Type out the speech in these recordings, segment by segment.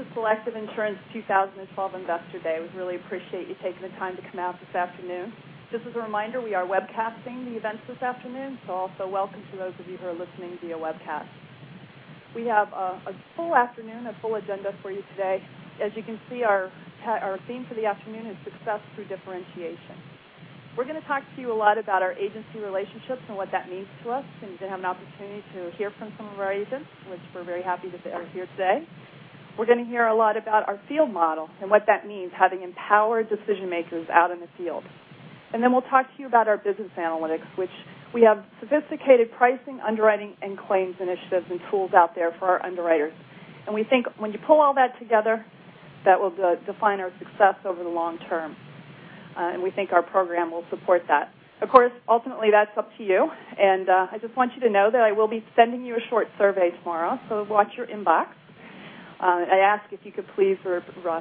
Welcome to Selective Insurance 2012 Investor Day. We really appreciate you taking the time to come out this afternoon. Just as a reminder, we are webcasting the events this afternoon, so also welcome to those of you who are listening via webcast. We have a full afternoon, a full agenda for you today. As you can see, our theme for the afternoon is Success through Differentiation. We're going to talk to you a lot about our agency relationships and what that means to us, and you're going to have an opportunity to hear from some of our agents, which we're very happy that they are here today. We're going to hear a lot about our field model and what that means, having empowered decision-makers out in the field. We'll talk to you about our business analytics, which we have sophisticated pricing, underwriting, and claims initiatives and tools out there for our underwriters. We think when you pull all that together, that will define our success over the long term. We think our program will support that. Of course, ultimately, that's up to you, and I just want you to know that I will be sending you a short survey tomorrow, so watch your inbox. I ask if you could please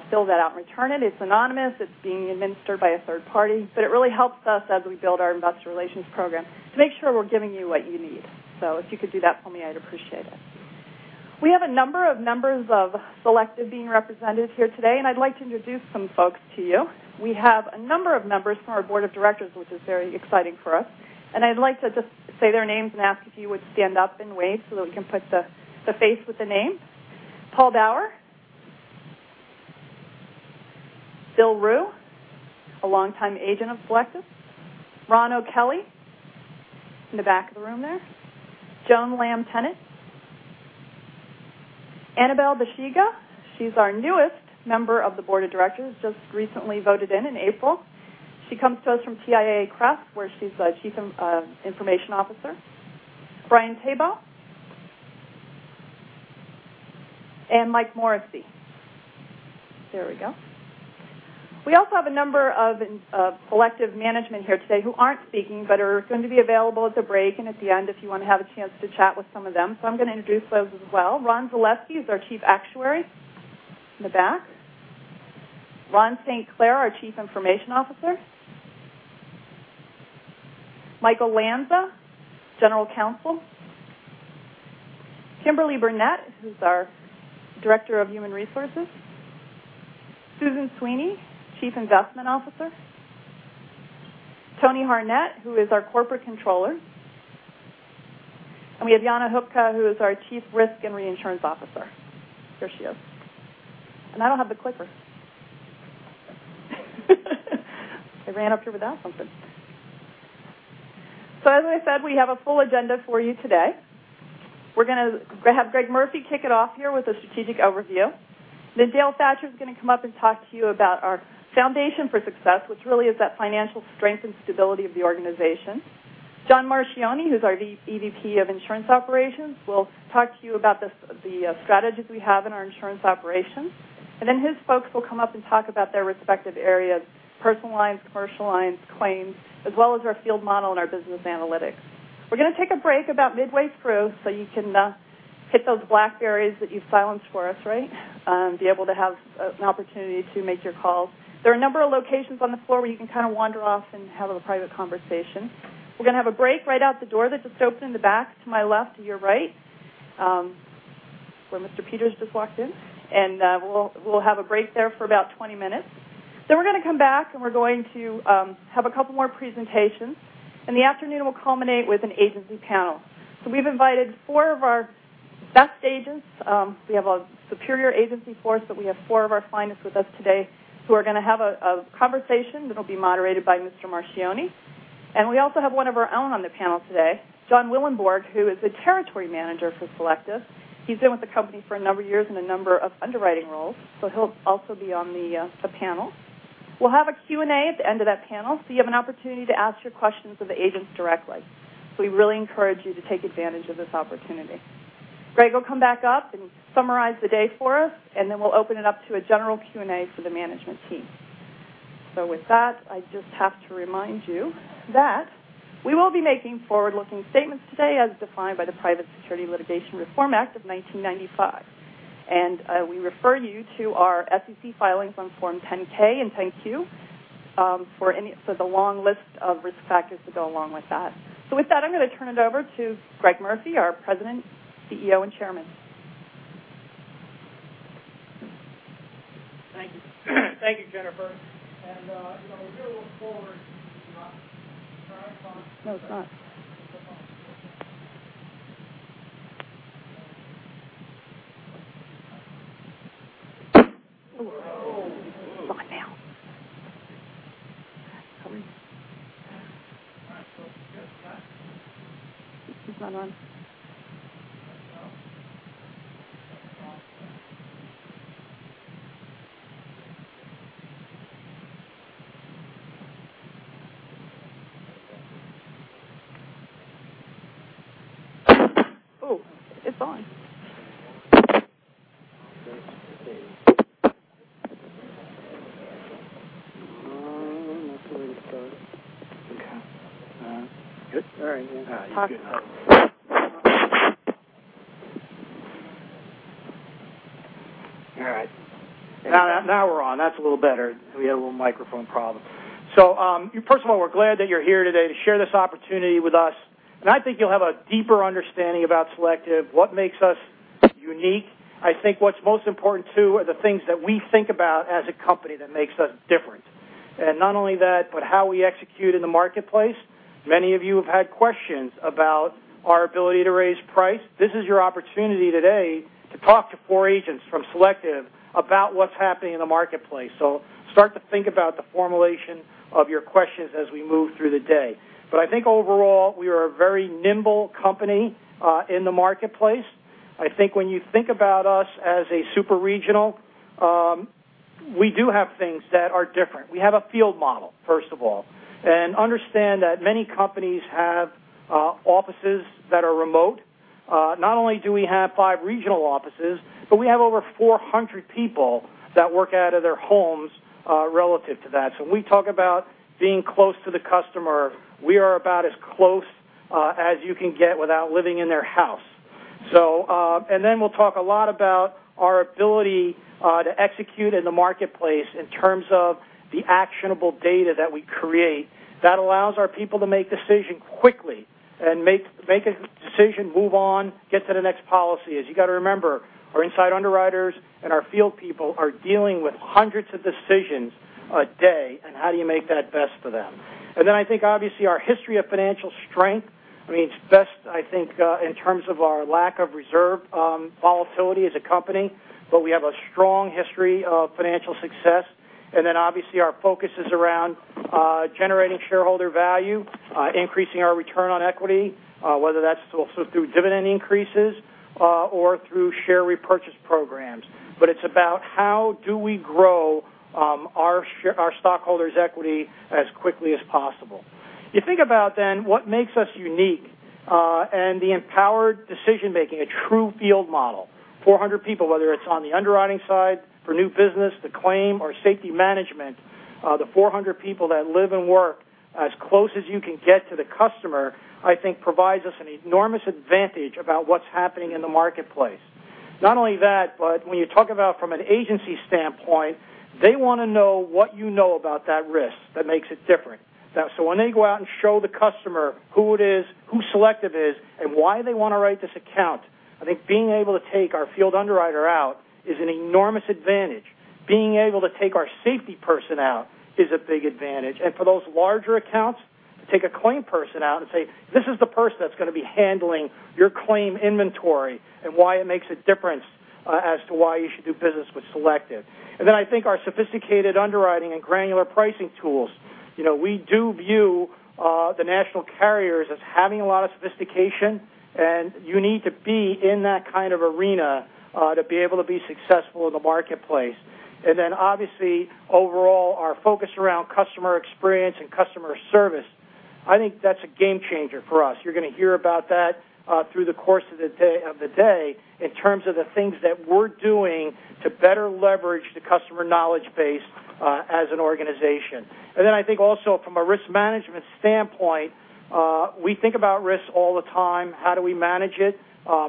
fill that out and return it. It's anonymous. It's being administered by a third party, but it really helps us as we build our investor relations program to make sure we're giving you what you need. If you could do that for me, I'd appreciate it. We have a number of members of Selective being represented here today, and I'd like to introduce some folks to you. We have a number of members from our board of directors, which is very exciting for us. I'd like to just say their names and ask if you would stand up and wave so that we can put the face with the name. Paul Bauer. Bill Rue, a longtime agent of Selective. Ron O'Kelley in the back of the room there. Joan Lamm-Tennant. Annabelle Bexiga. She's our newest member of the board of directors, just recently voted in in April. She comes to us from TIAA-CREF, where she's the Chief Information Officer. Brian Thebault. And Mike Morrissey. There we go. We also have a number of Selective management here today who aren't speaking but are going to be available at the break and at the end if you want to have a chance to chat with some of them. I'm going to introduce those as well. Ron Zaleski is our Chief Actuary, in the back. Ron St. Clair, our Chief Information Officer. Michael Lanza, General Counsel. Kimberly Burnett, who's our Director of Human Resources. Susan Sweeney, Chief Investment Officer. Tony Harnett, who is our Corporate Controller. We have Yanina Hupka, who is our Chief Risk & Reinsurance Officer. There she is. I don't have the clicker. I ran up here without something. As I said, we have a full agenda for you today. We're going to have Greg Murphy kick it off here with a strategic overview. Dale Thatcher is going to come up and talk to you about our foundation for success, which really is that financial strength and stability of the organization. John Marchioni, who's our EVP of Insurance Operations, will talk to you about the strategies we have in our Insurance Operations. His folks will come up and talk about their respective areas, personal lines, commercial lines, claims, as well as our field model and our business analytics. We're going to take a break about midway through so you can hit those BlackBerrys that you've silenced for us, right? Be able to have an opportunity to make your calls. There are a number of locations on the floor where you can kind of wander off and have a private conversation. We're going to have a break right out the door that just opened in the back to my left, to your right, where Mr. Peters just walked in, and we'll have a break there for about 20 minutes. We're going to come back, and we're going to have a couple more presentations. The afternoon will culminate with an agency panel. We've invited four of our best agents. We have a superior agency force, but we have four of our finest with us today who are going to have a conversation that'll be moderated by Mr. Marchioni. We also have one of our own on the panel today, John Willenborg, who is a territory manager for Selective. He's been with the company for a number of years in a number of underwriting roles, so he'll also be on the panel. We'll have a Q&A at the end of that panel, so you have an opportunity to ask your questions of the agents directly. We really encourage you to take advantage of this opportunity. Greg will come back up and summarize the day for us, and then we'll open it up to a general Q&A for the management team. With that, I just have to remind you that we will be making forward-looking statements today as defined by the Private Securities Litigation Reform Act of 1995. We refer you to our SEC filings on Form 10-K and 10-Q for the long list of risk factors that go along with that. With that, I'm going to turn it over to Greg Murphy, our President, CEO, and Chairman. Thank you. Thank you, Jennifer. We really look forward to No, it's not. Whoa. It's fine now. It's coming. All right, let's get it back. Is mine on? Oh, it's on. That's the way to start. Okay. Good? All right. You're good. All right. Now we're on. That's a little better. We had a little microphone problem. First of all, we're glad that you're here today to share this opportunity with us, and I think you'll have a deeper understanding about Selective, what makes us unique. I think what's most important, too, are the things that we think about as a company that makes us different. Not only that, but how we execute in the marketplace. Many of you have had questions about our ability to raise price. This is your opportunity today to talk to four agents from Selective about what's happening in the marketplace. Start to think about the formulation of your questions as we move through the day. I think overall, we are a very nimble company in the marketplace. I think when you think about us as a super regional, we do have things that are different. We have a field model, first of all. Understand that many companies have offices that are remote. Not only do we have five regional offices, but we have over 400 people that work out of their homes relative to that. When we talk about being close to the customer, we are about as close as you can get without living in their house. Then we'll talk a lot about our ability to execute in the marketplace in terms of the actionable data that we create that allows our people to make decision quickly and make a decision, move on, get to the next policy. As you got to remember, our inside underwriters and our field people are dealing with hundreds of decisions a day, how do you make that best for them? Then I think, obviously, our history of financial strength, it's best, I think, in terms of our lack of reserve volatility as a company, we have a strong history of financial success. Then obviously our focus is around generating shareholder value, increasing our return on equity, whether that's through dividend increases or through share repurchase programs. It's about how do we grow our stockholders' equity as quickly as possible. You think about then what makes us unique and the empowered decision making, a true field model, 400 people, whether it is on the underwriting side for new business, the claim or safety management, the 400 people that live and work as close as you can get to the customer, I think provides us an enormous advantage about what is happening in the marketplace. Not only that, when you talk about from an agency standpoint, they want to know what you know about that risk that makes it different. When they go out and show the customer who it is, who Selective is, and why they want to write this account, I think being able to take our field underwriter out is an enormous advantage. Being able to take our safety person out is a big advantage. For those larger accounts, to take a claim person out and say, "This is the person that is going to be handling your claim inventory and why it makes a difference as to why you should do business with Selective." I think our sophisticated underwriting and granular pricing tools. We do view the national carriers as having a lot of sophistication, and you need to be in that kind of arena to be able to be successful in the marketplace. Obviously, overall, our focus around customer experience and customer service, I think that is a game changer for us. You are going to hear about that through the course of the day in terms of the things that we are doing to better leverage the customer knowledge base as an organization. I think also from a risk management standpoint, we think about risk all the time. How do we manage it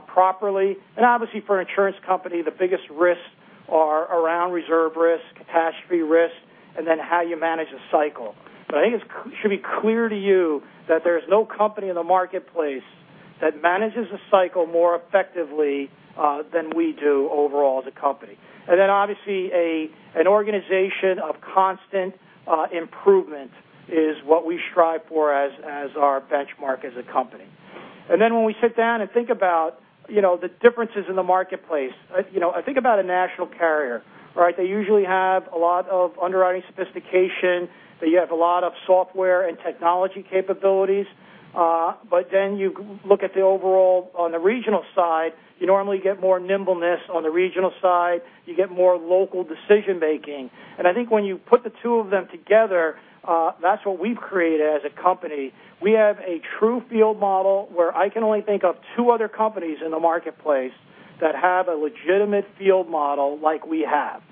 properly? Obviously for an insurance company, the biggest risks are around reserve risk, catastrophe risk, and then how you manage a cycle. I think it should be clear to you that there is no company in the marketplace that manages a cycle more effectively than we do overall as a company. Obviously an organization of constant improvement is what we strive for as our benchmark as a company. When we sit down and think about the differences in the marketplace, I think about a national carrier. They usually have a lot of underwriting sophistication. They have a lot of software and technology capabilities. You look at the overall on the regional side, you normally get more nimbleness on the regional side, you get more local decision making. I think when you put the two of them together, that is what we have created as a company. We have a true field model where I can only think of two other companies in the marketplace that have a legitimate field model like we have.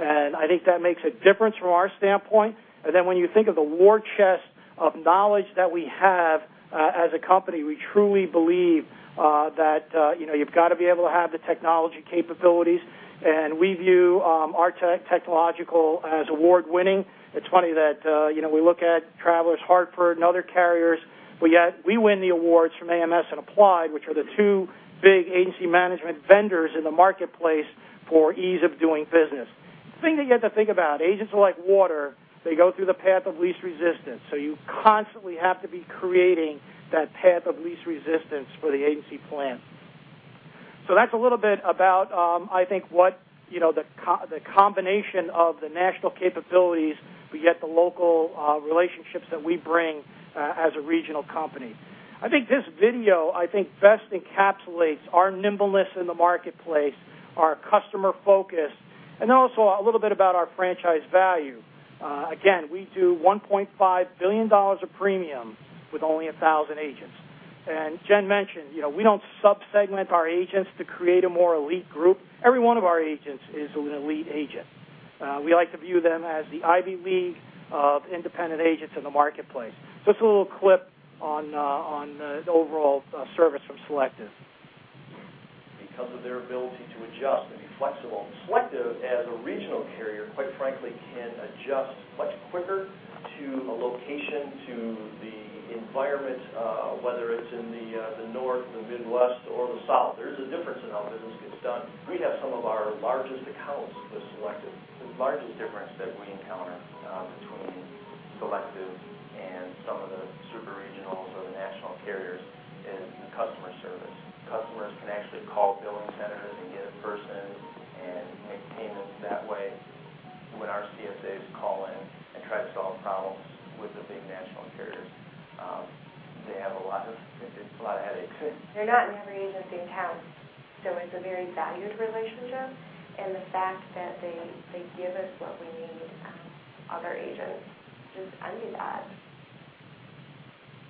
I think that makes a difference from our standpoint. When you think of the war chest of knowledge that we have as a company, we truly believe that you have got to be able to have the technology capabilities, and we view our technological as award-winning. It is funny that we look at Travelers, Hartford, and other carriers. We win the awards from AMS and Applied, which are the two big agency management vendors in the marketplace for ease of doing business. The thing that you have to think about, agents are like water. They go through the path of least resistance. You constantly have to be creating that path of least resistance for the agency plan. That's a little bit about, I think, what the combination of the national capabilities, but yet the local relationships that we bring as a regional company. I think this video best encapsulates our nimbleness in the marketplace, our customer focus, and then also a little bit about our franchise value. Again, we do $1.5 billion of premium with only 1,000 agents. Jen mentioned, we don't sub-segment our agents to create a more elite group. Every one of our agents is an elite agent. We like to view them as the Ivy League of independent agents in the marketplace. It's a little clip on the overall service from Selective. Because of their ability to adjust and be flexible. Selective, as a regional carrier, quite frankly, can adjust much quicker to a location, to the environment, whether it's in the North, the Midwest, or the South. There is a difference in how business gets done. We have some of our largest accounts with Selective. The largest difference that we encounter between Selective and some of the super regionals or the national carriers is the customer service. Customers can actually call billing centers and get a person and make payments that way. When our CSAs call in and try to solve problems with the big national carriers, they have a lot of headaches. They're not in every agency in town, it's a very valued relationship in the fact that they give us what we need. Other agents just undo that.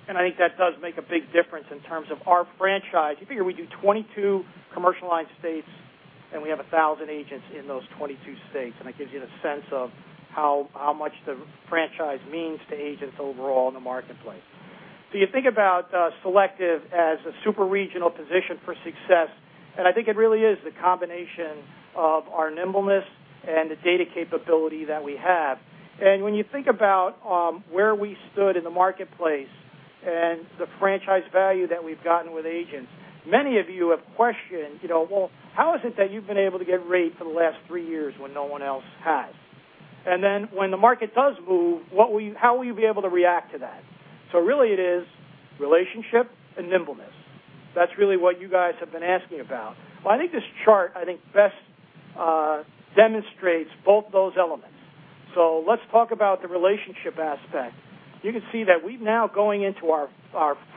I think that does make a big difference in terms of our franchise. You figure we do 22 commercial line states, and we have 1,000 agents in those 22 states, and it gives you the sense of how much the franchise means to agents overall in the marketplace. You think about Selective as a super regional position for success, and I think it really is the combination of our nimbleness and the data capability that we have. When you think about where we stood in the marketplace and the franchise value that we've gotten with agents, many of you have questioned, well, how is it that you've been able to get rate for the last 3 years when no one else has? When the market does move, how will you be able to react to that? Really it is relationship and nimbleness. That's really what you guys have been asking about. I think this chart, I think, best demonstrates both those elements. Let's talk about the relationship aspect. You can see that we're now going into our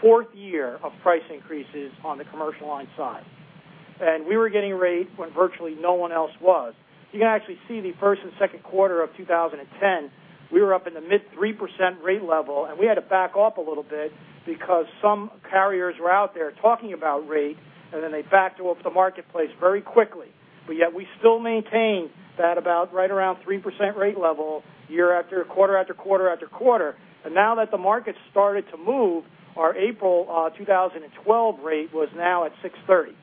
fourth year of price increases on the commercial line side. We were getting rate when virtually no one else was. You can actually see the first and second quarter of 2010, we were up in the mid 3% rate level, and we had to back off a little bit because some carriers were out there talking about rate, they backed off the marketplace very quickly. Yet we still maintain that about right around 3% rate level year after quarter after quarter after quarter. Now that the market's started to move, our April 2012 rate was now at 630.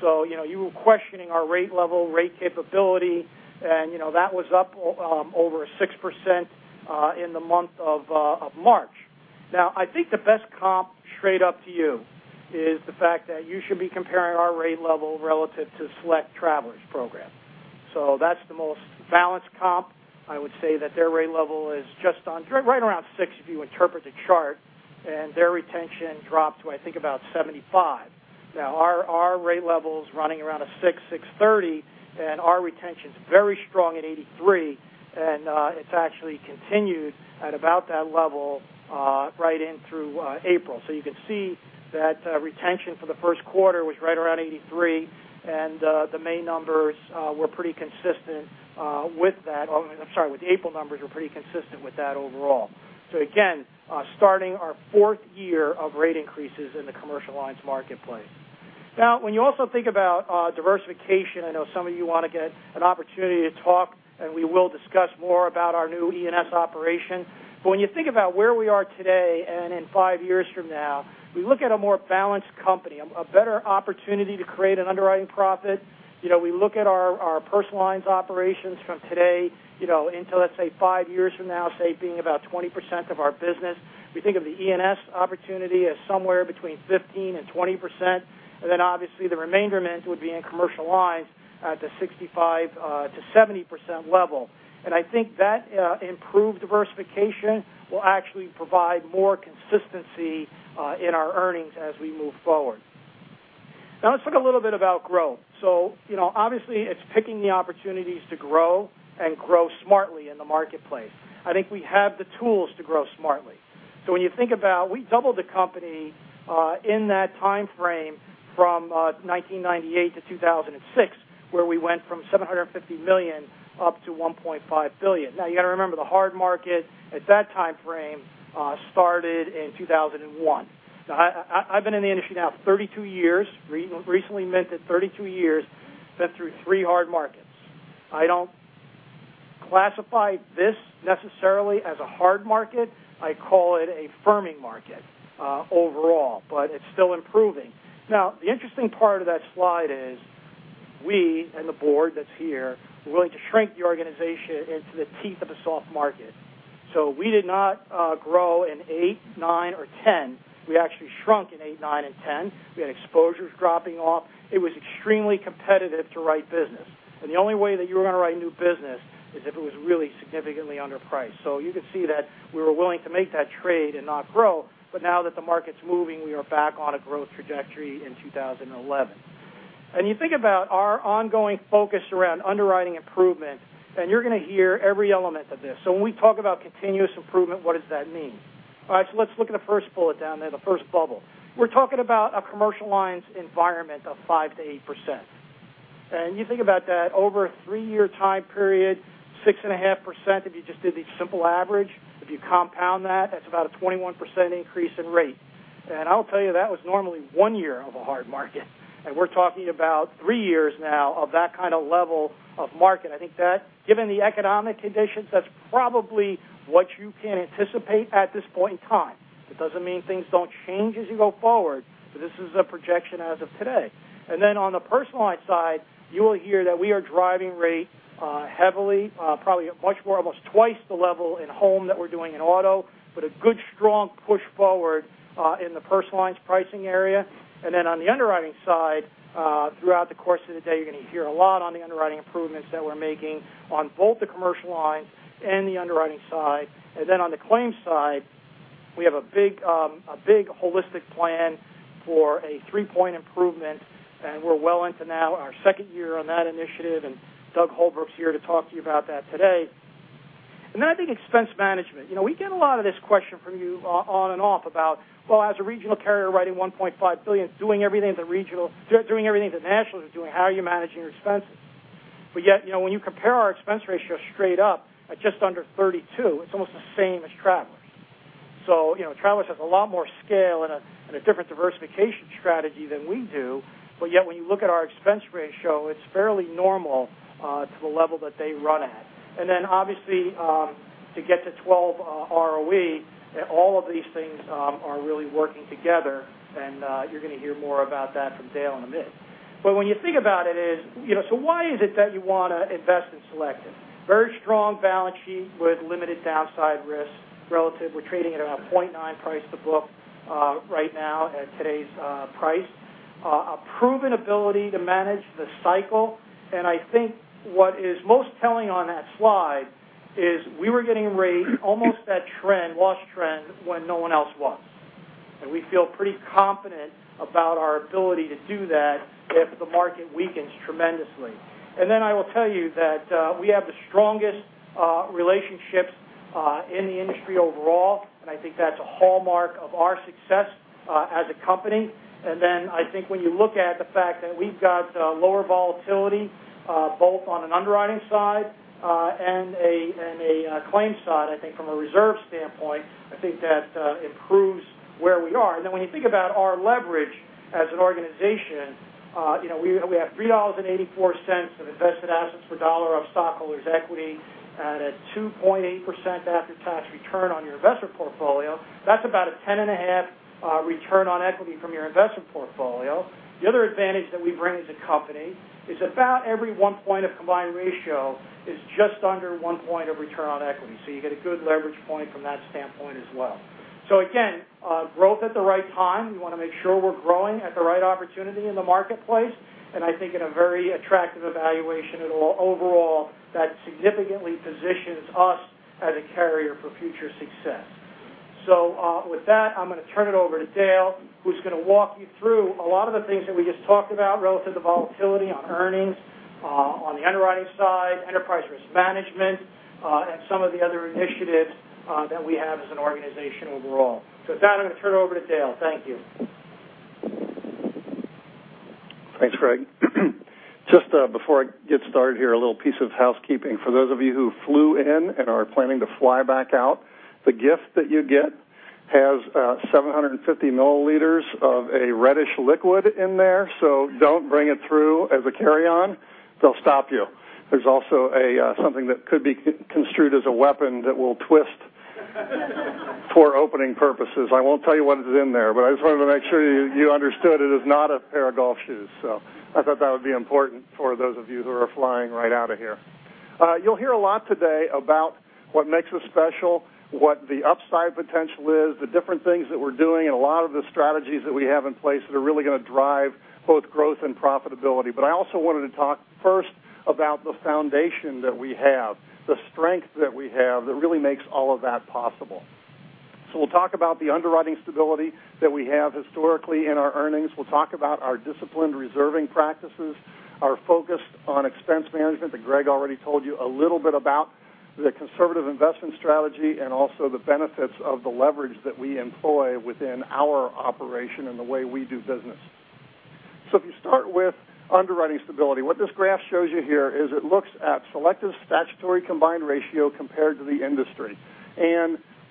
You were questioning our rate level, rate capability, and that was up over 6% in the month of March. I think the best comp straight up to you is the fact that you should be comparing our rate level relative to Travelers Select program. That's the most balanced comp. I would say that their rate level is just on right around 6 if you interpret the chart, and their retention dropped to, I think, about 75. Our rate level is running around a 600, 630, and our retention's very strong at 83. It's actually continued at about that level right in through April. You can see that retention for the first quarter was right around 83, and the main numbers were pretty consistent with that. I'm sorry, the April numbers were pretty consistent with that overall. Again, starting our fourth year of rate increases in the commercial lines marketplace. When you also think about diversification, I know some of you want to get an opportunity to talk, and we will discuss more about our new E&S operation. When you think about where we are today and in 5 years from now, we look at a more balanced company, a better opportunity to create an underwriting profit. We look at our personal lines operations from today into, let's say, 5 years from now, say, being about 20% of our business. We think of the E&S opportunity as somewhere between 15%-20%, and then obviously the remainder amount would be in commercial lines at the 65%-70% level. I think that improved diversification will actually provide more consistency in our earnings as we move forward. Let's talk a little bit about growth. Obviously it's picking the opportunities to grow and grow smartly in the marketplace. I think we have the tools to grow smartly. When you think about, we doubled the company in that timeframe from 1998 to 2006, where we went from $750 million up to $1.5 billion. You got to remember, the hard market at that timeframe started in 2001. I've been in the industry now 32 years, recently minted 32 years, been through three hard markets. I don't classify this necessarily as a hard market. I call it a firming market overall, but it's still improving. The interesting part of that slide is we and the board that's here, we're going to shrink the organization into the teeth of a soft market. We did not grow in 2008, 2009, or 2010. We actually shrunk in 2008, 2009, and 2010. We had exposures dropping off. It was extremely competitive to write business. The only way that you were going to write new business is if it was really significantly underpriced. You can see that we were willing to make that trade and not grow. Now that the market's moving, we are back on a growth trajectory in 2011. You think about our ongoing focus around underwriting improvement, and you're going to hear every element of this. When we talk about continuous improvement, what does that mean? All right. Let's look at the first bullet down there, the first bubble. We're talking about a Commercial Lines environment of 5%-8%. You think about that over a three-year time period, 6.5% if you just did the simple average. If you compound that's about a 21% increase in rate. I'll tell you, that was normally one year of a hard market. We're talking about three years now of that kind of level of market. I think that given the economic conditions, that's probably what you can anticipate at this point in time. It doesn't mean things don't change as you go forward, but this is a projection as of today. On the Personal Lines side, you will hear that we are driving rate heavily, probably much more, almost twice the level in home that we're doing in auto, but a good strong push forward in the Personal Lines pricing area. On the underwriting side, throughout the course of the day, you're going to hear a lot on the underwriting improvements that we're making on both the Commercial Lines and the underwriting side. On the claims side, we have a big holistic plan for a three-point improvement, and we're well into now our second year on that initiative. Doug Holbrook's here to talk to you about that today. I think expense management. We get a lot of this question from you on and off about, well, as a regional carrier writing $1.5 billion, doing everything the nationals are doing, how are you managing your expenses? When you compare our expense ratio straight up at just under 32%, it's almost the same as Travelers. Travelers has a lot more scale and a different diversification strategy than we do. When you look at our expense ratio, it's fairly normal to the level that they run at. Obviously, to get to 12 ROE, all of these things are really working together, and you're going to hear more about that from Dale in a bit. When you think about it is, why is it that you want to invest in Selective? Very strong balance sheet with limited downside risk relative. We're trading at a 0.9 price to book right now at today's price. A proven ability to manage the cycle. I think what is most telling on that slide is we were getting raised almost at trend, loss trend when no one else was. We feel pretty confident about our ability to do that if the market weakens tremendously. I will tell you that we have the strongest relationships in the industry overall, and I think that's a hallmark of our success as a company. I think when you look at the fact that we've got lower volatility both on an underwriting side and a claims side, I think from a reserve standpoint, I think that improves where we are. When you think about our leverage as an organization, we have $3.84 of invested assets per dollar of stockholders' equity at a 2.8% after-tax return on your investment portfolio. That's about a 10.5 return on equity from your investment portfolio. The other advantage that we bring as a company is about every one point of combined ratio is just under one point of return on equity, you get a good leverage point from that standpoint as well. Again, growth at the right time. We want to make sure we're growing at the right opportunity in the marketplace, I think at a very attractive evaluation overall that significantly positions us as a carrier for future success. With that, I'm going to turn it over to Dale, who's going to walk you through a lot of the things that we just talked about relative to volatility on earnings, on the underwriting side, enterprise risk management, and some of the other initiatives that we have as an organization overall. With that, I'm going to turn it over to Dale. Thank you. Thanks, Greg. Just before I get started here, a little piece of housekeeping. For those of you who flew in and are planning to fly back out, the gift that you get has 750 milliliters of a reddish liquid in there, don't bring it through as a carry-on. They'll stop you. There's also something that could be construed as a weapon that will twist for opening purposes. I won't tell you what is in there, but I just wanted to make sure you understood it is not a pair of golf shoes. I thought that would be important for those of you who are flying right out of here. You'll hear a lot today about what makes us special, what the upside potential is, the different things that we're doing, and a lot of the strategies that we have in place that are really going to drive both growth and profitability. I also wanted to talk first about the foundation that we have, the strength that we have that really makes all of that possible. We'll talk about the underwriting stability that we have historically in our earnings. We'll talk about our disciplined reserving practices, our focus on expense management that Greg already told you a little bit about, the conservative investment strategy, and also the benefits of the leverage that we employ within our operation and the way we do business. If you start with underwriting stability, what this graph shows you here is it looks at Selective statutory combined ratio compared to the industry.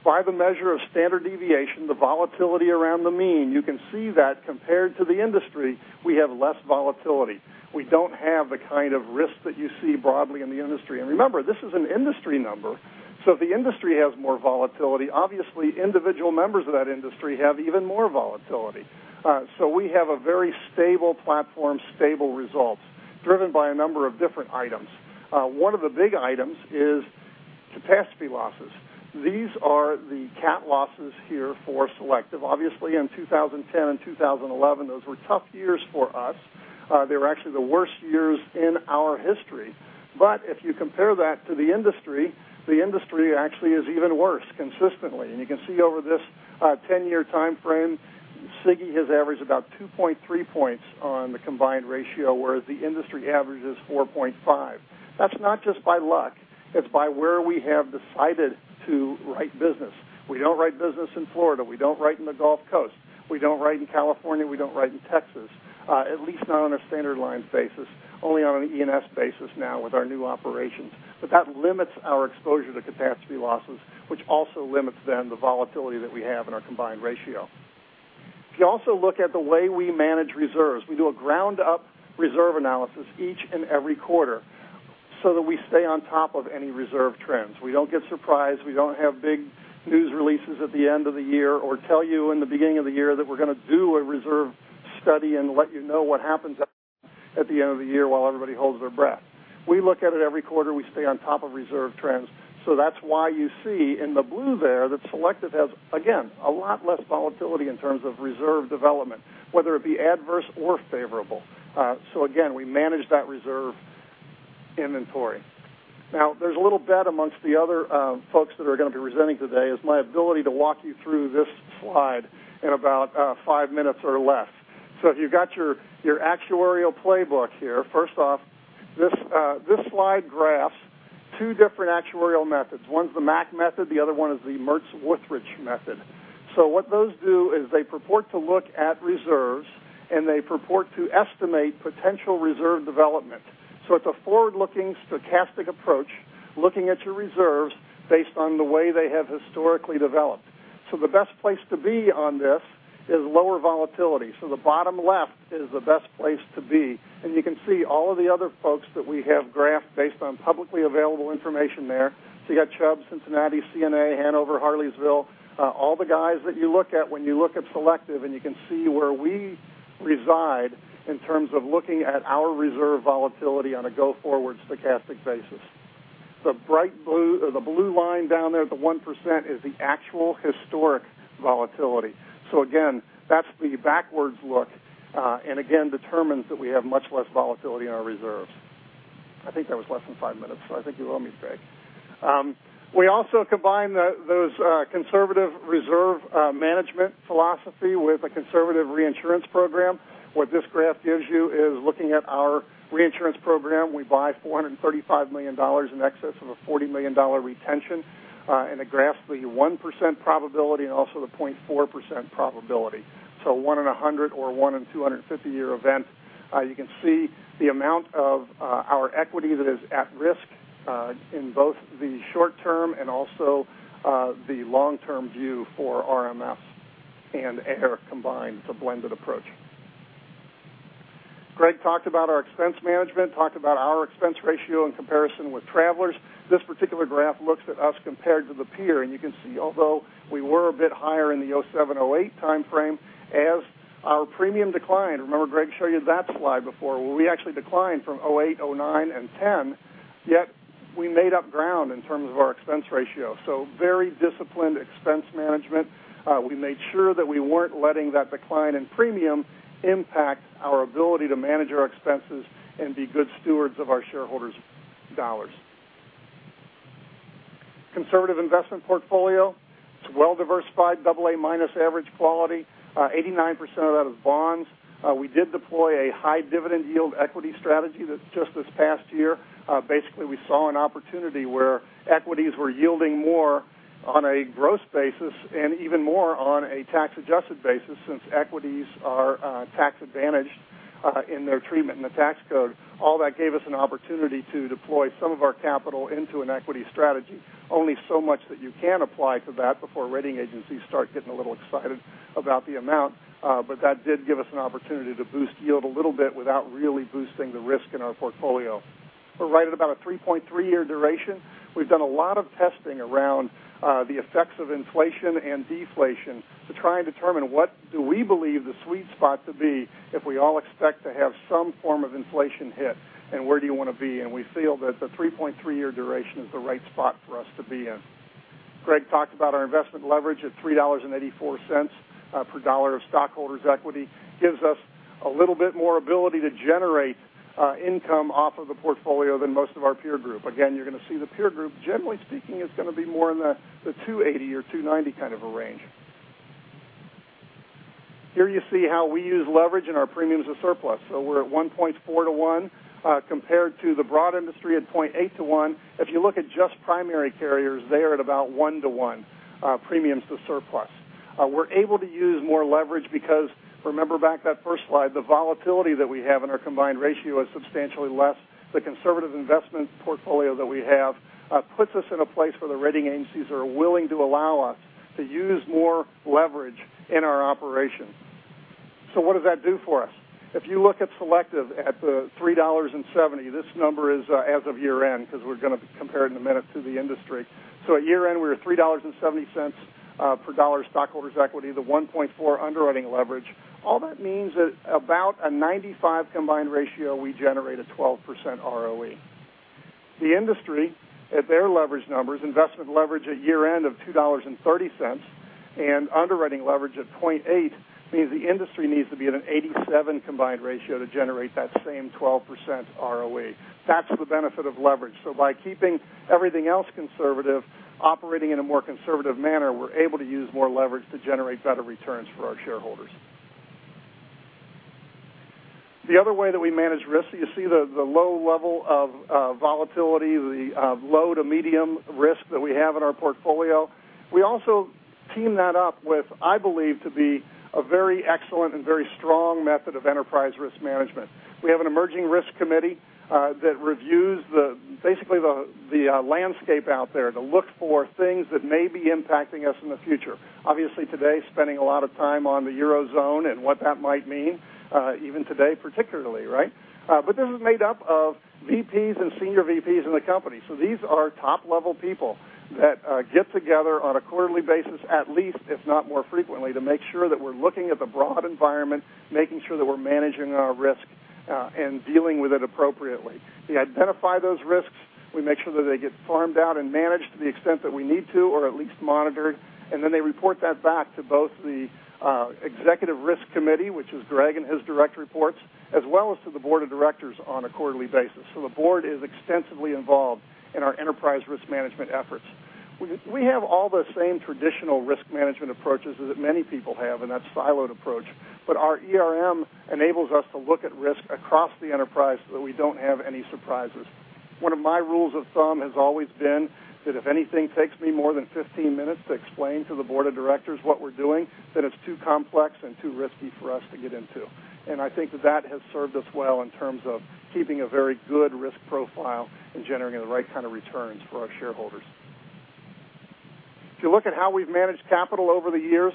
By the measure of standard deviation, the volatility around the mean, you can see that compared to the industry, we have less volatility. We don't have the kind of risk that you see broadly in the industry. Remember, this is an industry number. If the industry has more volatility, obviously individual members of that industry have even more volatility. We have a very stable platform, stable results driven by a number of different items. One of the big items is catastrophe losses. These are the cat losses here for Selective. Obviously, in 2010 and 2011, those were tough years for us. They were actually the worst years in our history. If you compare that to the industry, the industry actually is even worse consistently. You can see over this 10-year timeframe, SIGI has averaged about 2.3 points on the combined ratio, whereas the industry average is 4.5. That's not just by luck. It's by where we have decided to write business. We don't write business in Florida. We don't write in the Gulf Coast. We don't write in California. We don't write in Texas, at least not on a standard line basis, only on an E&S basis now with our new operations. That limits our exposure to catastrophe losses, which also limits then the volatility that we have in our combined ratio. If you also look at the way we manage reserves, we do a ground-up reserve analysis each and every quarter so that we stay on top of any reserve trends. We don't get surprised, we don't have big news releases at the end of the year or tell you in the beginning of the year that we're going to do a reserve study and let you know what happens at the end of the year while everybody holds their breath. We look at it every quarter. We stay on top of reserve trends. That's why you see in the blue there that Selective has, again, a lot less volatility in terms of reserve development, whether it be adverse or favorable. Again, we manage that reserve inventory. There's a little bet amongst the other folks that are going to be presenting today is my ability to walk you through this slide in about five minutes or less. If you've got your actuarial playbook here, first off, this slide graphs two different actuarial methods. One's the Mack method, the other one is the Merz-Wüthrich method. What those do is they purport to look at reserves, and they purport to estimate potential reserve development. It's a forward-looking stochastic approach, looking at your reserves based on the way they have historically developed. The best place to be on this is lower volatility. The bottom left is the best place to be, and you can see all of the other folks that we have graphed based on publicly available information there. You got Chubb, Cincinnati, CNA, Hanover, Harleysville, all the guys that you look at when you look at Selective, and you can see where we reside in terms of looking at our reserve volatility on a go-forward stochastic basis. The blue line down there at the 1% is the actual historic volatility. Again, that's the backwards look, and again, determines that we have much less volatility in our reserves. I think that was less than five minutes, so I think you owe me, Greg. We also combine those conservative reserve management philosophy with a conservative reinsurance program. What this graph gives you is looking at our reinsurance program. We buy $435 million in excess of a $40 million retention, and it graphs the 1% probability and also the 0.4% probability. 1 in 100 or 1 in 250 year event. You can see the amount of our equity that is at risk in both the short term and also the long-term view for RMS and AIR combined. It's a blended approach. Greg talked about our expense management, talked about our expense ratio in comparison with Travelers. This particular graph looks at us compared to the peer, and you can see although we were a bit higher in the '07, '08 time frame as our premium declined, remember Greg showed you that slide before where we actually declined from '08, '09, and '10, yet we made up ground in terms of our expense ratio. Very disciplined expense management. We made sure that we weren't letting that decline in premium impact our ability to manage our expenses and be good stewards of our shareholders' dollars. Conservative investment portfolio. It's well-diversified, double A minus average quality, 89% of that is bonds. We did deploy a high dividend yield equity strategy just this past year. Basically, we saw an opportunity where equities were yielding more on a gross basis and even more on a tax-adjusted basis, since equities are tax-advantaged in their treatment in the tax code. All that gave us an opportunity to deploy some of our capital into an equity strategy, only so much that you can apply to that before rating agencies start getting a little excited about the amount. That did give us an opportunity to boost yield a little bit without really boosting the risk in our portfolio. We're right at about a 3.3 year duration. We've done a lot of testing around the effects of inflation and deflation to try and determine what do we believe the sweet spot to be if we all expect to have some form of inflation hit, and where do you want to be? We feel that the 3.3 year duration is the right spot for us to be in. Greg talked about our investment leverage at $3.84 per dollar of stockholders' equity. Gives us a little bit more ability to generate income off of the portfolio than most of our peer group. You're going to see the peer group, generally speaking, is going to be more in the 280 or 290 kind of a range. Here you see how we use leverage in our premiums to surplus. We're at 1.4 to 1, compared to the broad industry at 0.8 to 1. If you look at just primary carriers, they are at about 1 to 1 premiums to surplus. We're able to use more leverage because, remember back that first slide, the volatility that we have in our combined ratio is substantially less. The conservative investment portfolio that we have puts us in a place where the rating agencies are willing to allow us to use more leverage in our operation. What does that do for us? If you look at Selective at the $3.70, this number is as of year-end because we're going to compare it in a minute to the industry. At year-end, we were at $3.70 per dollar stockholders' equity, the 1.4 underwriting leverage. All that means at about a 95 combined ratio, we generate a 12% ROE. The industry, at their leverage numbers, investment leverage at year-end of $2.30 and underwriting leverage of 0.8 means the industry needs to be at an 87 combined ratio to generate that same 12% ROE. That's the benefit of leverage. By keeping everything else conservative, operating in a more conservative manner, we're able to use more leverage to generate better returns for our shareholders. The other way that we manage risk, you see the low level of volatility, the low to medium risk that we have in our portfolio. We also team that up with, I believe to be a very excellent and very strong method of enterprise risk management. We have an emerging risk committee that reviews basically the landscape out there to look for things that may be impacting us in the future. Obviously, today, spending a lot of time on the Eurozone and what that might mean even today, particularly, right? This is made up of VPs and senior VPs in the company. These are top-level people that get together on a quarterly basis, at least, if not more frequently, to make sure that we're looking at the broad environment, making sure that we're managing our risk, and dealing with it appropriately. We identify those risks. We make sure that they get farmed out and managed to the extent that we need to or at least monitored, and then they report that back to both the Executive Risk Committee, which is Greg and his direct reports, as well as to the Board of Directors on a quarterly basis. The Board is extensively involved in our enterprise risk management efforts. We have all the same traditional risk management approaches that many people have, and that's siloed approach. Our ERM enables us to look at risk across the enterprise so that we don't have any surprises. One of my rules of thumb has always been that if anything takes me more than 15 minutes to explain to the Board of Directors what we're doing, then it's too complex and too risky for us to get into. I think that that has served us well in terms of keeping a very good risk profile and generating the right kind of returns for our shareholders. If you look at how we've managed capital over the years,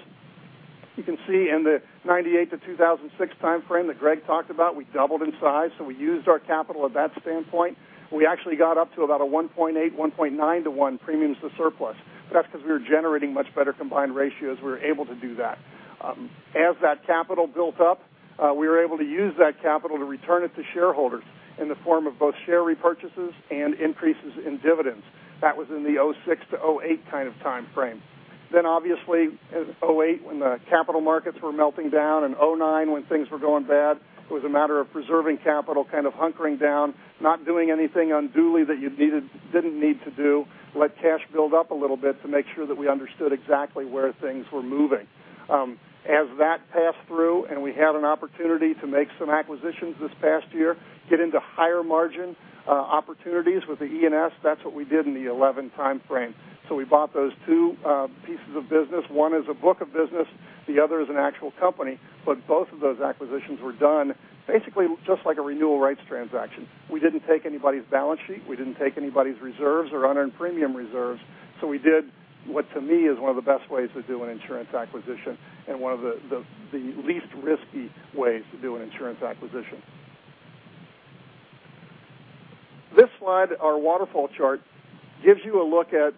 you can see in the 1998 to 2006 timeframe that Greg talked about, we doubled in size, we used our capital at that standpoint. We actually got up to about a 1.8, 1.9 to 1 premiums to surplus. That's because we were generating much better combined ratios. We were able to do that. As that capital built up, we were able to use that capital to return it to shareholders in the form of both share repurchases and increases in dividends. That was in the 2006 to 2008 kind of timeframe. Obviously, 2008 when the capital markets were melting down and 2009 when things were going bad, it was a matter of preserving capital, kind of hunkering down, not doing anything unduly that you didn't need to do, let cash build up a little bit to make sure that we understood exactly where things were moving. As that passed through and we had an opportunity to make some acquisitions this past year, get into higher margin opportunities with the E&S, that's what we did in the 2011 timeframe. We bought those two pieces of business. One is a book of business, the other is an actual company. Both of those acquisitions were done basically just like a renewal rights transaction. We didn't take anybody's balance sheet. We didn't take anybody's reserves or unearned premium reserves. We did what to me is one of the best ways to do an insurance acquisition and one of the least risky ways to do an insurance acquisition. This slide, our waterfall chart, gives you a look at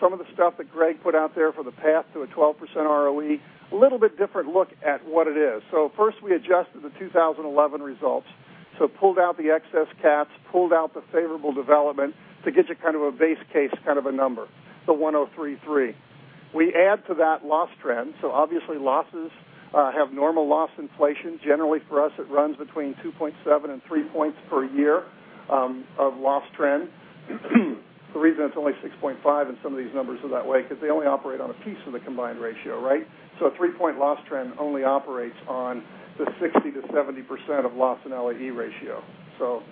some of the stuff that Greg put out there for the path to a 12% ROE, a little bit different look at what it is. First we adjusted the 2011 results. Pulled out the excess caps, pulled out the favorable development to get you kind of a base case kind of a number, the 1,033. We add to that loss trend, obviously losses have normal loss inflation. Generally for us it runs between 2.7 and 3 points per year of loss trend. The reason it's only 6.5 and some of these numbers are that way because they only operate on a piece of the combined ratio, right? A 3-point loss trend only operates on the 60%-70% of Loss and LAE ratio.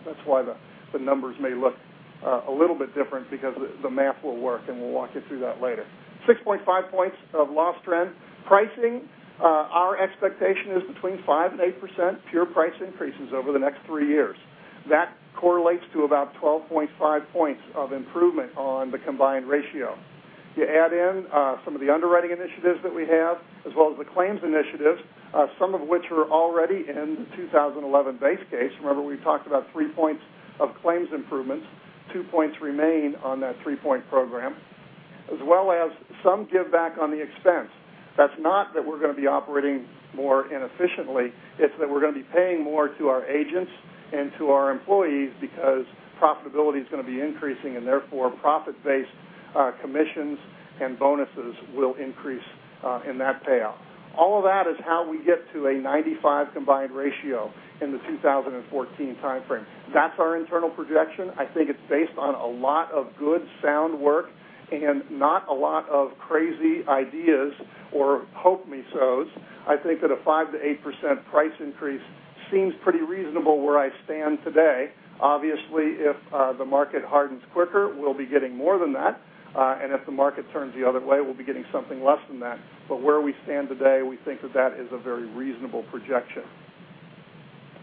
That's why the numbers may look a little bit different because the math will work, and we'll walk you through that later. 6.5 points of loss trend pricing, our expectation is between 5%-8% pure price increases over the next three years. That correlates to about 12.5 points of improvement on the combined ratio. You add in some of the underwriting initiatives that we have, as well as the claims initiatives, some of which are already in the 2011 base case. Remember, we talked about three points of claims improvements. Two points remain on that three-point program, as well as some giveback on the expense. That's not that we're going to be operating more inefficiently. It's that we're going to be paying more to our agents and to our employees because profitability is going to be increasing and therefore profit-based commissions and bonuses will increase in that payout. All of that is how we get to a 95 combined ratio in the 2014 timeframe. That's our internal projection. I think it's based on a lot of good sound work and not a lot of crazy ideas or hope-me-sos. I think that a 5% to 8% price increase seems pretty reasonable where I stand today. Obviously, if the market hardens quicker, we'll be getting more than that. If the market turns the other way, we'll be getting something less than that. Where we stand today, we think that that is a very reasonable projection.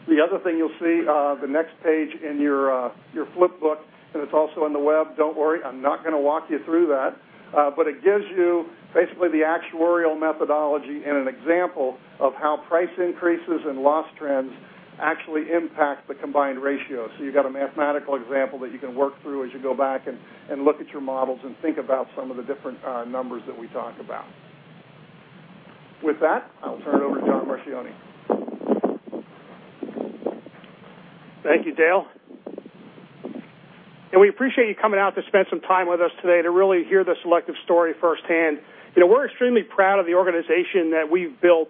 The other thing you'll see the next page in your flip book, and it's also on the web. Don't worry, I'm not going to walk you through that. It gives you basically the actuarial methodology and an example of how price increases and loss trends actually impact the combined ratio. You've got a mathematical example that you can work through as you go back and look at your models and think about some of the different numbers that we talk about. With that, I'll turn it over to John Marchioni. Thank you, Dale. We appreciate you coming out to spend some time with us today to really hear the Selective story firsthand. We're extremely proud of the organization that we've built,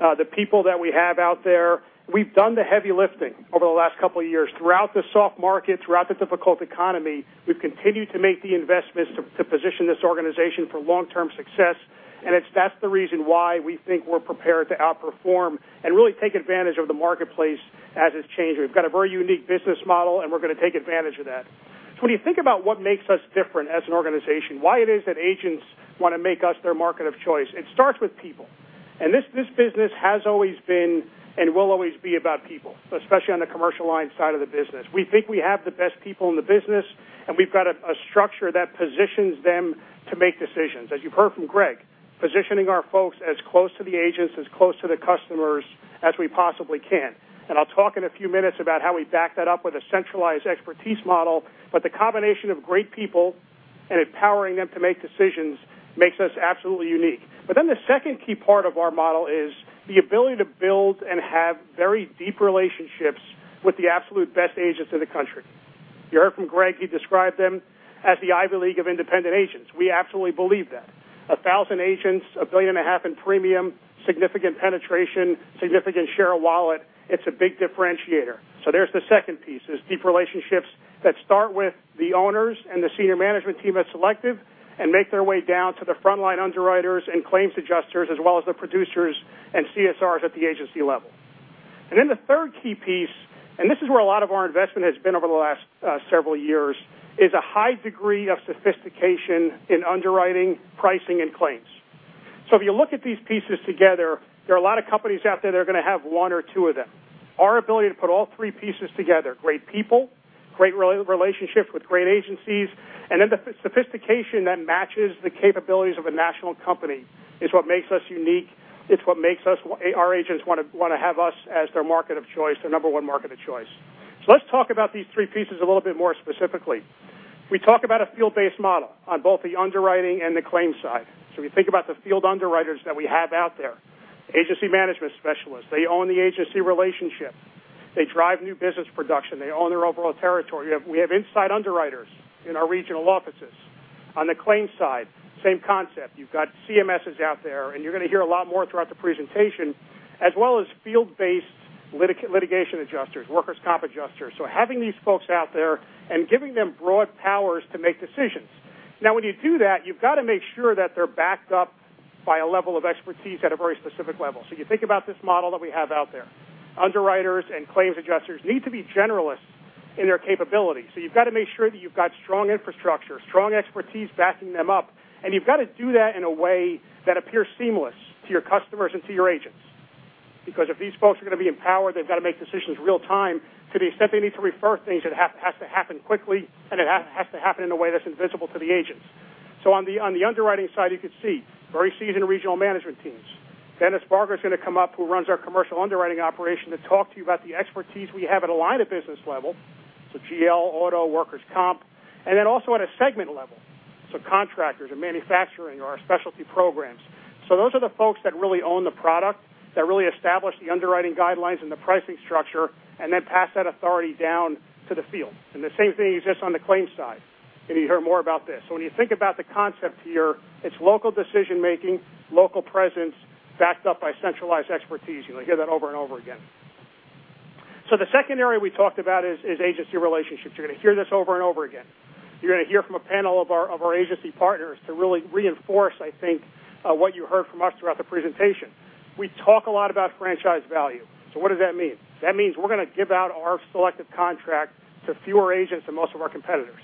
the people that we have out there. We've done the heavy lifting over the last couple of years throughout the soft market, throughout the difficult economy. We've continued to make the investments to position this organization for long-term success. That's the reason why we think we're prepared to outperform and really take advantage of the marketplace as it's changing. We've got a very unique business model, and we're going to take advantage of that. When you think about what makes us different as an organization, why it is that agents want to make us their market of choice, it starts with people. This business has always been, and will always be about people, especially on the commercial line side of the business. We think we have the best people in the business, and we've got a structure that positions them to make decisions. As you've heard from Greg, positioning our folks as close to the agents, as close to the customers as we possibly can. I'll talk in a few minutes about how we back that up with a centralized expertise model, but the combination of great people and empowering them to make decisions makes us absolutely unique. The second key part of our model is the ability to build and have very deep relationships with the absolute best agents in the country. You heard from Greg, he described them as the Ivy League of independent agents. We absolutely believe that. 1,000 agents, $1.5 billion in premium, significant penetration, significant share of wallet. It's a big differentiator. There's the second piece, is deep relationships that start with the owners and the senior management team at Selective, and make their way down to the frontline underwriters and claims adjusters, as well as the producers and CSRs at the agency level. The third key piece, and this is where a lot of our investment has been over the last several years, is a high degree of sophistication in underwriting, pricing, and claims. If you look at these pieces together, there are a lot of companies out there that are going to have one or two of them. Our ability to put all three pieces together, great people, great relationships with great agencies, the sophistication that matches the capabilities of a national company is what makes us unique. It's what makes our agents want to have us as their market of choice, their number one market of choice. Let's talk about these three pieces a little bit more specifically. We talk about a field-based model on both the underwriting and the claims side. If you think about the field underwriters that we have out there, agency management specialists, they own the agency relationship. They drive new business production. They own their overall territory. We have inside underwriters in our regional offices. On the claims side, same concept. You've got CMSs out there, and you're going to hear a lot more throughout the presentation, as well as field-based litigation adjusters, workers' comp adjusters. Having these folks out there and giving them broad powers to make decisions. Now, when you do that, you've got to make sure that they're backed up by a level of expertise at a very specific level. You think about this model that we have out there. Underwriters and claims adjusters need to be generalists in their capabilities. You've got to make sure that you've got strong infrastructure, strong expertise backing them up, and you've got to do that in a way that appears seamless to your customers and to your agents. Because if these folks are going to be empowered, they've got to make decisions real time. To the extent they need to refer things, it has to happen quickly, and it has to happen in a way that's invisible to the agents. On the underwriting side, you can see very seasoned regional management teams. Dennis Barger is going to come up, who runs our commercial underwriting operation, to talk to you about the expertise we have at a line of business level, GL, auto, workers' comp, and also at a segment level, contractors or manufacturing or our specialty programs. Those are the folks that really own the product, that really establish the underwriting guidelines and the pricing structure, pass that authority down to the field. The same thing exists on the claims side, and you'll hear more about this. When you think about the concept here, it's local decision-making, local presence, backed up by centralized expertise. You'll hear that over and over again. The second area we talked about is agency relationships. You're going to hear this over and over again. You're going to hear from a panel of our agency partners to really reinforce, I think, what you heard from us throughout the presentation. We talk a lot about franchise value. What does that mean? That means we're going to give out our Selective contract to fewer agents than most of our competitors.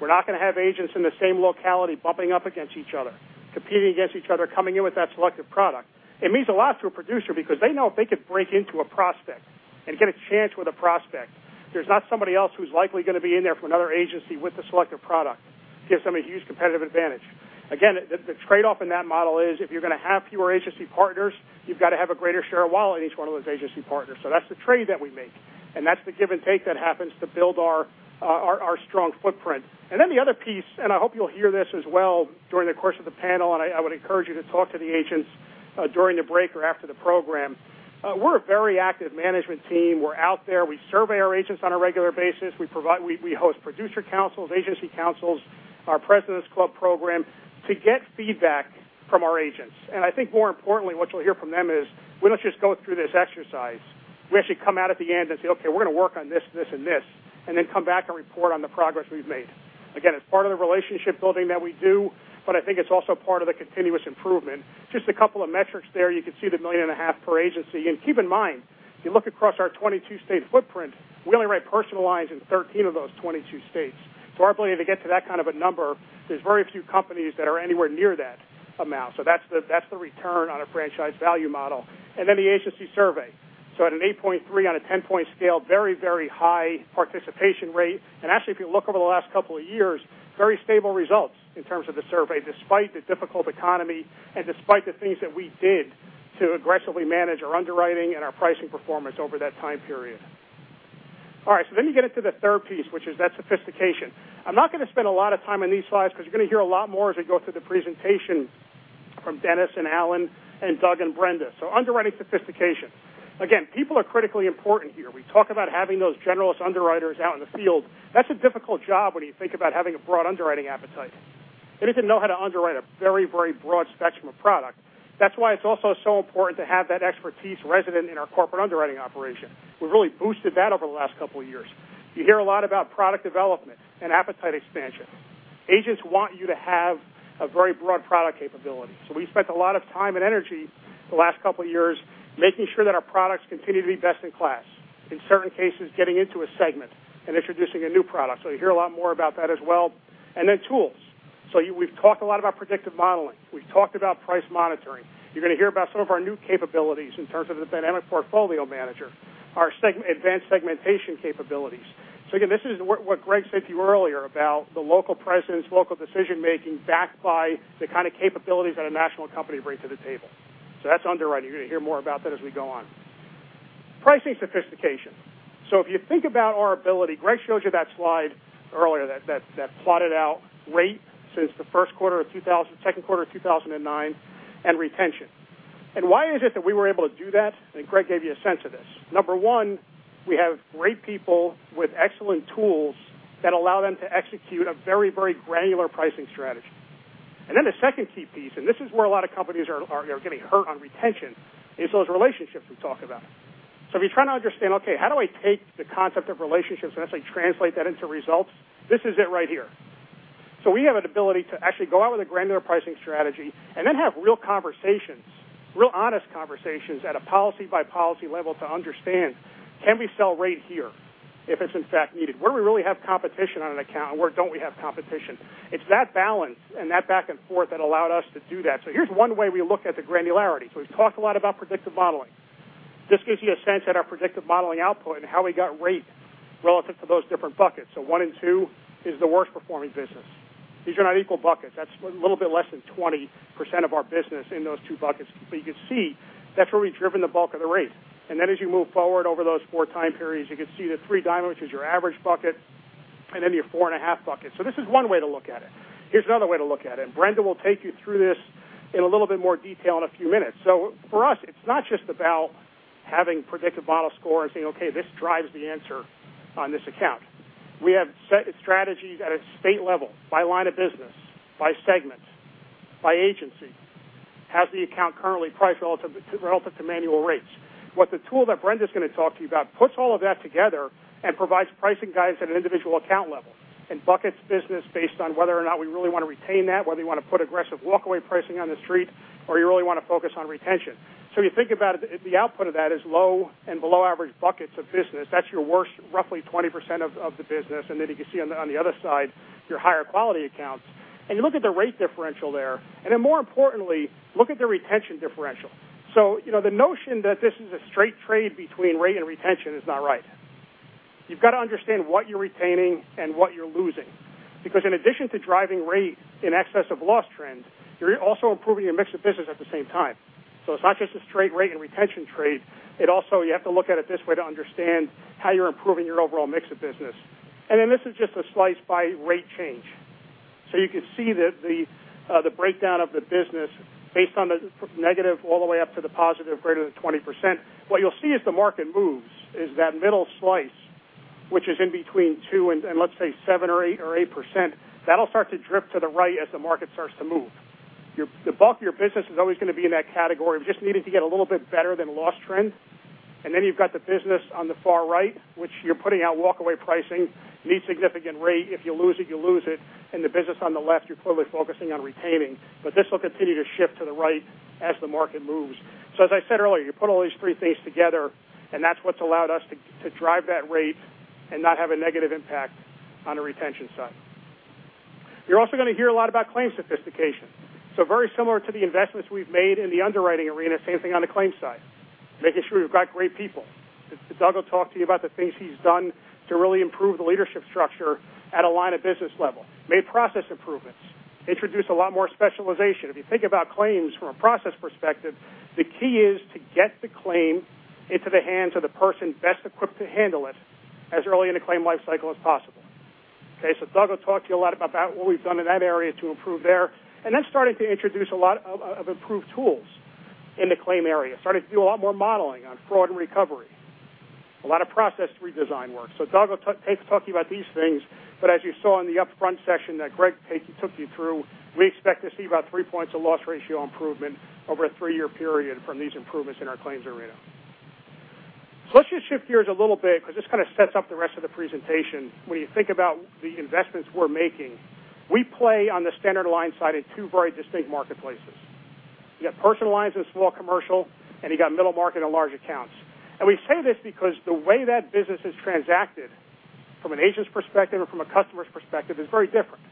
We're not going to have agents in the same locality bumping up against each other, competing against each other, coming in with that Selective product. It means a lot to a producer because they know if they could break into a prospect and get a chance with a prospect, there's not somebody else who's likely going to be in there from another agency with a Selective product. Gives somebody a huge competitive advantage. Again, the trade-off in that model is if you're going to have fewer agency partners, you've got to have a greater share of wallet in each one of those agency partners. That's the trade that we make, and that's the give and take that happens to build our strong footprint. The other piece, and I hope you'll hear this as well during the course of the panel, and I would encourage you to talk to the agents during the break or after the program. We're a very active management team. We're out there. We survey our agents on a regular basis. We host producer councils, agency councils, our Presidents Club program to get feedback from our agents. I think more importantly, what you'll hear from them is we don't just go through this exercise. We actually come out at the end and say, "Okay, we're going to work on this, and this," come back and report on the progress we've made. Again, it's part of the relationship building that we do, but I think it's also part of the continuous improvement. Just a couple of metrics there. You can see the $1.5 million per agency. Keep in mind, if you look across our 22-state footprint, we only write personal lines in 13 of those 22 states. Our ability to get to that kind of a number, there's very few companies that are anywhere near that amount. That's the return on a franchise value model. The agency survey. At an 8.3 on a 10-point scale, very high participation rate. Actually, if you look over the last couple of years, very stable results in terms of the survey, despite the difficult economy and despite the things that we did to aggressively manage our underwriting and our pricing performance over that time period. You get into the third piece, which is that sophistication. I'm not going to spend a lot of time on these slides because you're going to hear a lot more as we go through the presentation from Dennis and Allen and Doug and Brenda. Underwriting sophistication. Again, people are critically important here. We talk about having those generalist underwriters out in the field. That's a difficult job when you think about having a broad underwriting appetite and need to know how to underwrite a very broad spectrum of product. That's why it's also so important to have that expertise resident in our corporate underwriting operation. We've really boosted that over the last couple of years. You hear a lot about product development and appetite expansion. Agents want you to have a very broad product capability. We spent a lot of time and energy the last couple of years making sure that our products continue to be best in class. In certain cases, getting into a segment and introducing a new product. You'll hear a lot more about that as well. Tools. We've talked a lot about predictive modeling. We've talked about price monitoring. You're going to hear about some of our new capabilities in terms of the dynamic portfolio manager, our advanced segmentation capabilities. Again, this is what Greg said to you earlier about the local presence, local decision-making backed by the kind of capabilities that a national company brings to the table. That's underwriting. You're going to hear more about that as we go on. Pricing sophistication. If you think about our ability, Greg showed you that slide earlier, that plotted out rate since the second quarter of 2009, and retention. Why is it that we were able to do that? Greg gave you a sense of this. Number one, we have great people with excellent tools that allow them to execute a very granular pricing strategy. The second key piece, and this is where a lot of companies are getting hurt on retention, is those relationships we talk about. If you're trying to understand, okay, how do I take the concept of relationships and actually translate that into results, this is it right here. We have an ability to actually go out with a granular pricing strategy and then have real conversations, real honest conversations at a policy-by-policy level to understand, can we sell rate here if it's in fact needed? Where we really have competition on an account, and where don't we have competition? It's that balance and that back and forth that allowed us to do that. Here's one way we look at the granularity. We've talked a lot about predictive modeling. This gives you a sense that our predictive modeling output and how we got rate relative to those different buckets. One in two is the worst-performing business. These are not equal buckets. That's a little bit less than 20% of our business in those two buckets. You can see that's where we've driven the bulk of the rate. As you move forward over those four time periods, you can see the three diamonds, which is your average bucket, and then your four and a half bucket. This is one way to look at it. Here's another way to look at it. Brenda will take you through this in a little bit more detail in a few minutes. For us, it's not just about having predictive model score and saying, "Okay, this drives the answer on this account." We have set strategies at a state level by line of business, by segment, by agency. Has the account currently priced relative to manual rates? What the tool that Brenda's going to talk to you about puts all of that together and provides pricing guides at an individual account level and buckets business based on whether or not we really want to retain that, whether we want to put aggressive walkaway pricing on the street, or you really want to focus on retention. You think about it, the output of that is low and below average buckets of business. That's your worst roughly 20% of the business. Then you can see on the other side, your higher quality accounts. You look at the rate differential there, and then more importantly, look at the retention differential. The notion that this is a straight trade between rate and retention is not right. You've got to understand what you're retaining and what you're losing, because in addition to driving rate in excess of loss trends, you're also improving your mix of business at the same time. It's not just a straight rate and retention trade. You have to look at it this way to understand how you're improving your overall mix of business. Then this is just a slice by rate change. You can see that the breakdown of the business based on the negative all the way up to the positive, greater than 20%. What you'll see as the market moves is that middle slice, which is in between two and let's say seven or 8%, that'll start to drift to the right as the market starts to move. The bulk of your business is always going to be in that category of just needing to get a little bit better than loss trend. Then you've got the business on the far right, which you're putting out walkaway pricing, need significant rate. If you lose it, you lose it. The business on the left, you're clearly focusing on retaining. This will continue to shift to the right as the market moves. As I said earlier, you put all these three things together, and that's what's allowed us to drive that rate and not have a negative impact on the retention side. You're also going to hear a lot about claims sophistication. Very similar to the investments we've made in the underwriting arena, same thing on the claims side, making sure we've got great people. Doug will talk to you about the things he's done to really improve the leadership structure at a line of business level, made process improvements, introduced a lot more specialization. If you think about claims from a process perspective, the key is to get the claim into the hands of the person best equipped to handle it as early in the claim lifecycle as possible. Okay, Doug will talk to you a lot about what we've done in that area to improve there. Then starting to introduce a lot of improved tools in the claim area, starting to do a lot more modeling on fraud and recovery, a lot of process redesign work. Doug will talk to you about these things. As you saw in the upfront session that Greg took you through, we expect to see about three points of loss ratio improvement over a three-year period from these improvements in our claims arena. Let's just shift gears a little bit because this kind of sets up the rest of the presentation when you think about the investments we're making. We play on the standard line side in two very distinct marketplaces. You got personal lines and small commercial, and you got middle market and large accounts. We say this because the way that business is transacted from an agent's perspective or from a customer's perspective is very different.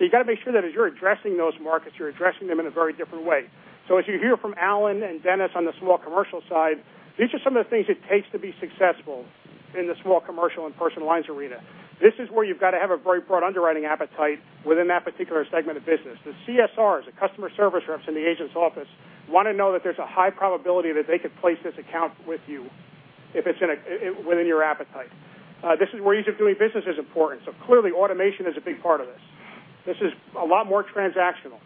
You got to make sure that as you're addressing those markets, you're addressing them in a very different way. As you hear from Allen and Dennis on the small commercial side, these are some of the things it takes to be successful in the small commercial and personal lines arena. This is where you've got to have a very broad underwriting appetite within that particular segment of business. The CSRs, the customer service reps in the agent's office, want to know that there's a high probability that they could place this account with you if it's within your appetite. This is where ease of doing business is important. Clearly, automation is a big part of this. This is a lot more transactional.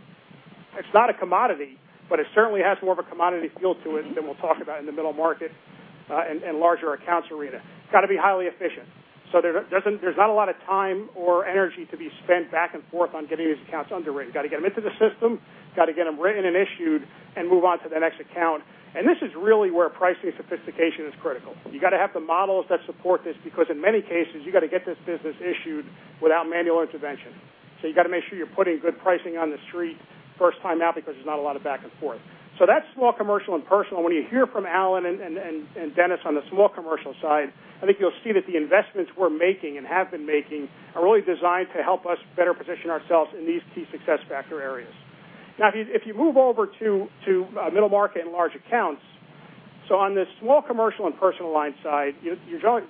It's not a commodity, but it certainly has more of a commodity feel to it than we'll talk about in the middle market and larger accounts arena. Got to be highly efficient. There's not a lot of time or energy to be spent back and forth on getting these accounts underwritten. Got to get them into the system, got to get them written and issued, and move on to the next account. This is really where pricing sophistication is critical. You got to have the models that support this because in many cases, you got to get this business issued without manual intervention. You've got to make sure you're putting good pricing on the street first time out, because there's not a lot of back and forth. That's small commercial and personal. When you hear from Alan and Dennis on the small commercial side, I think you'll see that the investments we're making and have been making are really designed to help us better position ourselves in these key success factor areas. If you move over to middle market and large accounts, on the small commercial and personal line side, you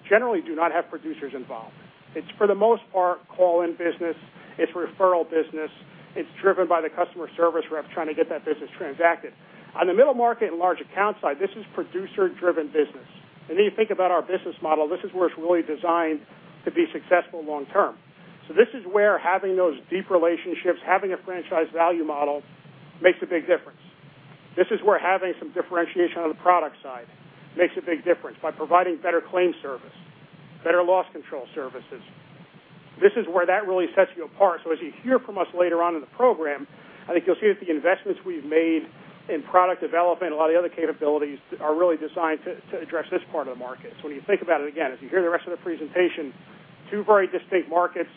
generally do not have producers involved. It's for the most part call-in business, it's referral business. It's driven by the customer service rep trying to get that business transacted. On the middle market and large account side, this is producer-driven business. You think about our business model. This is where it's really designed to be successful long term. This is where having those deep relationships, having a franchise value model makes a big difference. This is where having some differentiation on the product side makes a big difference by providing better claim service, better loss control services. This is where that really sets you apart. As you hear from us later on in the program, I think you'll see that the investments we've made in product development and a lot of the other capabilities are really designed to address this part of the market. When you think about it, again, as you hear the rest of the presentation, two very distinct markets.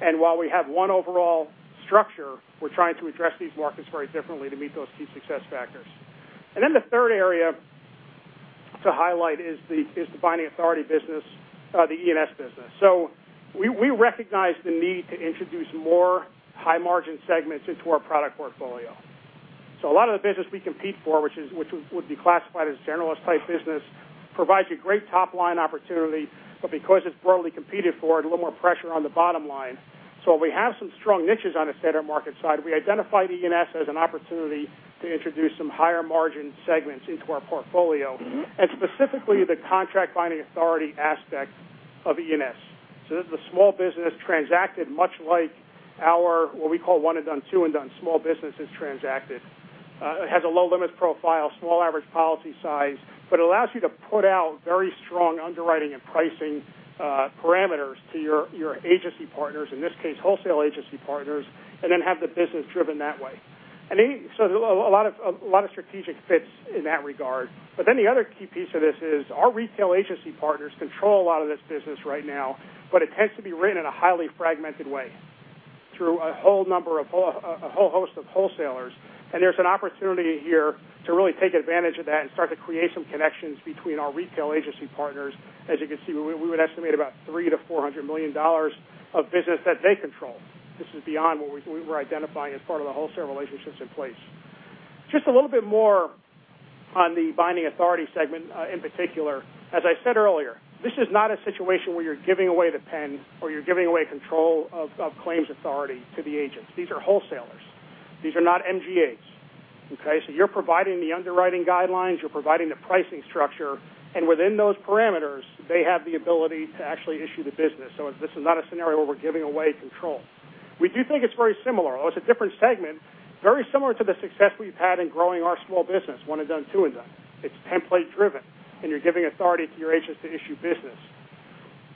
While we have one overall structure, we're trying to address these markets very differently to meet those key success factors. The third area to highlight is the binding authority business, the E&S business. We recognize the need to introduce more high-margin segments into our product portfolio. A lot of the business we compete for, which would be classified as generalist type business, provides you great top-line opportunity. Because it's broadly competed for, a little more pressure on the bottom line. We have some strong niches on the standard market side. We identified E&S as an opportunity to introduce some higher margin segments into our portfolio and specifically the contract binding authority aspect of E&S. This is a small business transacted much like our what we call One and Done, two and done small business is transacted. It has a low limits profile, small average policy size, allows you to put out very strong underwriting and pricing parameters to your agency partners, in this case, wholesale agency partners, have the business driven that way. A lot of strategic fits in that regard. The other key piece of this is our retail agency partners control a lot of this business right now, it tends to be written in a highly fragmented way through a whole host of wholesalers. There's an opportunity here to really take advantage of that and start to create some connections between our retail agency partners. As you can see, we would estimate about $300 million-$400 million of business that they control. This is beyond what we were identifying as part of the wholesale relationships in place. Just a little bit more on the binding authority segment in particular. As I said earlier, this is not a situation where you're giving away the pen or you're giving away control of claims authority to the agents. These are wholesalers. These are not MGAs. Okay? You're providing the underwriting guidelines, you're providing the pricing structure, within those parameters, they have the ability to actually issue the business. This is not a scenario where we're giving away control. We do think it's very similar, although it's a different segment, very similar to the success we've had in growing our small business, One and Done, two and done. It's template driven, you're giving authority to your agents to issue business.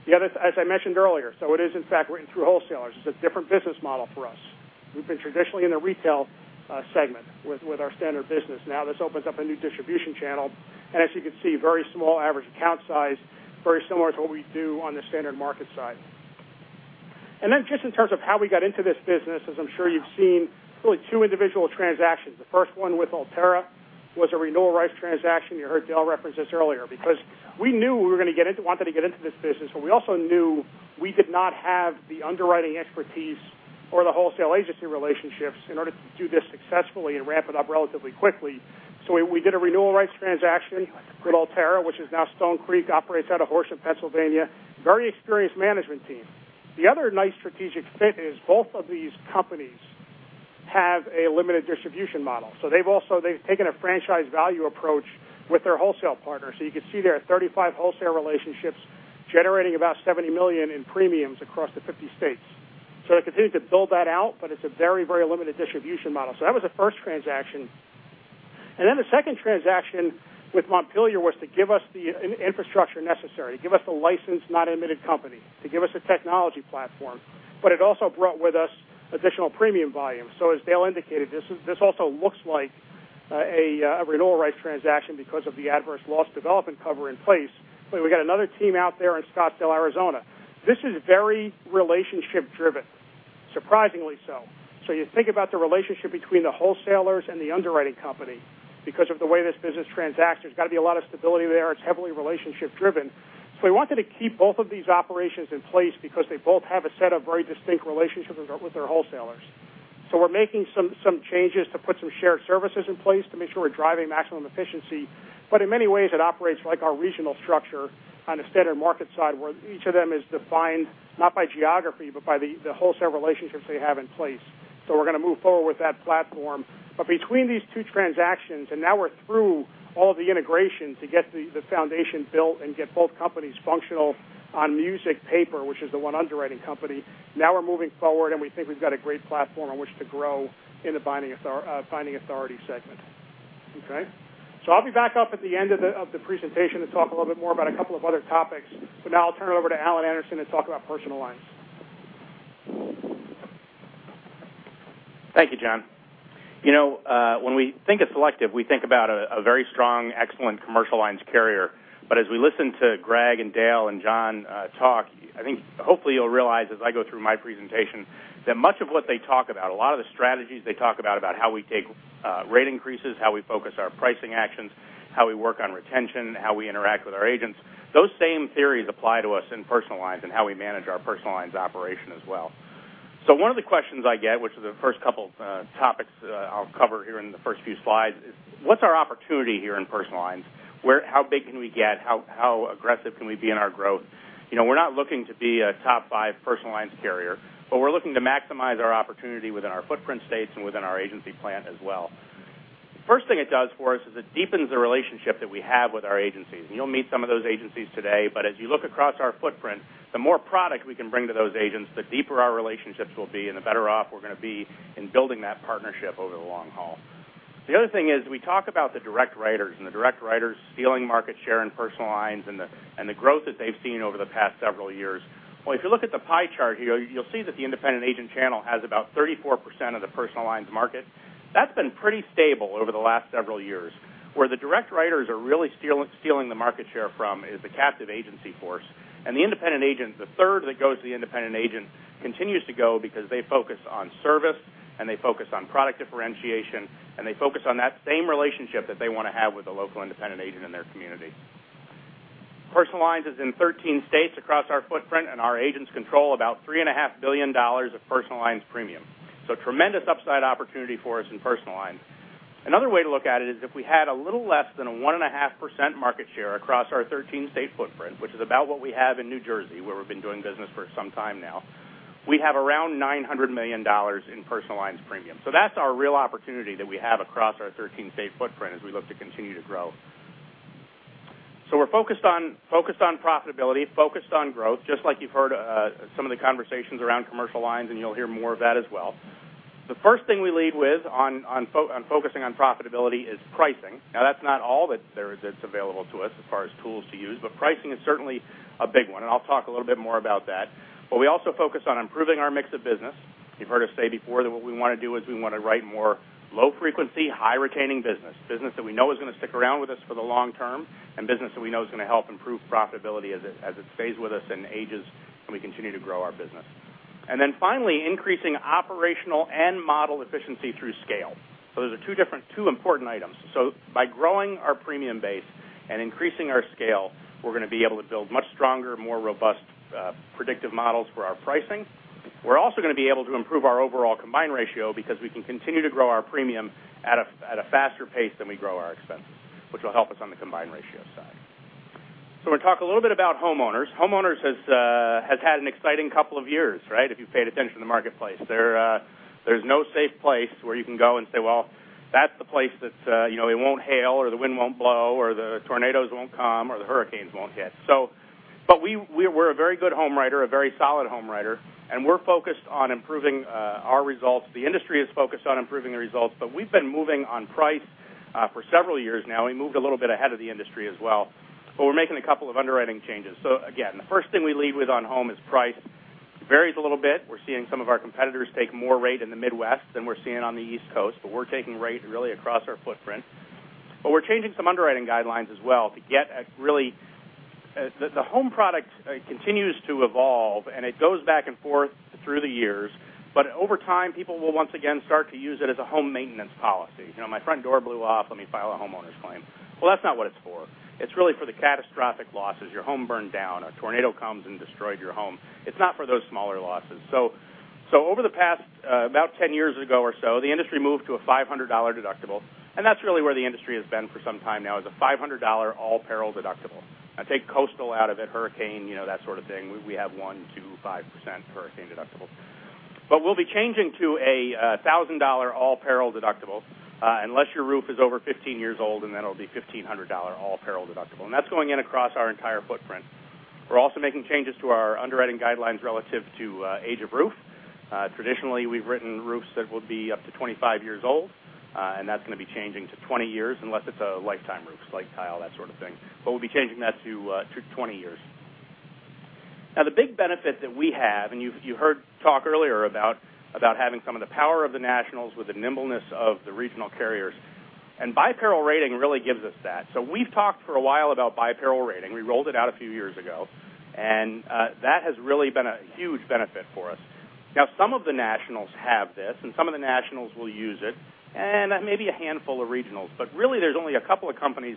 The other, as I mentioned earlier, it is in fact written through wholesalers. It's a different business model for us. We've been traditionally in the retail segment with our standard business. Now this opens up a new distribution channel, as you can see, very small average account size, very similar to what we do on the standard market side. Just in terms of how we got into this business, as I'm sure you've seen, really two individual transactions. The first one with Alterra was a renewal rights transaction. You heard Dale reference this earlier. We knew we wanted to get into this business, but we also knew we did not have the underwriting expertise or the wholesale agency relationships in order to do this successfully and ramp it up relatively quickly. We did a renewal rights transaction with Alterra, which is now Stonecreek, operates out of Horsham, Pennsylvania. Very experienced management team. The other nice strategic fit is both of these companies have a limited distribution model. They've taken a franchise value approach with their wholesale partners. You can see there are 35 wholesale relationships generating about $70 million in premiums across the 50 states. They continue to build that out, but it's a very limited distribution model. That was the first transaction. The second transaction with Montpelier was to give us the infrastructure necessary, give us a licensed, not admitted company, to give us a technology platform. It also brought with us additional premium volume. As Dale indicated, this also looks like a renewal rights transaction because of the adverse loss development cover in place. We got another team out there in Scottsdale, Arizona. This is very relationship driven, surprisingly so. You think about the relationship between the wholesalers and the underwriting company. Of the way this business transacts, there's got to be a lot of stability there. It's heavily relationship driven. We wanted to keep both of these operations in place because they both have a set of very distinct relationships with their wholesalers. We're making some changes to put some shared services in place to make sure we're driving maximum efficiency. In many ways, it operates like our regional structure on the standard market side, where each of them is defined not by geography, but by the wholesale relationships they have in place. We're going to move forward with that platform. Between these two transactions, and now we're through all the integration to get the foundation built and get both companies functional on Music Paper, which is the one underwriting company. We're moving forward, and we think we've got a great platform on which to grow in the binding authority segment. Okay? I'll be back up at the end of the presentation to talk a little bit more about a couple of other topics. Now I'll turn it over to Alan Anderson to talk about personal lines. Thank you, John. When we think of Selective, we think about a very strong, excellent commercial lines carrier. As we listen to Greg and Dale and John talk, I think hopefully you'll realize as I go through my presentation, that much of what they talk about, a lot of the strategies they talk about how we take rate increases, how we focus our pricing actions, how we work on retention, how we interact with our agents, those same theories apply to us in personal lines and how we manage our personal lines operation as well. One of the questions I get, which is the first couple of topics I'll cover here in the first few slides, is what's our opportunity here in personal lines? How big can we get? How aggressive can we be in our growth? We're not looking to be a top 5 personal lines carrier, but we're looking to maximize our opportunity within our footprint states and within our agency plan as well. First thing it does for us is it deepens the relationship that we have with our agencies. You'll meet some of those agencies today, but as you look across our footprint, the more product we can bring to those agents, the deeper our relationships will be and the better off we're going to be in building that partnership over the long haul. The other thing is, we talk about the direct writers and the direct writers stealing market share in personal lines and the growth that they've seen over the past several years. Well, if you look at the pie chart here, you'll see that the independent agent channel has about 34% of the personal lines market. That's been pretty stable over the last several years. Where the direct writers are really stealing the market share from is the captive agency force. The independent agents, the 1/3 that goes to the independent agent continues to go because they focus on service, and they focus on product differentiation, and they focus on that same relationship that they want to have with the local independent agent in their community. Personal lines is in 13 states across our footprint, and our agents control about $3.5 billion of personal lines premium. Tremendous upside opportunity for us in personal lines. Another way to look at it is if we had a little less than a 1.5% market share across our 13-state footprint, which is about what we have in New Jersey, where we've been doing business for some time now, we have around $900 million in personal lines premium. That's our real opportunity that we have across our 13-state footprint as we look to continue to grow. We're focused on profitability, focused on growth, just like you've heard some of the conversations around commercial lines, and you'll hear more of that as well. The first thing we lead with on focusing on profitability is pricing. Now, that's not all that there is that's available to us as far as tools to use, but pricing is certainly a big one, and I'll talk a little bit more about that. We also focus on improving our mix of business. You've heard us say before that what we want to do is we want to write more low frequency, high retaining business. Business that we know is going to stick around with us for the long term, and business that we know is going to help improve profitability as it stays with us and ages, and we continue to grow our business. Finally, increasing operational and model efficiency through scale. Those are two important items. By growing our premium base and increasing our scale, we're going to be able to build much stronger, more robust, predictive models for our pricing. We're also going to be able to improve our overall combined ratio because we can continue to grow our premium at a faster pace than we grow our expenses, which will help us on the combined ratio side. I'm going to talk a little bit about homeowners. Homeowners has had an exciting couple of years, right? If you've paid attention to the marketplace. There's no safe place where you can go and say, "Well, that's the place that it won't hail or the wind won't blow, or the tornadoes won't come, or the hurricanes won't hit." We're a very good home writer, a very solid home writer, and we're focused on improving our results. The industry is focused on improving the results, we've been moving on price for several years now. We moved a little bit ahead of the industry as well, we're making a couple of underwriting changes. Again, the first thing we lead with on home is price. Varies a little bit. We're seeing some of our competitors take more rate in the Midwest than we're seeing on the East Coast, we're taking rate really across our footprint. We're changing some underwriting guidelines as well to get a really. The home product continues to evolve, and it goes back and forth through the years. Over time, people will once again start to use it as a home maintenance policy. My front door blew off, let me file a homeowner's claim. Well, that's not what it's for. It's really for the catastrophic losses. Your home burned down, a tornado comes and destroys your home. It's not for those smaller losses. Over the past about 10 years ago or so, the industry moved to a $500 deductible, and that's really where the industry has been for some time now is a $500 all peril deductible. Take coastal out of it, hurricane, that sort of thing. We have 1%-5% hurricane deductible. We'll be changing to a $1,000 all peril deductible unless your roof is over 15 years old, and then it'll be a $1,500 all peril deductible. That's going in across our entire footprint. We're also making changes to our underwriting guidelines relative to age of roof. Traditionally, we've written roofs that would be up to 25 years old, and that's going to be changing to 20 years unless it's a lifetime roof, slate tile, that sort of thing. We'll be changing that to 20 years. Now, the big benefit that we have, and you heard talk earlier about having some of the power of the nationals with the nimbleness of the regional carriers, bi-peril rating really gives us that. We've talked for a while about bi-peril rating. We rolled it out a few years ago, that has really been a huge benefit for us. Now, some of the nationals have this, some of the nationals will use it, maybe a handful of regionals. Really, there's only a couple of companies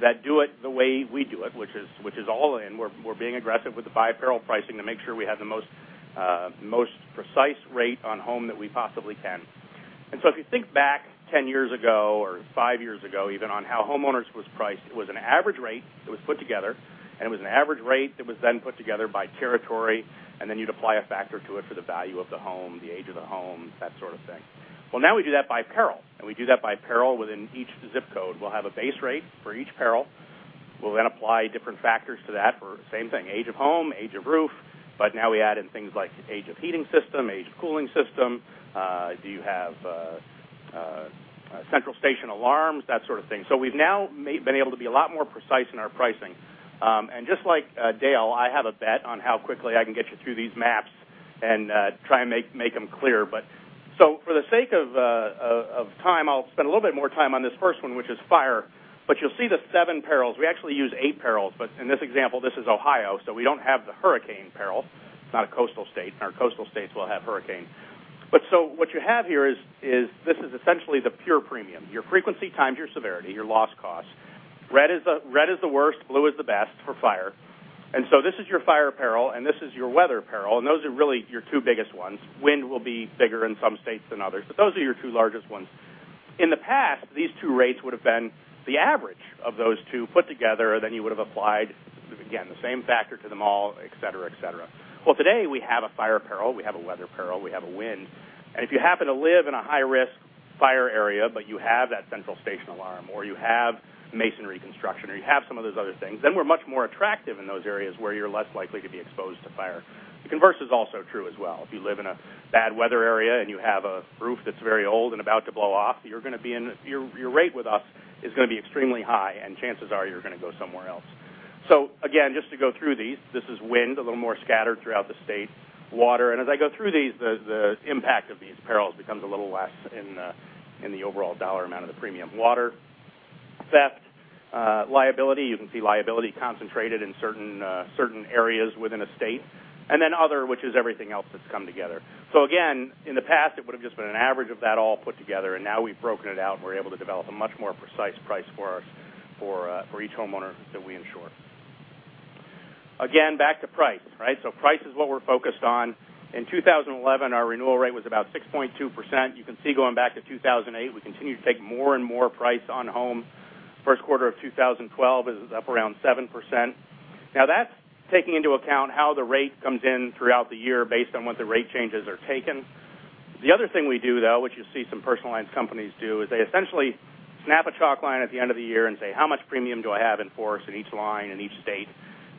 that do it the way we do it, which is all in. We're being aggressive with the bi-peril pricing to make sure we have the most precise rate on home that we possibly can. If you think back 10 years ago or five years ago, even on how homeowners was priced, it was an average rate that was put together, it was an average rate that was then put together by territory, then you'd apply a factor to it for the value of the home, the age of the home, that sort of thing. Well, now we do that by peril, we do that by peril within each zip code. We'll have a base rate for each peril. We'll then apply different factors to that for same thing, age of home, age of roof. Now we add in things like age of heating system, age of cooling system. Do you have central station alarms, that sort of thing. We've now been able to be a lot more precise in our pricing. Just like Dale, I have a bet on how quickly I can get you through these maps and try and make them clear. For the sake of time, I'll spend a little bit more time on this first one, which is fire. You'll see the seven perils. We actually use eight perils, but in this example, this is Ohio, so we don't have the hurricane peril. It's not a coastal state, and our coastal states will have hurricane. What you have here is, this is essentially the pure premium, your frequency times your severity, your loss cost. Red is the worst, blue is the best for fire. This is your fire peril, and this is your weather peril, and those are really your two biggest ones. Wind will be bigger in some states than others, but those are your two largest ones. In the past, these two rates would have been the average of those two put together, then you would have applied, again, the same factor to them all, et cetera. Well, today, we have a fire peril. We have a weather peril. We have a wind. If you happen to live in a high-risk fire area, but you have that central station alarm, or you have masonry construction, or you have some of those other things, then we're much more attractive in those areas where you're less likely to be exposed to fire. The converse is also true as well. If you live in a bad weather area and you have a roof that's very old and about to blow off, your rate with us is going to be extremely high, and chances are you're going to go somewhere else. Again, just to go through these, this is wind, a little more scattered throughout the state. Water. As I go through these, the impact of these perils becomes a little less in the overall dollar amount of the premium. Water, theft, liability. You can see liability concentrated in certain areas within a state. Other, which is everything else that's come together. Again, in the past, it would have just been an average of that all put together, and now we've broken it out, and we're able to develop a much more precise price for each homeowner that we insure. Again, back to price. Price is what we're focused on. In 2011, our renewal rate was about 6.2%. You can see going back to 2008, we continue to take more and more price on home. First quarter of 2012 is up around 7%. Now, that's taking into account how the rate comes in throughout the year based on what the rate changes are taken. The other thing we do, though, which you see some personal lines companies do, is they essentially snap a chalk line at the end of the year and say, "How much premium do I have in force in each line in each state?"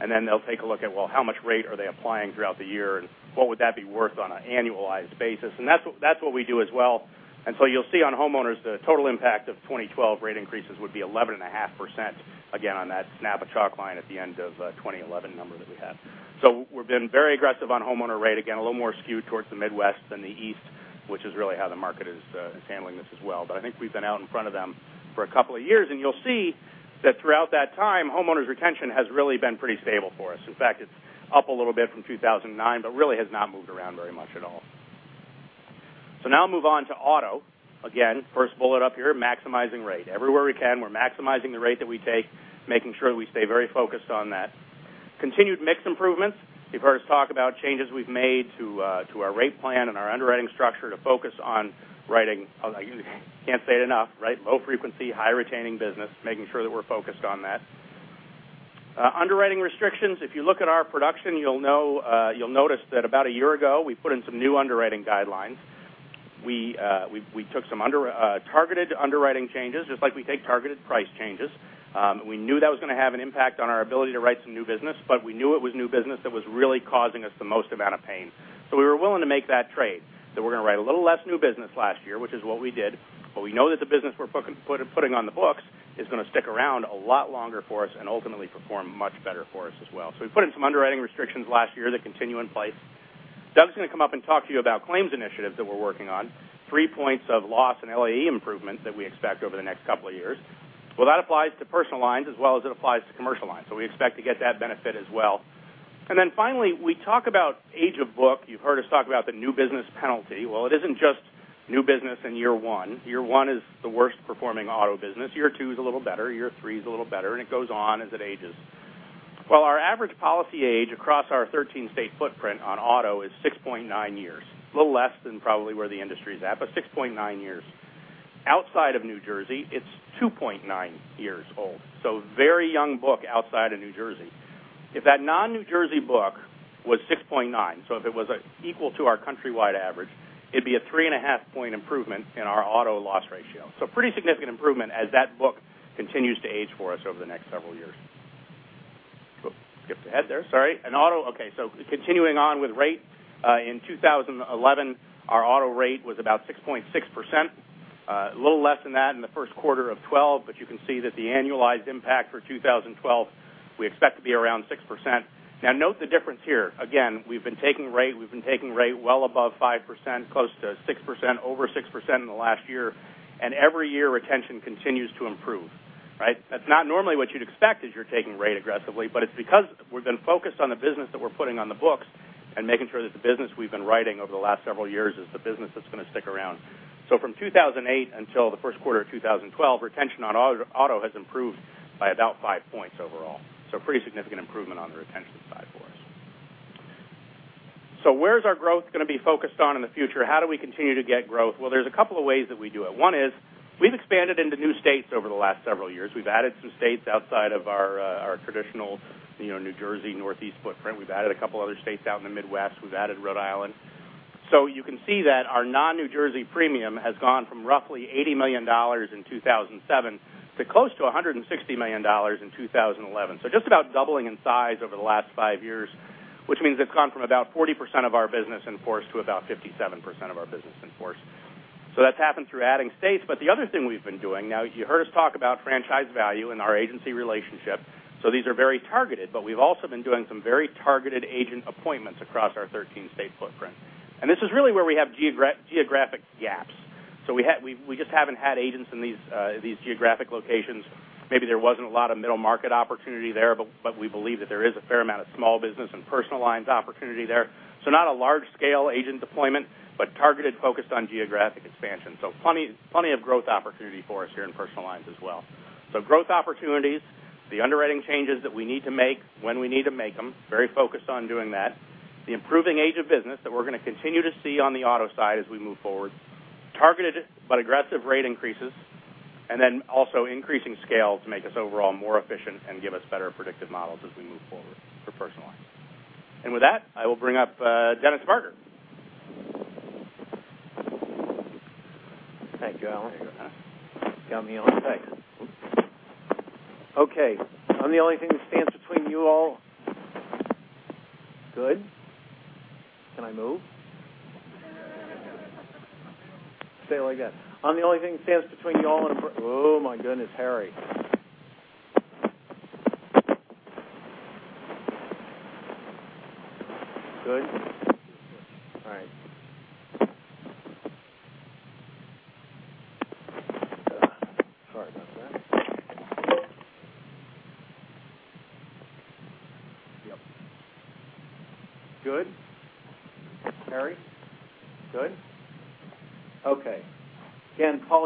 They'll take a look at, well, how much rate are they applying throughout the year, and what would that be worth on an annualized basis? That's what we do as well. You'll see on homeowners, the total impact of 2012 rate increases would be 11.5%, again, on that snap a chalk line at the end of 2011 number that we had. We've been very aggressive on homeowner rate. Again, a little more skewed towards the Midwest than the East, which is really how the market is handling this as well. I think we've been out in front of them for a couple of years, and you'll see that throughout that time, homeowners retention has really been pretty stable for us. In fact, it's up a little bit from 2009, but really has not moved around very much at all. Now move on to auto. Again, first bullet up here, maximizing rate. Everywhere we can, we're maximizing the rate that we take, making sure that we stay very focused on that. Continued mix improvements. You've heard us talk about changes we've made to our rate plan and our underwriting structure to focus on writing, I can't say it enough, low frequency, high retaining business, making sure that we're focused on that. Underwriting restrictions. If you look at our production, you'll notice that about a year ago, we put in some new underwriting guidelines. We took some targeted underwriting changes, just like we take targeted price changes. We knew that was going to have an impact on our ability to write some new business, but we knew it was new business that was really causing us the most amount of pain. We were willing to make that trade, that we're going to write a little less new business last year, which is what we did. We know that the business we're putting on the books is going to stick around a lot longer for us and ultimately perform much better for us as well. We put in some underwriting restrictions last year that continue in place. Doug's going to come up and talk to you about claims initiatives that we're working on. Three points of loss and LAE improvement that we expect over the next couple of years. That applies to personal lines as well as it applies to commercial lines. We expect to get that benefit as well. Finally, we talk about age of book. You've heard us talk about the new business penalty. It isn't just new business in year one. Year one is the worst performing auto business. Year two is a little better, year three is a little better, and it goes on as it ages. Our average policy age across our 13 state footprint on auto is 6.9 years. A little less than probably where the industry is at, but 6.9 years. Outside of New Jersey, it's 2.9 years old. Very young book outside of New Jersey. If that non New Jersey book was 6.9, if it was equal to our countrywide average, it'd be a 3.5 point improvement in our auto loss ratio. Pretty significant improvement as that book continues to age for us over the next several years. Skipped ahead there, sorry. Continuing on with rate. In 2011, our auto rate was about 6.6%. A little less than that in the first quarter of 2012, you can see that the annualized impact for 2012, we expect to be around 6%. Now, note the difference here. Again, we've been taking rate well above 5%, close to 6%, over 6% in the last year. Every year, retention continues to improve. That's not normally what you'd expect as you're taking rate aggressively, but it's because we've been focused on the business that we're putting on the books and making sure that the business we've been writing over the last several years is the business that's going to stick around. From 2008 until the first quarter of 2012, retention on auto has improved by about five points overall. Pretty significant improvement on the retention side for us. Where's our growth going to be focused on in the future? How do we continue to get growth? Well, there's a couple of ways that we do it. One is we've expanded into new states over the last several years. We've added some states outside of our traditional New Jersey Northeast footprint. We've added a couple other states out in the Midwest. We've added Rhode Island. You can see that our non New Jersey premium has gone from roughly $80 million in 2007 to close to $160 million in 2011. Just about doubling in size over the last five years Which means it's gone from about 40% of our business in force to about 57% of our business in force. That's happened through adding states. The other thing we've been doing, now you heard us talk about franchise value and our agency relationship. These are very targeted, but we've also been doing some very targeted agent appointments across our 13-state footprint. This is really where we have geographic gaps. We just haven't had agents in these geographic locations. Maybe there wasn't a lot of middle market opportunity there, but we believe that there is a fair amount of small business and personal lines opportunity there. Not a large-scale agent deployment, but targeted, focused on geographic expansion. Plenty of growth opportunity for us here in personal lines as well. Growth opportunities, the underwriting changes that we need to make when we need to make them, very focused on doing that, the improving age of business that we're going to continue to see on the auto side as we move forward, targeted but aggressive rate increases, and then also increasing scale to make us overall more efficient and give us better predictive models as we move forward for personal lines. With that, I will bring up Dennis Barger. Thank you, Alan. Got me on the spot. Okay, I'm the only thing that stands between you all. Good? Can I move? Stay like that. I'm the only thing that stands between you all and a break. Oh, my goodness, Harry. Good? All right. Sorry about that. Yep. Good?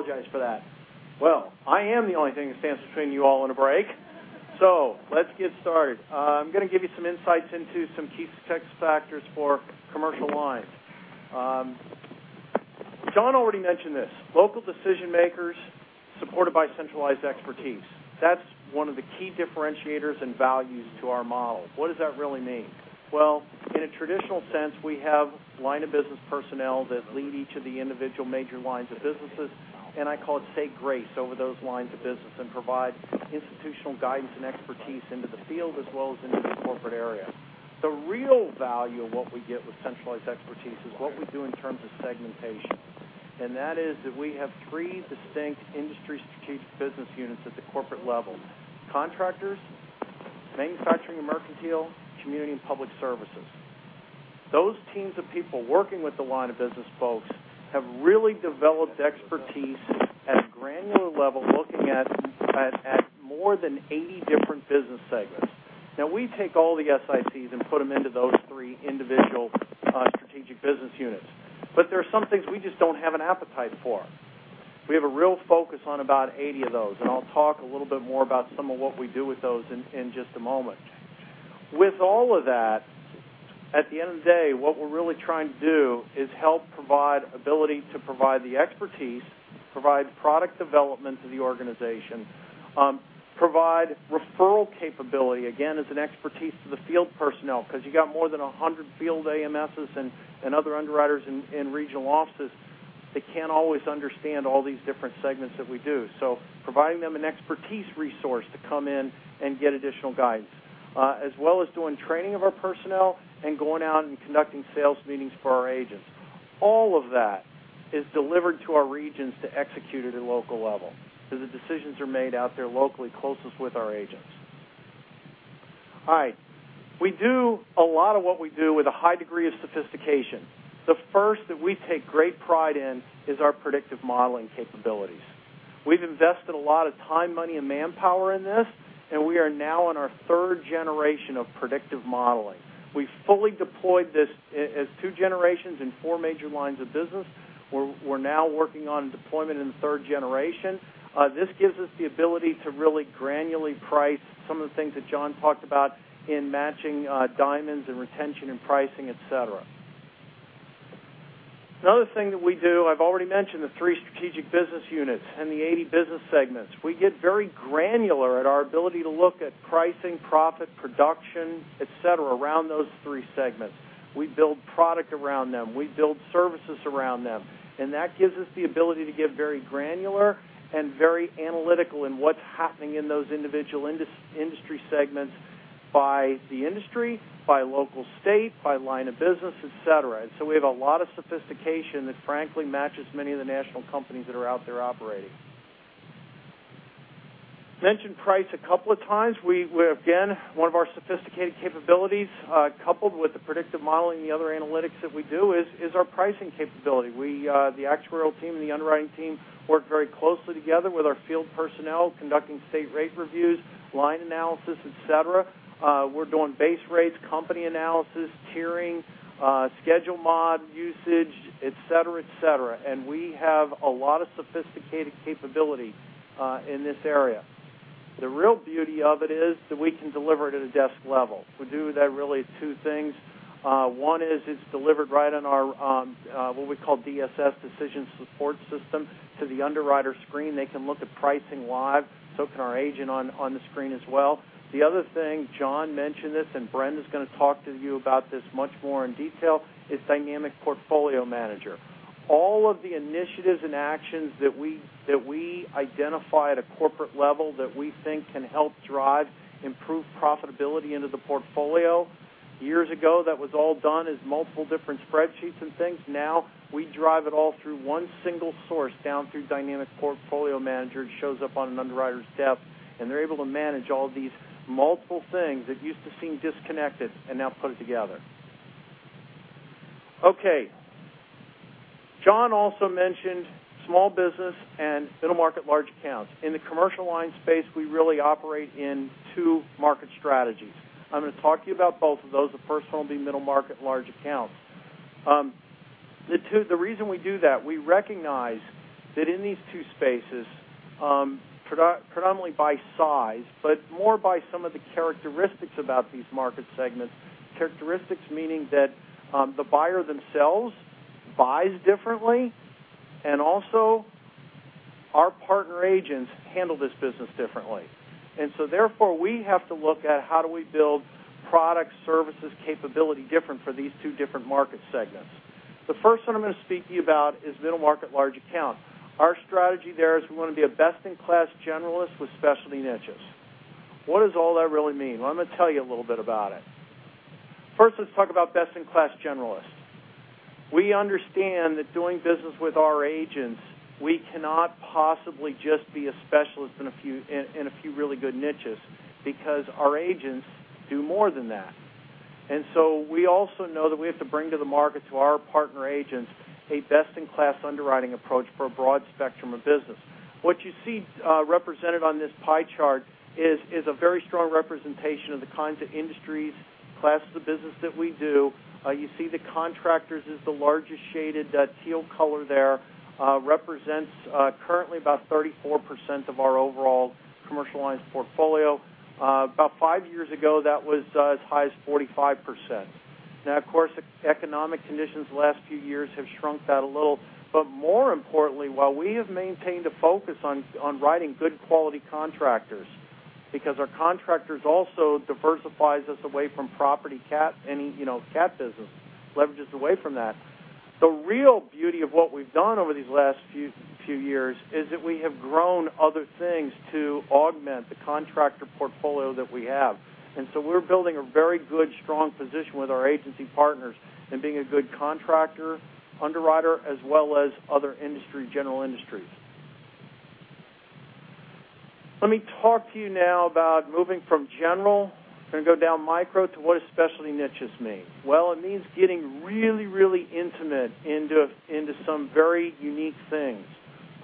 Harry? Good? Okay. Again, apologize for that. Well, I am the only thing that stands between you all and a break. Let's get started. I'm going to give you some insights into some key success factors for commercial lines. John already mentioned this, local decision-makers supported by centralized expertise. That's one of the key differentiators and values to our model. What does that really mean? Well, in a traditional sense, we have line of business personnel that lead each of the individual major lines of businesses, and I call it say grace over those lines of business and provide institutional guidance and expertise into the field as well as into the corporate area. The real value of what we get with centralized expertise is what we do in terms of segmentation. That is that we have three distinct industry strategic business units at the corporate level, contractors, manufacturing and mercantile, Community & Public Services. Those teams of people working with the line of business folks have really developed expertise at a granular level looking at more than 80 different business segments. Now we take all the SIPs and put them into those three individual strategic business units. There are some things we just don't have an appetite for. We have a real focus on about 80 of those, and I'll talk a little bit more about some of what we do with those in just a moment. With all of that, at the end of the day, what we're really trying to do is help provide ability to provide the expertise, provide product development to the organization, provide referral capability, again, as an expertise to the field personnel, because you got more than 100 field AMSs and other underwriters in regional offices that can't always understand all these different segments that we do. Providing them an expertise resource to come in and get additional guidance, as well as doing training of our personnel and going out and conducting sales meetings for our agents. All of that is delivered to our regions to execute at a local level. The decisions are made out there locally, closest with our agents. All right. We do a lot of what we do with a high degree of sophistication. The first that we take great pride in is our predictive modeling capabilities. We've invested a lot of time, money, and manpower in this, and we are now on our third generation of predictive modeling. We fully deployed this as two generations in four major lines of business. We're now working on deployment in the third generation. This gives us the ability to really granularly price some of the things that John talked about in matching diamonds and retention and pricing, et cetera. Another thing that we do, I've already mentioned the three strategic business units and the 80 business segments. We get very granular at our ability to look at pricing, profit, production, et cetera, around those three segments. We build product around them. We build services around them. That gives us the ability to get very granular and very analytical in what's happening in those individual industry segments by the industry, by local state, by line of business, et cetera. We have a lot of sophistication that frankly matches many of the national companies that are out there operating. Mentioned price a couple of times. Again, one of our sophisticated capabilities, coupled with the predictive modeling and the other analytics that we do, is our pricing capability. The actuarial team and the underwriting team work very closely together with our field personnel, conducting state rate reviews, line analysis, et cetera. We're doing base rates, company analysis, tiering, schedule mod, usage, et cetera. We have a lot of sophisticated capability in this area. The real beauty of it is that we can deliver it at a desk level. We do that really two things. One is it's delivered right on our what we call DSS, decision support system, to the underwriter screen. They can look at pricing live, so can our agent on the screen as well. The other thing, John mentioned this, and Brenda's going to talk to you about this much more in detail, is dynamic portfolio manager. All of the initiatives and actions that we identify at a corporate level that we think can help drive improved profitability into the portfolio, years ago, that was all done as multiple different spreadsheets and things. We drive it all through one single source, down through dynamic portfolio manager. It shows up on an underwriter's desk, and they're able to manage all these multiple things that used to seem disconnected and now put it together. Okay. John also mentioned small business and middle market large accounts. In the commercial line space, we really operate in two market strategies. I'm going to talk to you about both of those. The first one will be middle market large accounts. The reason we do that, we recognize that in these two spaces, predominantly by size, but more by some of the characteristics about these market segments, characteristics meaning that the buyer themselves buys differently, and also our partner agents handle this business differently. Therefore, we have to look at how do we build products, services, capability different for these two different market segments. The first one I'm going to speak to you about is middle market large account. Our strategy there is we want to be a best-in-class generalist with specialty niches. What does all that really mean? Well, I'm going to tell you a little bit about it. First, let's talk about best-in-class generalists. We understand that doing business with our agents, we cannot possibly just be a specialist in a few really good niches, because our agents do more than that. We also know that we have to bring to the market, to our partner agents, a best-in-class underwriting approach for a broad spectrum of business. What you see represented on this pie chart is a very strong representation of the kinds of industries, classes of business that we do. You see the contractors is the largest shaded, that teal color there, represents currently about 34% of our overall commercial lines portfolio. About five years ago, that was as high as 45%. Of course, economic conditions the last few years have shrunk that a little. More importantly, while we have maintained a focus on writing good quality contractors, because our contractors also diversifies us away from property cat, any cat business, leverages away from that. The real beauty of what we've done over these last few years is that we have grown other things to augment the contractor portfolio that we have. We're building a very good, strong position with our agency partners and being a good contractor, underwriter, as well as other general industries. Let me talk to you now about moving from general, going to go down micro, to what does specialty niches mean? It means getting really intimate into some very unique things.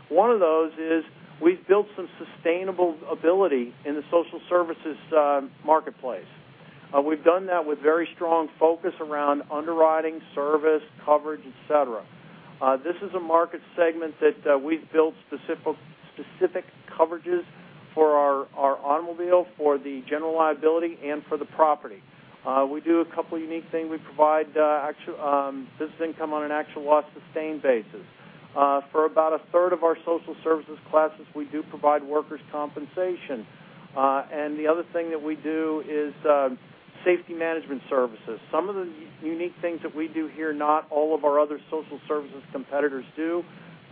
One of those is we've built some sustainable ability in the social services marketplace. We've done that with very strong focus around underwriting, service, coverage, et cetera. This is a market segment that we've built specific coverages for our automobile, for the general liability, and for the property. We do a couple unique things. We provide business income on an actual loss sustained basis. For about a third of our social services classes, we do provide workers' compensation. The other thing that we do is safety management services. Some of the unique things that we do here, not all of our other social services competitors do.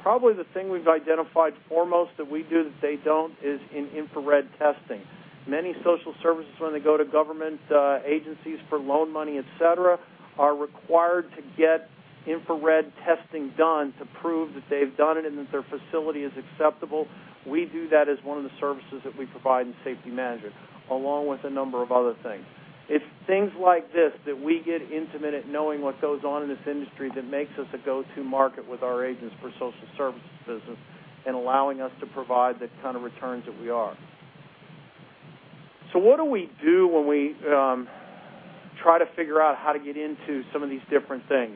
Probably the thing we've identified foremost that we do that they don't is in infrared testing. Many social services, when they go to government agencies for loan money, et cetera, are required to get infrared testing done to prove that they've done it and that their facility is acceptable. We do that as one of the services that we provide in safety management, along with a number of other things. It's things like this that we get intimate at knowing what goes on in this industry that makes us a go-to market with our agents for social services business and allowing us to provide the kind of returns that we are. What do we do when we try to figure out how to get into some of these different things?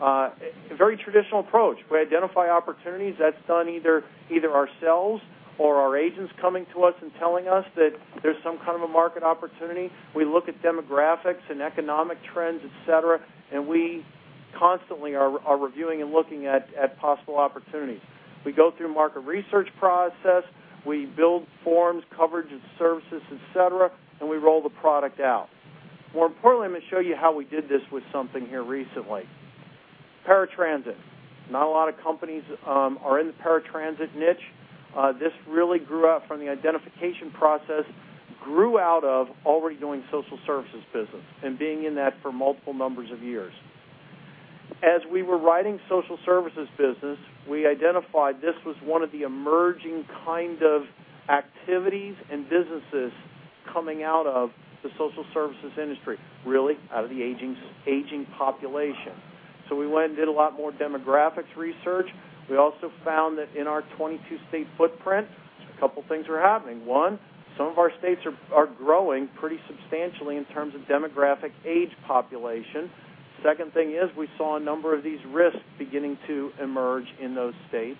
A very traditional approach. We identify opportunities. That's done either ourselves or our agents coming to us and telling us that there's some kind of a market opportunity. We look at demographics and economic trends, et cetera, we constantly are reviewing and looking at possible opportunities. We go through a market research process. We build forms, coverage and services, et cetera, we roll the product out. More importantly, I'm going to show you how we did this with something here recently. Paratransit. Not a lot of companies are in the paratransit niche. This really grew out from the identification process, grew out of already doing social services business and being in that for multiple numbers of years. As we were writing social services business, we identified this was one of the emerging kind of activities and businesses coming out of the social services industry, really out of the aging population. We went and did a lot more demographics research. We also found that in our 22-state footprint, a couple things were happening. One, some of our states are growing pretty substantially in terms of demographic age population. Second thing is we saw a number of these risks beginning to emerge in those states,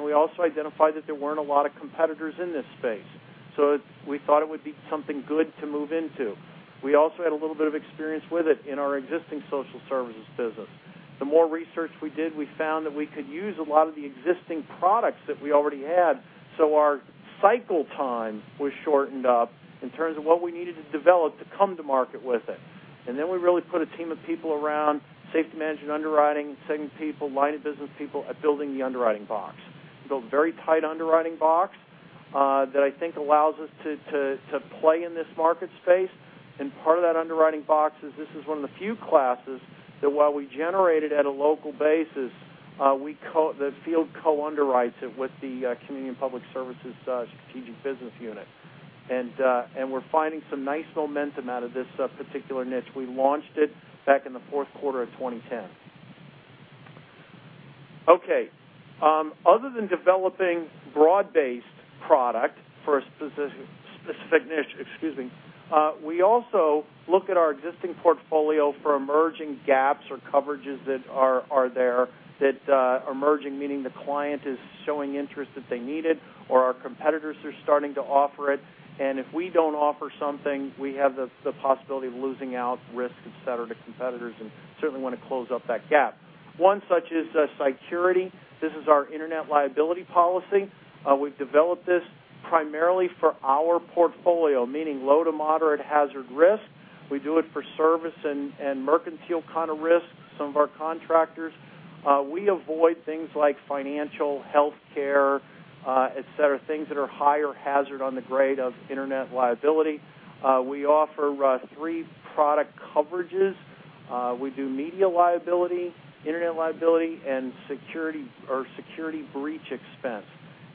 we also identified that there weren't a lot of competitors in this space. We thought it would be something good to move into. We also had a little bit of experience with it in our existing social services business. The more research we did, we found that we could use a lot of the existing products that we already had, so our cycle time was shortened up in terms of what we needed to develop to come to market with it. We really put a team of people around safety management, underwriting, segment people, line of business people at building the underwriting box. We built a very tight underwriting box that I think allows us to play in this market space. Part of that underwriting box is this is one of the few classes that while we generate it at a local basis, the field co-underwrites it with the Community & Public Services strategic business unit. We're finding some nice momentum out of this particular niche. We launched it back in the fourth quarter of 2010. Okay. Other than developing broad-based product for a specific niche, we also look at our existing portfolio for emerging gaps or coverages that are there, that are emerging, meaning the client is showing interest that they need it, or our competitors are starting to offer it. If we don't offer something, we have the possibility of losing out risk, et cetera, to competitors and certainly want to close up that gap. One such is CySurity. This is our internet liability policy. We've developed this primarily for our portfolio, meaning low to moderate hazard risk. We do it for service and mercantile kind of risks, some of our contractors. We avoid things like financial, healthcare, et cetera, things that are higher hazard on the grade of internet liability. We offer three product coverages. We do media liability, internet liability, and security breach expense.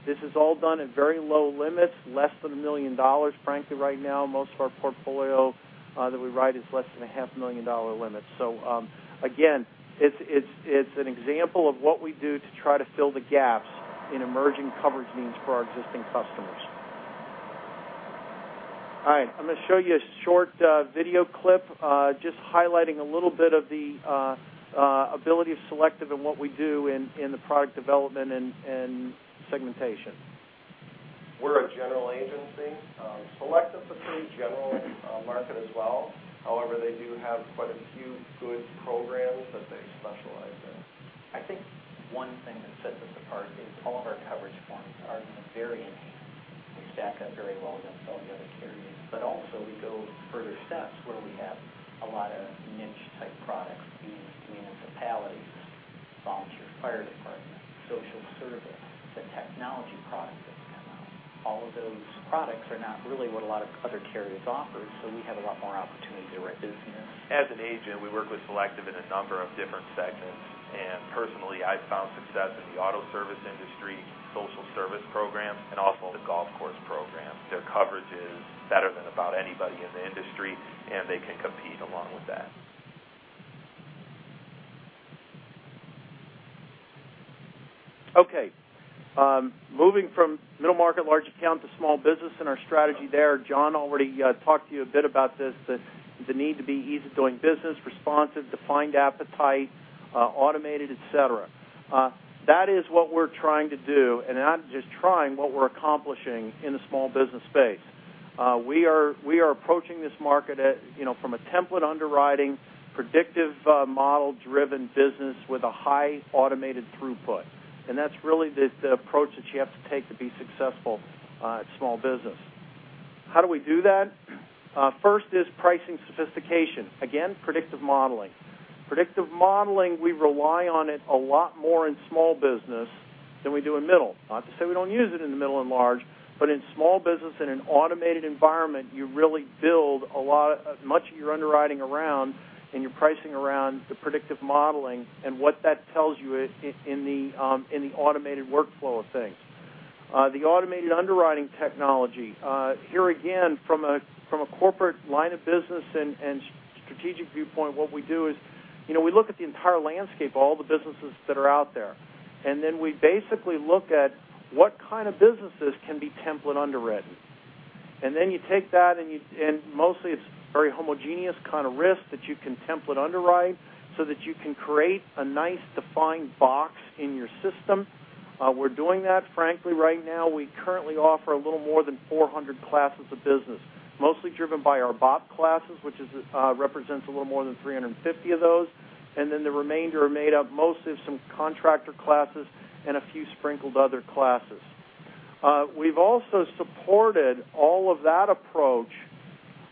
This is all done at very low limits, less than $1 million. Frankly, right now, most of our portfolio that we write is less than a half a million dollar limit. Again, it's an example of what we do to try to fill the gaps in emerging coverage needs for our existing customers. All right. I'm going to show you a short video clip, just highlighting a little bit of the ability of Selective and what we do in the product development and segmentation. We're a general agency. Selective is a general market as well. However, they do have quite a few good programs that they specialize in. I think one thing that sets us apart is all of our coverage forms are very enhanced. They stack up very well against all the other carriers. Also, we go further steps where we have a lot of niche-type products, be it municipalities, volunteers, fire department, social service. It's a technology product that's come out. All of those products are not really what a lot of other carriers offer, so we have a lot more opportunity to write business. As an agent, we work with Selective in a number of different segments, and personally, I've found success in the auto service industry, social service programs, and also the golf course programs. Their coverage is better than about anybody in the industry, and they can compete along with that. Okay. Moving from middle market large account to small business and our strategy there, John already talked to you a bit about this, the need to be easy doing business, responsive, defined appetite, automated, et cetera. That is what we're trying to do, and not just trying, what we're accomplishing in the small business space. We are approaching this market from a template underwriting, predictive model-driven business with a high automated throughput. That's really the approach that you have to take to be successful at small business. How do we do that? First is pricing sophistication. Again, predictive modeling. Predictive modeling, we rely on it a lot more in small business than we do in middle. Not to say we don't use it in the middle and large, in small business, in an automated environment, you really build much of your underwriting around and your pricing around the predictive modeling and what that tells you in the automated workflow of things. The automated underwriting technology. Here again, from a corporate line of business and strategic viewpoint, what we do is we look at the entire landscape, all the businesses that are out there. Then we basically look at what kind of businesses can be template underwritten. Then you take that, and mostly it's very homogeneous kind of risk that you can template underwrite so that you can create a nice defined box in your system. We're doing that, frankly, right now. We currently offer a little more than 400 classes of business, mostly driven by our BOP classes, which represents a little more than 350 of those, and then the remainder are made up mostly of some contractor classes and a few sprinkled other classes. We've also supported all of that approach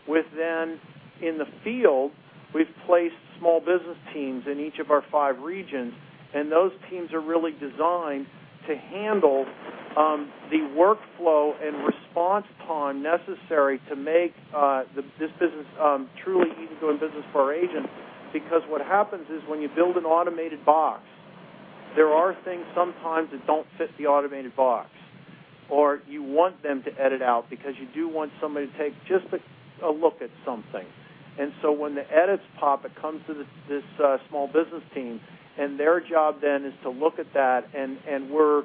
within, in the field, we've placed small business teams in each of our five regions, and those teams are really designed to handle the workflow and response time necessary to make this business truly easy doing business for our agents. What happens is, when you build an automated box, there are things sometimes that don't fit the automated box, or you want them to edit out because you do want somebody to take just a look at something. When the edits pop, it comes to this small business team, and their job then is to look at that, and we're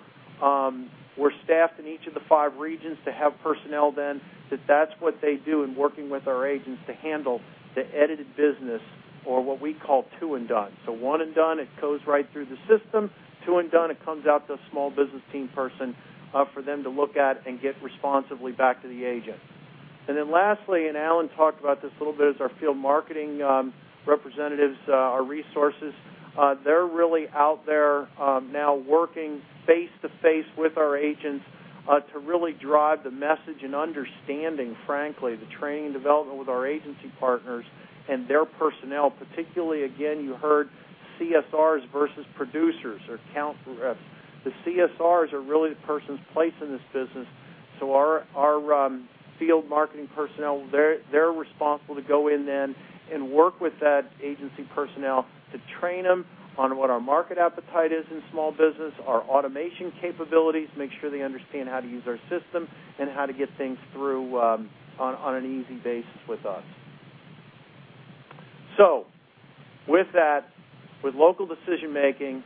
staffed in each of the five regions to have personnel then that that's what they do in working with our agents to handle the edited business or what we call Two and Done. One and Done, it goes right through the system. Two and Done, it comes out to a small business team person for them to look at and get responsively back to the agent. Lastly, Alan talked about this a little bit, is our field marketing representatives, our resources. They're really out there now working face-to-face with our agents, to really drive the message and understanding, frankly, the training and development with our agency partners and their personnel, particularly, again, you heard CSRs versus producers or account reps. The CSRs are really the persons placed in this business. Our field marketing personnel, they're responsible to go in then and work with that agency personnel to train them on what our market appetite is in small business, our automation capabilities, make sure they understand how to use our system, and how to get things through on an easy basis with us. With that, with local decision-making,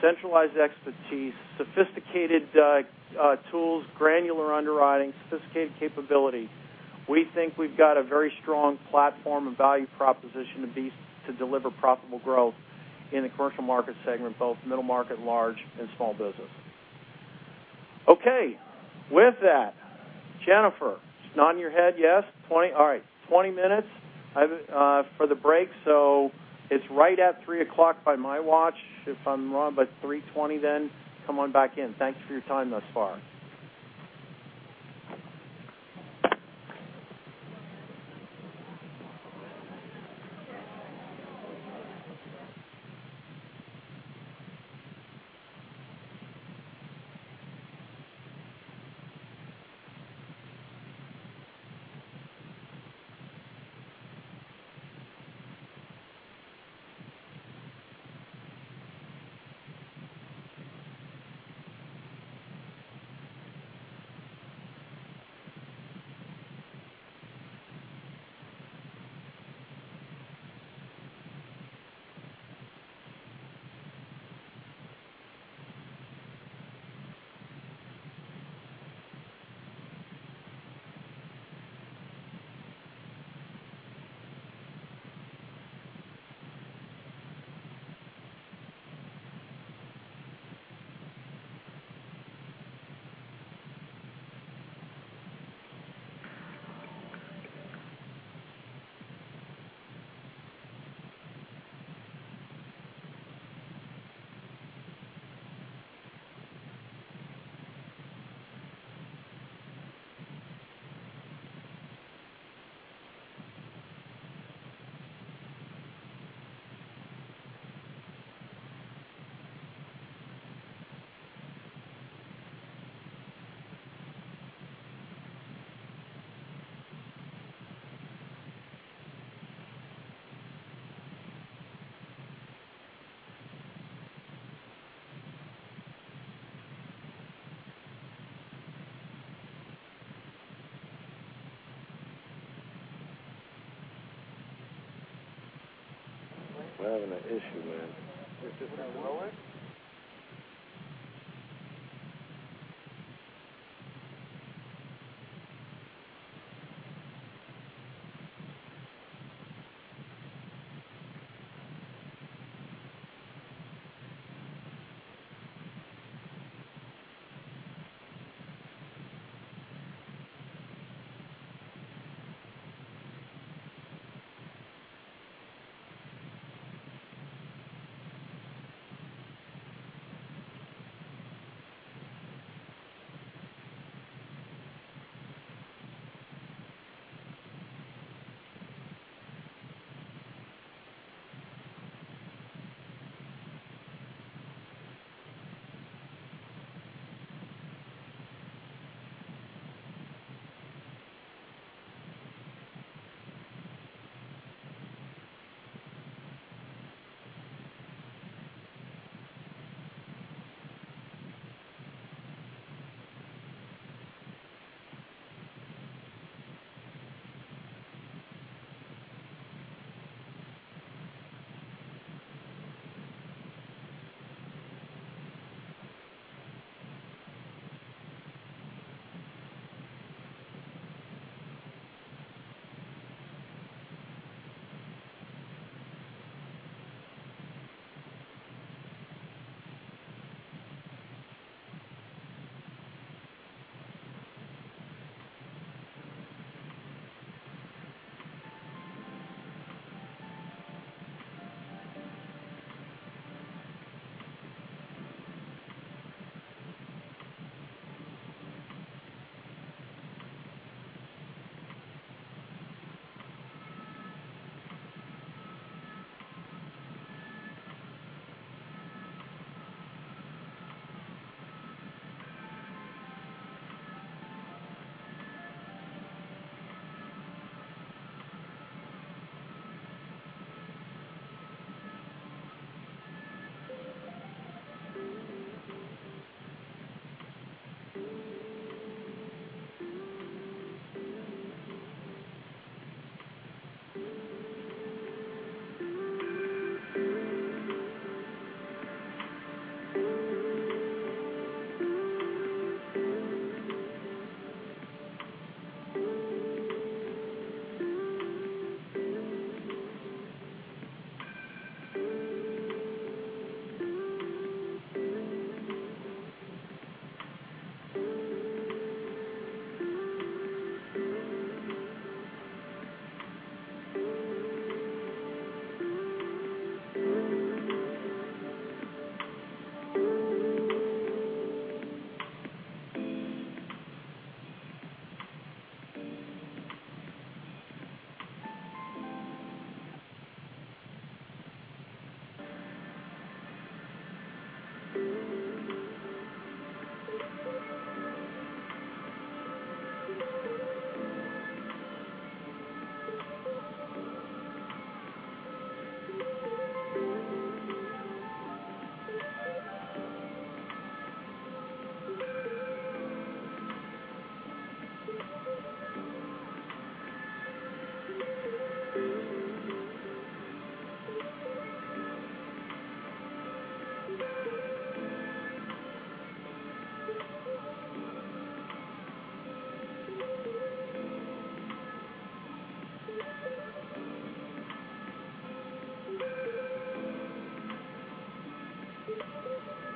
centralized expertise, sophisticated tools, granular underwriting, sophisticated capability, we think we've got a very strong platform and value proposition to deliver profitable growth in the commercial market segment, both middle market, large, and small business. Okay. With that, Jennifer, just nodding your head yes. All right, 20 minutes for the break. It's right at 3:00 by my watch. If I'm wrong, by 3:20 then, come on back in. Thanks for your time thus far. We're having an issue, man. Is it still rolling?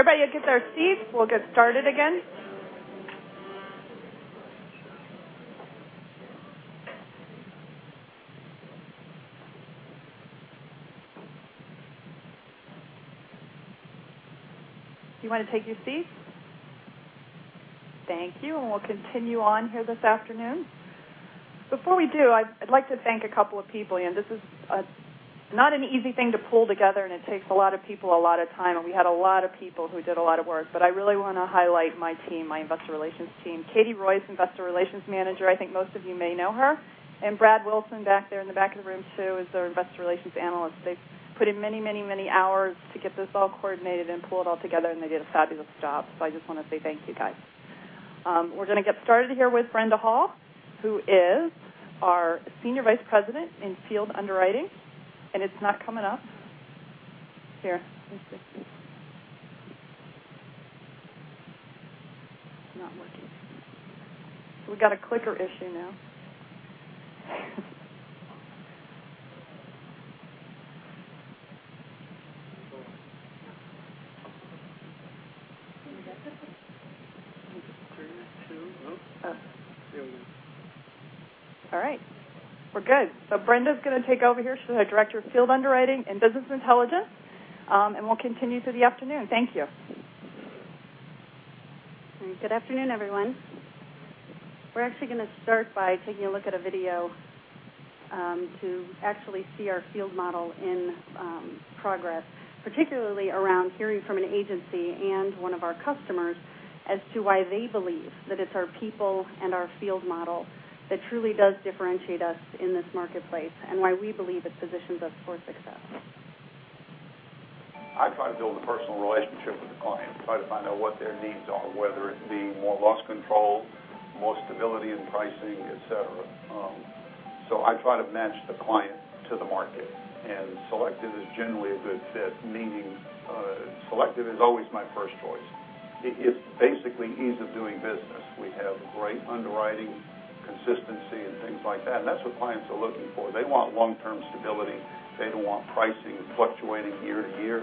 Everybody get to their seats. We'll get started again. You want to take your seats? Thank you. We'll continue on here this afternoon. Before we do, I'd like to thank a couple of people. This is not an easy thing to pull together, and it takes a lot of people a lot of time, and we had a lot of people who did a lot of work. I really want to highlight my team, my Investor Relations team. Katherine Roy is Investor Relations Manager. I think most of you may know her. Brad Wilson back there in the back of the room, too, is our Investor Relations Analyst. They've put in many hours to get this all coordinated and pull it all together, and they did a fabulous job. I just want to say thank you, guys. We're going to get started here with Brenda Hall, who is our Senior Vice President in Field Underwriting. It's not coming up. Here. Let me see. It's not working. We got a clicker issue now. All right. We're good. Brenda's going to take over here. She's our Director of Field Underwriting and Business Intelligence. We'll continue through the afternoon. Thank you. Good afternoon, everyone. We're actually going to start by taking a look at a video to actually see our field model in progress, particularly around hearing from an agency and one of our customers as to why they believe that it's our people and our field model that truly does differentiate us in this marketplace, and why we believe it positions us for success. I try to build a personal relationship with the client, try to find out what their needs are, whether it be more loss control, more stability in pricing, et cetera. I try to match the client to the market, and Selective is generally a good fit, meaning Selective is always my first choice. It's basically ease of doing business. We have great underwriting consistency and things like that, and that's what clients are looking for. They want long-term stability. They don't want pricing fluctuating year to year.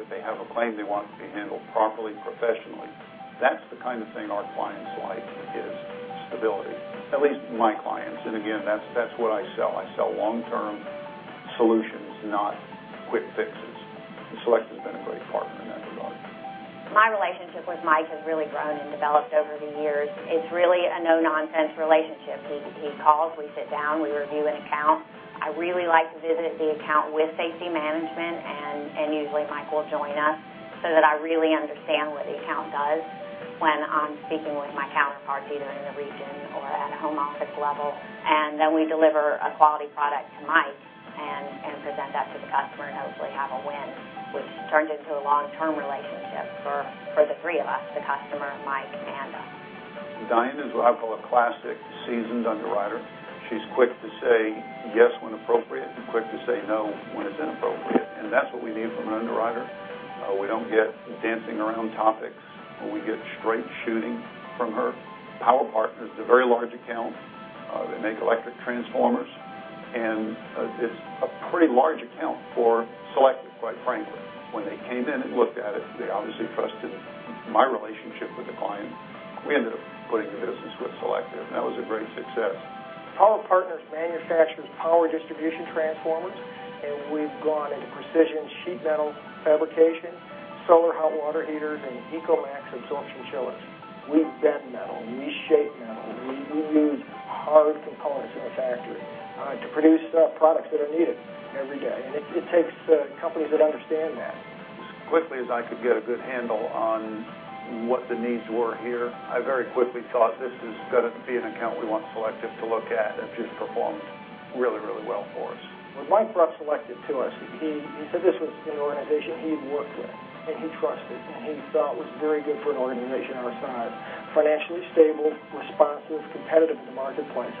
If they have a claim, they want it to be handled properly, professionally. That's the kind of thing our clients like, is stability. At least my clients. Again, that's what I sell. I sell long-term solutions, not quick fixes. Selective's been a great partner in that regard. My relationship with Mike has really grown and developed over the years. It's really a no-nonsense relationship. He calls, we sit down, we review an account. I really like to visit the account with safety management, and usually Mike will join us so that I really understand what the account does when I'm speaking with my counterparts, either in the region or at a home office level. Then we deliver a quality product to Mike and present that to the customer, and hopefully have a win, which turns into a long-term relationship for the three of us, the customer, Mike, and us. Diane is what I call a classic seasoned underwriter. She's quick to say yes when appropriate and quick to say no when it's inappropriate, and that's what we need from an underwriter. We don't get dancing around topics. We get straight shooting from her. Power Partners is a very large account. They make electric transformers, and it's a pretty large account for Selective, quite frankly. When they came in and looked at it, they obviously trusted my relationship with the client. We ended up putting the business with Selective, and that was a great success. Power Partners manufactures power distribution transformers, and we've gone into precision sheet metal fabrication, solar hot water heaters, and ECO-MAX absorption chillers. We bend metal. We shape metal. We use hard components in our factory to produce products that are needed every day, and it takes companies that understand that. As quickly as I could get a good handle on what the needs were here, I very quickly thought, this is going to be an account we want Selective to look at, and she's performed really well for us. When Mike brought Selective to us, he said this was an organization he had worked with and he trusted and he thought was very good for an organization our size, financially stable, responsive, competitive in the marketplace.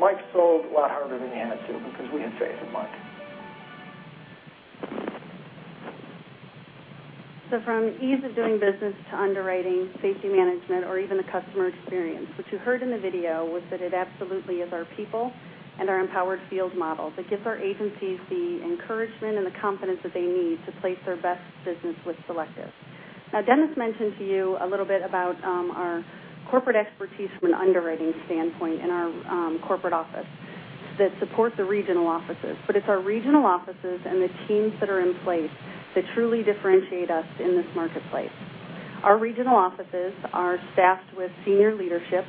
Mike sold a lot harder than he had to because we had faith in Mike. From ease of doing business to underwriting, safety management, or even the customer experience, what you heard in the video was that it absolutely is our people and our empowered field model that gives our agencies the encouragement and the confidence that they need to place their best business with Selective. Dennis mentioned to you a little bit about our corporate expertise from an underwriting standpoint in our corporate office that supports the regional offices, our regional offices and the teams that are in place that truly differentiate us in this marketplace. Our regional offices are staffed with senior leadership,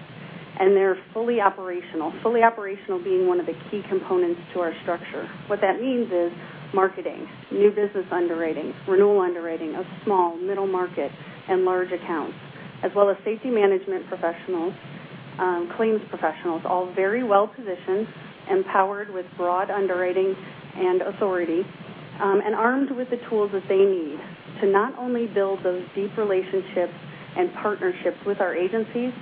and they're fully operational, fully operational being one of the key components to our structure. What that means is marketing, new business underwriting, renewal underwriting of small, middle market, and large accounts, as well as safety management professionals, claims professionals, all very well positioned, empowered with broad underwriting and authority, and armed with the tools that they need to not only build those deep relationships and partnerships with our agencies,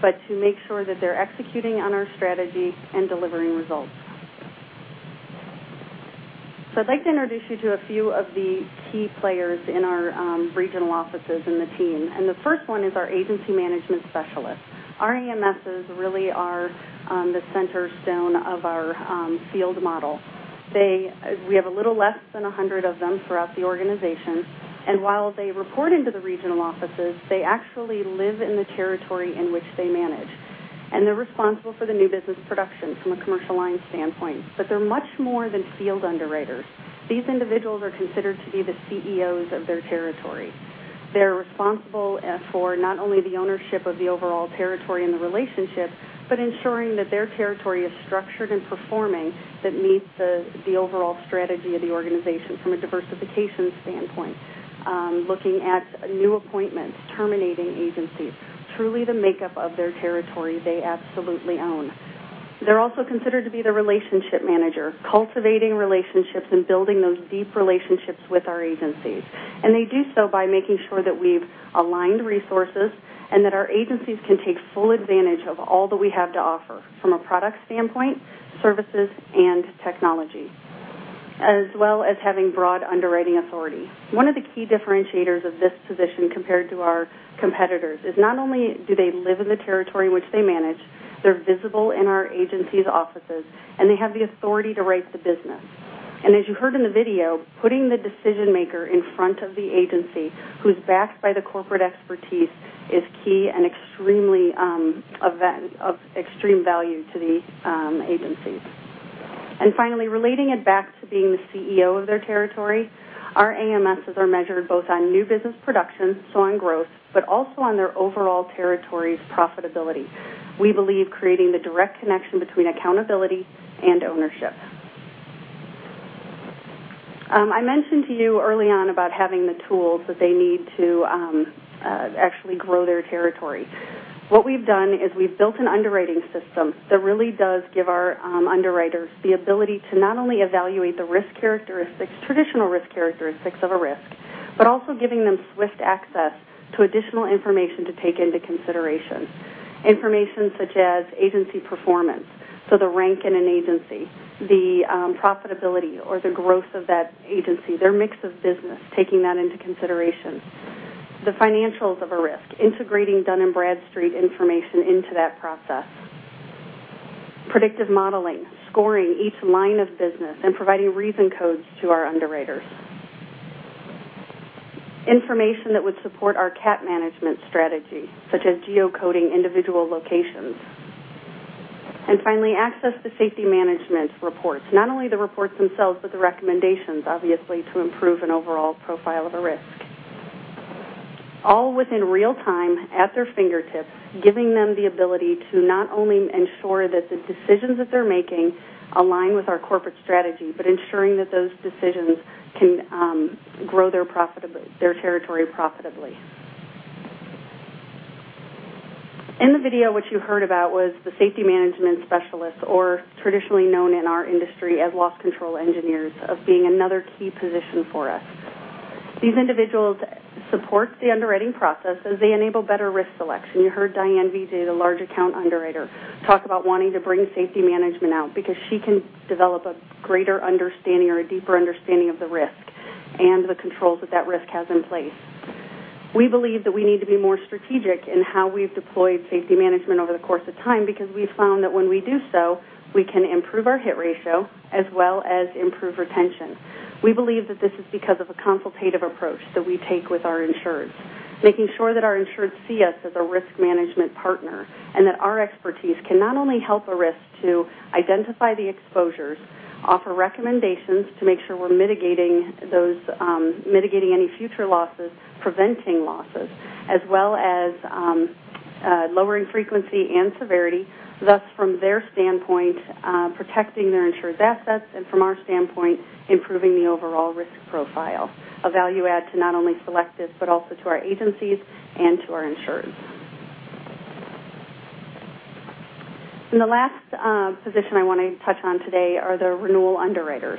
but to make sure that they're executing on our strategy and delivering results. I'd like to introduce you to a few of the key players in our regional offices and the team, and the first one is our agency management specialist. Our AMSs really are the cornerstone of our field model. We have a little less than 100 of them throughout the organization, and while they report into the regional offices, they actually live in the territory in which they manage. They're responsible for the new business production from a commercial line standpoint, they're much more than field underwriters. These individuals are considered to be the CEOs of their territory. They're responsible for not only the ownership of the overall territory and the relationship, but ensuring that their territory is structured and performing that meets the overall strategy of the organization from a diversification standpoint, looking at new appointments, terminating agencies, truly the makeup of their territory they absolutely own. They're also considered to be the relationship manager, cultivating relationships and building those deep relationships with our agencies. They do so by making sure that we've aligned resources and that our agencies can take full advantage of all that we have to offer from a product standpoint, services, and technology, as well as having broad underwriting authority. One of the key differentiators of this position compared to our competitors is not only do they live in the territory in which they manage, they're visible in our agencies' offices, and they have the authority to write the business. As you heard in the video, putting the decision maker in front of the agency who's backed by the corporate expertise is key and of extreme value to the agencies. Finally, relating it back to being the CEO of their territory, our AMSs are measured both on new business production, so on growth, but also on their overall territory's profitability. We believe creating the direct connection between accountability and ownership. I mentioned to you early on about having the tools that they need to actually grow their territory. What we've done is we've built an underwriting system that really does give our underwriters the ability to not only evaluate the traditional risk characteristics of a risk, but also giving them swift access to additional information to take into consideration, information such as agency performance, so the rank in an agency, the profitability or the growth of that agency, their mix of business, taking that into consideration, the financials of a risk, integrating Dun & Bradstreet information into that process. Predictive modeling, scoring each line of business, and providing reason codes to our underwriters. Information that would support our cat management strategy, such as geocoding individual locations. Finally, access to safety management reports, not only the reports themselves, but the recommendations, obviously, to improve an overall profile of a risk. All within real time, at their fingertips, giving them the ability to not only ensure that the decisions that they're making align with our corporate strategy, ensuring that those decisions can grow their territory profitably. In the video, what you heard about was the safety management specialist, or traditionally known in our industry as loss control engineers, of being another key position for us. These individuals support the underwriting process as they enable better risk selection. You heard Diane Vijay, the large account underwriter, talk about wanting to bring safety management out because she can develop a greater understanding or a deeper understanding of the risk and the controls that that risk has in place. We believe that we need to be more strategic in how we've deployed safety management over the course of time because we've found that when we do so, we can improve our hit ratio as well as improve retention. We believe that this is because of a consultative approach that we take with our insureds, making sure that our insureds see us as a risk management partner, and that our expertise can not only help a risk to identify the exposures, offer recommendations to make sure we're mitigating any future losses, preventing losses, as well as lowering frequency and severity, thus, from their standpoint, protecting their insured's assets, and from our standpoint, improving the overall risk profile. A value add to not only Selective, but also to our agencies and to our insureds. The last position I want to touch on today are the renewal underwriters.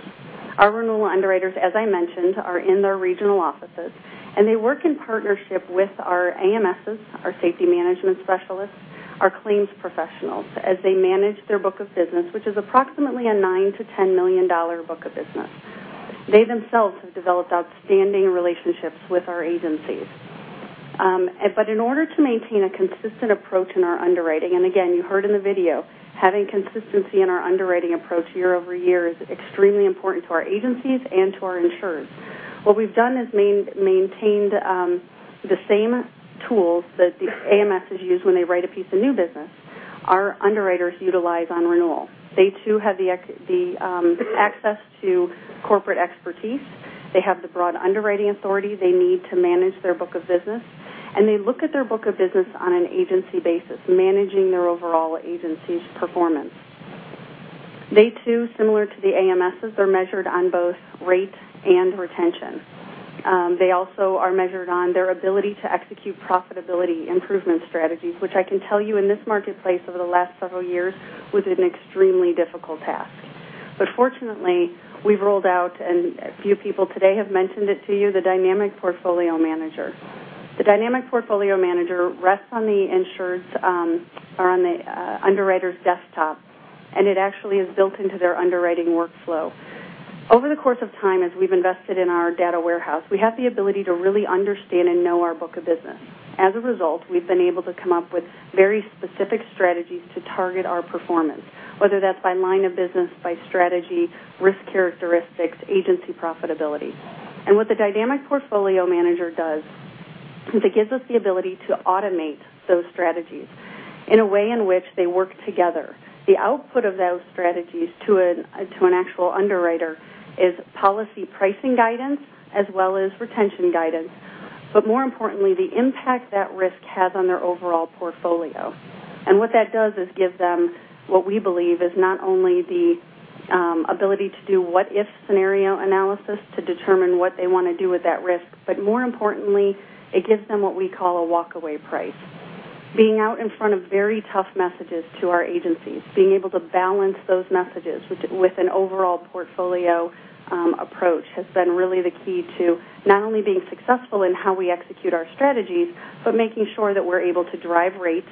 Our renewal underwriters, as I mentioned, are in their regional offices, and they work in partnership with our AMSs, our safety management specialists, our claims professionals, as they manage their book of business, which is approximately a $9 million to $10 million book of business. They themselves have developed outstanding relationships with our agencies. In order to maintain a consistent approach in our underwriting, again, you heard in the video, having consistency in our underwriting approach year-over-year is extremely important to our agencies and to our insureds. What we've done is maintained the same tools that the AMSs use when they write a piece of new business our underwriters utilize on renewal. They too have the access to corporate expertise. They have the broad underwriting authority they need to manage their book of business, and they look at their book of business on an agency basis, managing their overall agency's performance. They too, similar to the AMSs, are measured on both rate and retention. They also are measured on their ability to execute profitability improvement strategies, which I can tell you in this marketplace over the last several years was an extremely difficult task. Fortunately, we've rolled out, and a few people today have mentioned it to you, the dynamic portfolio manager. The dynamic portfolio manager rests on the underwriter's desktop, and it actually is built into their underwriting workflow. Over the course of time, as we've invested in our data warehouse, we have the ability to really understand and know our book of business. As a result, we've been able to come up with very specific strategies to target our performance, whether that's by line of business, by strategy, risk characteristics, agency profitability. What the dynamic portfolio manager does is it gives us the ability to automate those strategies in a way in which they work together. The output of those strategies to an actual underwriter is policy pricing guidance as well as retention guidance, but more importantly, the impact that risk has on their overall portfolio. What that does is give them what we believe is not only the ability to do what if scenario analysis to determine what they want to do with that risk, but more importantly, it gives them what we call a walkaway price. Being out in front of very tough messages to our agencies, being able to balance those messages with an overall portfolio approach has been really the key to not only being successful in how we execute our strategies, but making sure that we're able to drive rates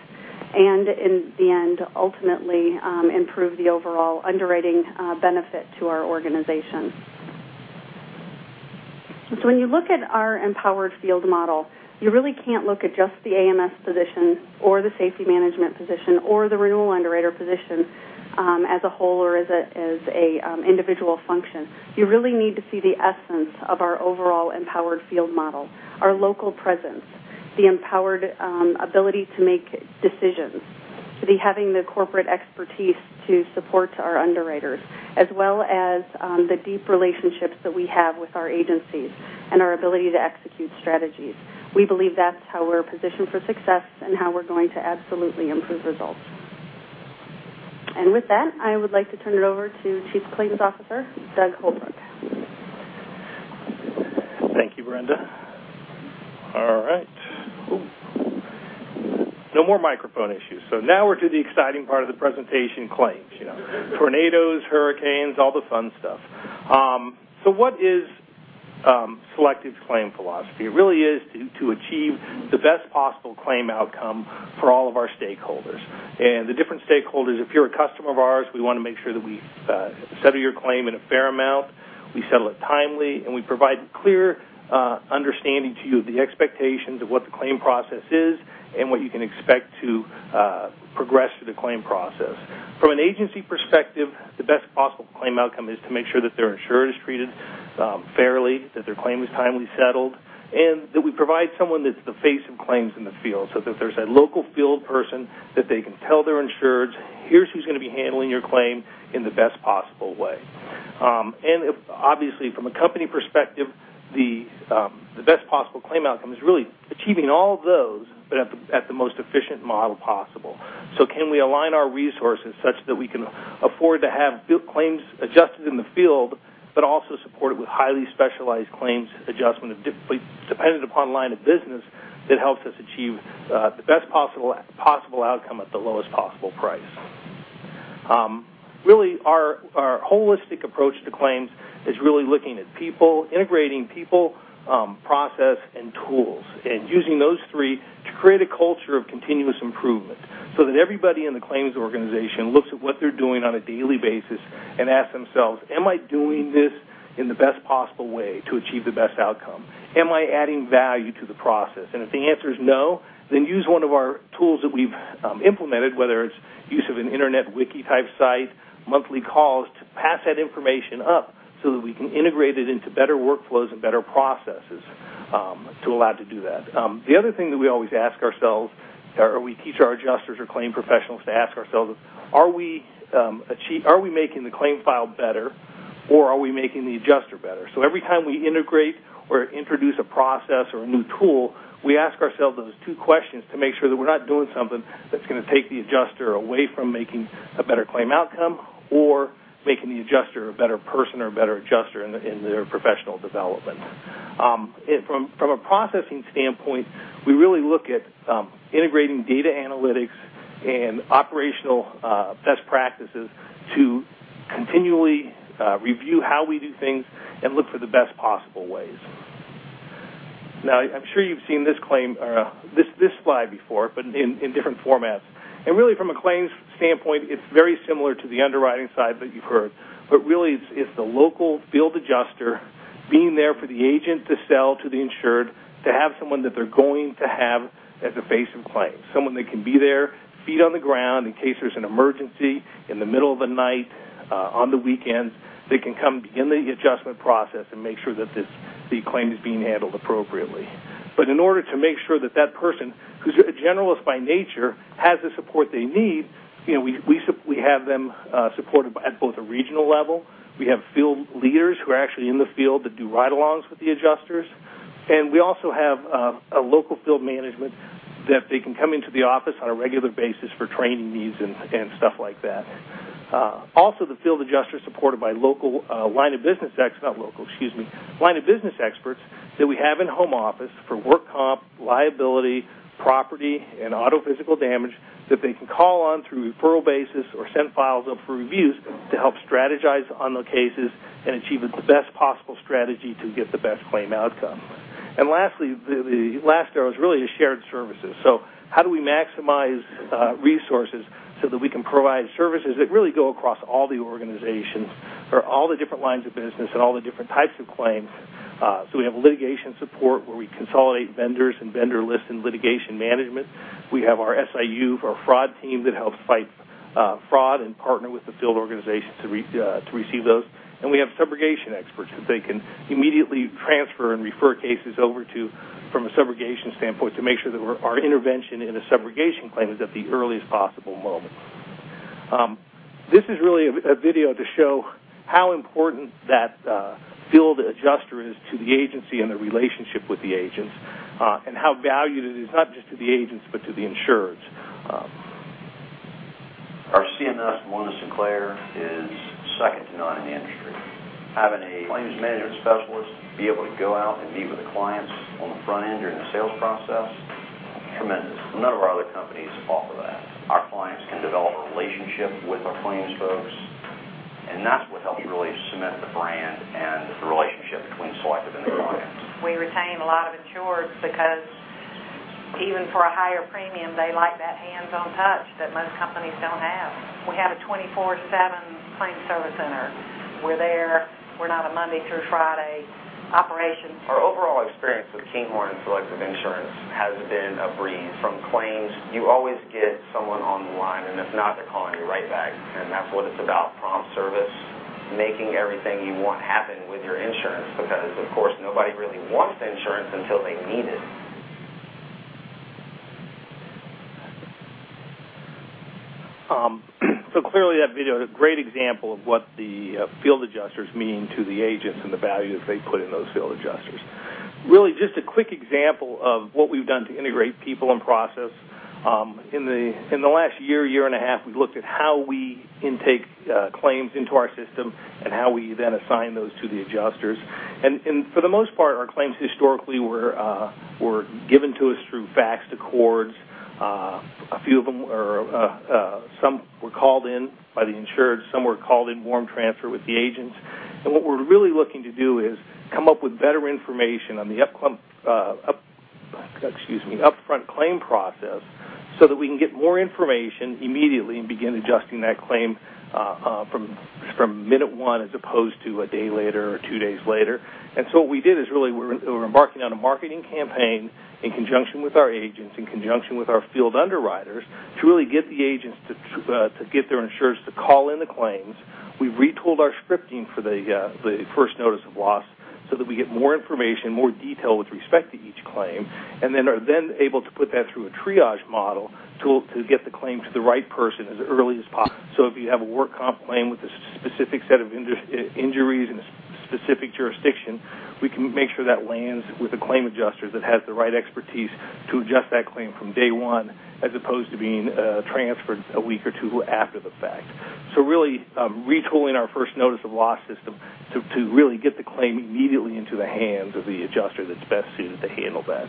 and in the end, ultimately improve the overall underwriting benefit to our organization. When you look at our empowered field model, you really can't look at just the AMS position or the safety management position or the renewal underwriter position as a whole or as an individual function. You really need to see the essence of our overall empowered field model, our local presence, the empowered ability to make decisions, to be having the corporate expertise to support our underwriters, as well as the deep relationships that we have with our agencies and our ability to execute strategies. We believe that's how we're positioned for success and how we're going to absolutely improve results. With that, I would like to turn it over to Chief Claims Officer, Doug Holbrook. Thank you, Brenda. All right. No more microphone issues. Now we're to the exciting part of the presentation, claims. Tornadoes, hurricanes, all the fun stuff. What is Selective's claim philosophy? It really is to achieve the best possible claim outcome for all of our stakeholders. The different stakeholders, if you're a customer of ours, we want to make sure that we settle your claim in a fair amount. We settle it timely, and we provide clear understanding to you of the expectations of what the claim process is and what you can expect to progress through the claim process. From an agency perspective, the best possible claim outcome is to make sure that their insurer is treated fairly, that their claim is timely settled, and that we provide someone that's the face of claims in the field, so that there's a local field person that they can tell their insureds, "Here's who's going to be handling your claim in the best possible way." Obviously, from a company perspective, the best possible claim outcome is really achieving all of those, but at the most efficient model possible. Can we align our resources such that we can afford to have claims adjusted in the field, but also supported with highly specialized claims adjustment dependent upon line of business that helps us achieve the best possible outcome at the lowest possible price? Our holistic approach to claims is really looking at people, integrating people, process, and tools, and using those three to create a culture of continuous improvement, so that everybody in the claims organization looks at what they're doing on a daily basis and ask themselves, "Am I doing this in the best possible way to achieve the best outcome? Am I adding value to the process?" If the answer is no, use one of our tools that we've implemented, whether it's use of an internet wiki type site, monthly calls to pass that information up so that we can integrate it into better workflows and better processes to allow it to do that. The other thing that we always ask ourselves, or we teach our adjusters or claim professionals to ask ourselves is, are we making the claim file better, or are we making the adjuster better? Every time we integrate or introduce a process or a new tool, we ask ourselves those two questions to make sure that we're not doing something that's going to take the adjuster away from making a better claim outcome or making the adjuster a better person or a better adjuster in their professional development. From a processing standpoint, we really look at integrating data analytics and operational best practices to continually review how we do things and look for the best possible ways. I'm sure you've seen this slide before, but in different formats. Really from a claims standpoint, it's very similar to the underwriting side that you've heard. Really, it's the local field adjuster being there for the agent to sell to the insured, to have someone that they're going to have as a face of claims, someone that can be there, feet on the ground in case there's an emergency in the middle of the night, on the weekends. They can come in the adjustment process and make sure that the claim is being handled appropriately. In order to make sure that person, who's a generalist by nature, has the support they need, we have them supported at both a regional level. We have field leaders who are actually in the field that do ride-alongs with the adjusters, and we also have a local field management that they can come into the office on a regular basis for training needs and stuff like that. Also, the field adjuster's supported by line of business experts that we have in home office for work comp, liability, property, and auto physical damage that they can call on through referral basis or send files up for reviews to help strategize on the cases and achieve the best possible strategy to get the best claim outcome. Lastly, the last arrow is really the shared services. How do we maximize resources so that we can provide services that really go across all the organizations for all the different lines of business and all the different types of claims? We have litigation support, where we consolidate vendors and vendor lists and litigation management. We have our SIU, our fraud team that helps fight fraud and partner with the field organization to receive those. We have subrogation experts that they can immediately transfer and refer cases over to from a subrogation standpoint to make sure that our intervention in a subrogation claim is at the earliest possible moment. This is really a video to show how important that field adjuster is to the agency and the relationship with the agents, and how valued it is, not just to the agents, but to the insureds. Our CMS, Mona Sinclair, is second to none in the industry. Having a claims management specialist be able to go out and be with the clients on the front end during the sales process, tremendous. None of our other companies offer that. Our clients can develop a relationship with our claims folks, and that's what helps really cement the brand and the relationship between Selective and the clients. We retain a lot of insureds because even for a higher premium, they like that hands-on touch that most companies don't have. We have a 24/7 claim service center. We're there. We're not a Monday through Friday operation. Our overall experience with Kinghorn and Selective Insurance has been a breeze. From claims, you always get someone on the line, and if not, they're calling you right back. That's what it's about, prompt service, making everything you want happen with your insurance, because of course, nobody really wants insurance until they need it. Clearly, that video is a great example of what the field adjusters mean to the agents and the value that they put in those field adjusters. Really, just a quick example of what we've done to integrate people and process. In the last year and a half, we've looked at how we intake claims into our system and how we then assign those to the adjusters. For the most part, our claims historically were given to us through faxed ACORDs. Some were called in by the insured, some were called in warm transfer with the agents. What we're really looking to do is come up with better information on the upfront claim process so that we can get more information immediately and begin adjusting that claim from minute 1 as opposed to a day later or 2 days later. What we did is really, we're embarking on a marketing campaign in conjunction with our agents, in conjunction with our field underwriters to really get the agents to get their insurers to call in the claims. We retooled our scripting for the first notice of loss so that we get more information, more detail with respect to each claim, and then are able to put that through a triage model to get the claim to the right person as early as possible. If you have a work comp claim with a specific set of injuries in a specific jurisdiction, we can make sure that lands with a claim adjuster that has the right expertise to adjust that claim from day 1, as opposed to being transferred a week or 2 after the fact. Really, retooling our first notice of loss system to really get the claim immediately into the hands of the adjuster that's best suited to handle that.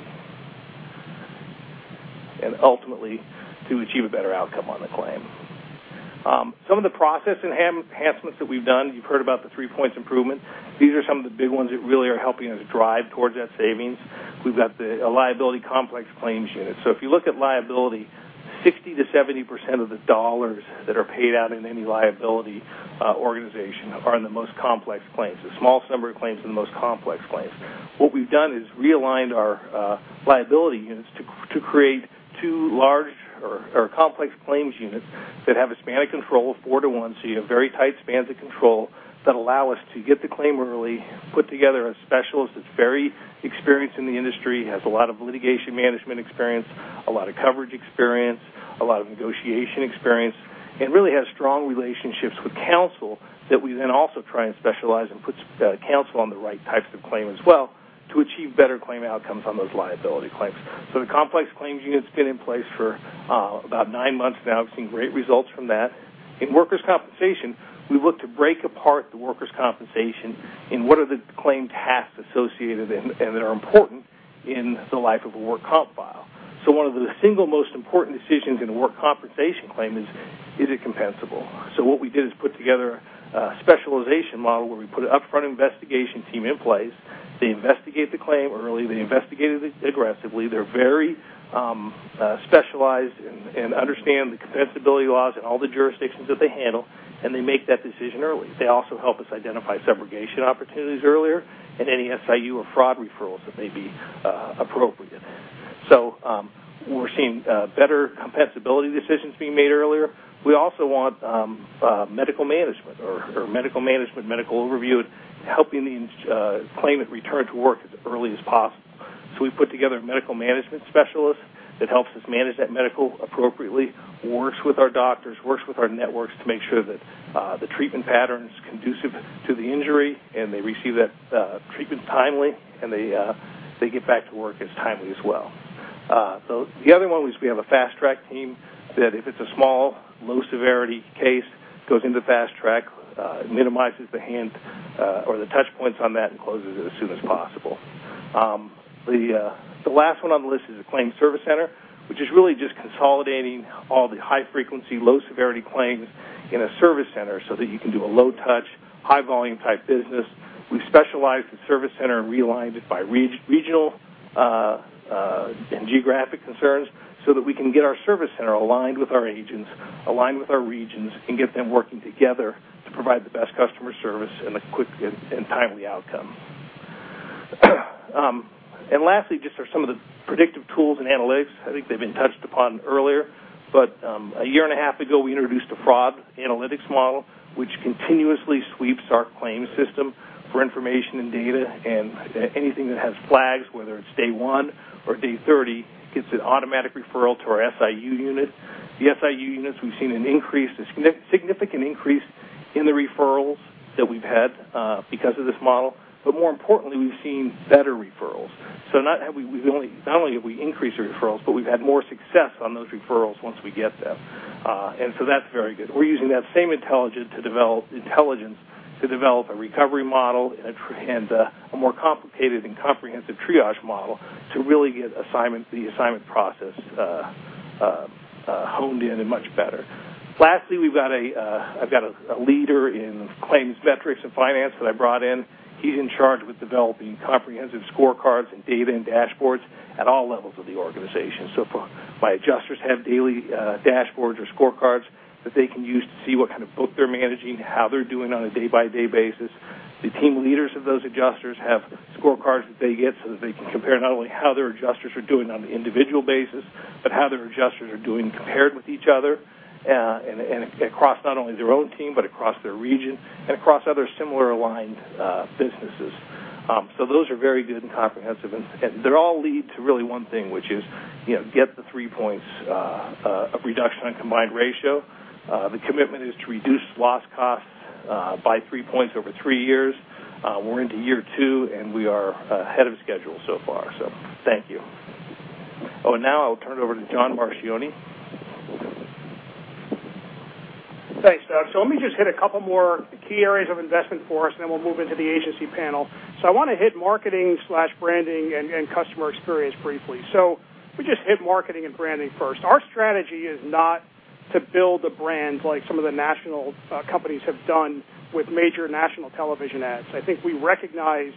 Ultimately, to achieve a better outcome on the claim. Some of the process enhancements that we've done, you've heard about the 3 points improvement. These are some of the big ones that really are helping us drive towards that savings. We've got a liability complex claims unit. If you look at liability, 60%-70% of the dollars that are paid out in any liability organization are in the most complex claims, the smallest number of claims are the most complex claims. What we've done is realigned our liability units to create 2 large or complex claims units that have a span of control of 4 to 1. You have very tight spans of control that allow us to get the claim early, put together a specialist that's very experienced in the industry, has a lot of litigation management experience, a lot of coverage experience, a lot of negotiation experience, and really has strong relationships with counsel that we then also try and specialize and put counsel on the right types of claim as well to achieve better claim outcomes on those liability claims. The complex claims units been in place for about 9 months now. We've seen great results from that. In workers' compensation, we look to break apart the workers' compensation in what are the claim tasks associated and that are important in the life of a work comp file. One of the single most important decisions in a work compensation claim is it compensable? What we did is put together a specialization model where we put an upfront investigation team in place. They investigate the claim early, they investigate it aggressively. They're very specialized and understand the compensability laws in all the jurisdictions that they handle, and they make that decision early. They also help us identify subrogation opportunities earlier and any SIU or fraud referrals that may be appropriate in there. We're seeing better compensability decisions being made earlier. We also want medical management, medical review, helping the claimant return to work as early as possible. We put together medical management specialists that helps us manage that medical appropriately, works with our doctors, works with our networks to make sure that the treatment pattern's conducive to the injury, and they receive that treatment timely, and they get back to work as timely as well. The other one was we have a fast track team that if it's a small, low-severity case, goes into fast track, it minimizes the hand or the touchpoints on that and closes it as soon as possible. The last one on the list is the claim service center, which is really just consolidating all the high-frequency, low-severity claims in a service center so that you can do a low-touch, high-volume type business. We specialized the service center and realigned it by regional and geographic concerns so that we can get our service center aligned with our agents, aligned with our regions, and get them working together to provide the best customer service and a quick and timely outcome. Lastly, just are some of the predictive tools and analytics. I think they've been touched upon earlier. A year and a half ago, we introduced a fraud analytics model, which continuously sweeps our claim system for information and data and anything that has flags, whether it's day one or day 30, gets an automatic referral to our SIU unit. The SIU units, we've seen a significant increase in the referrals that we've had because of this model, but more importantly, we've seen better referrals. Not only have we increased our referrals, but we've had more success on those referrals once we get them. That's very good. We're using that same intelligence to develop a recovery model and a more complicated and comprehensive triage model to really get the assignment process honed in and much better. Lastly, I've got a leader in claims metrics and finance that I brought in. He's in charge with developing comprehensive scorecards and data and dashboards at all levels of the organization. My adjusters have daily dashboards or scorecards that they can use to see what kind of book they're managing, how they're doing on a day-by-day basis. The team leaders of those adjusters have scorecards that they get so that they can compare not only how their adjusters are doing on the individual basis, but how their adjusters are doing compared with each other, and across not only their own team, but across their region and across other similar aligned businesses. Those are very good and comprehensive, and they all lead to really one thing, which is get the three points of reduction on combined ratio. The commitment is to reduce loss costs by three points over three years. We're into year two, and we are ahead of schedule so far. Now I'll turn it over to John Marchioni. Thanks, Doug. Let me just hit a couple more key areas of investment for us, then we'll move into the agency panel. I want to hit marketing/branding and customer experience briefly. We just hit marketing and branding first. Our strategy is not to build a brand like some of the national companies have done with major national television ads. I think we recognize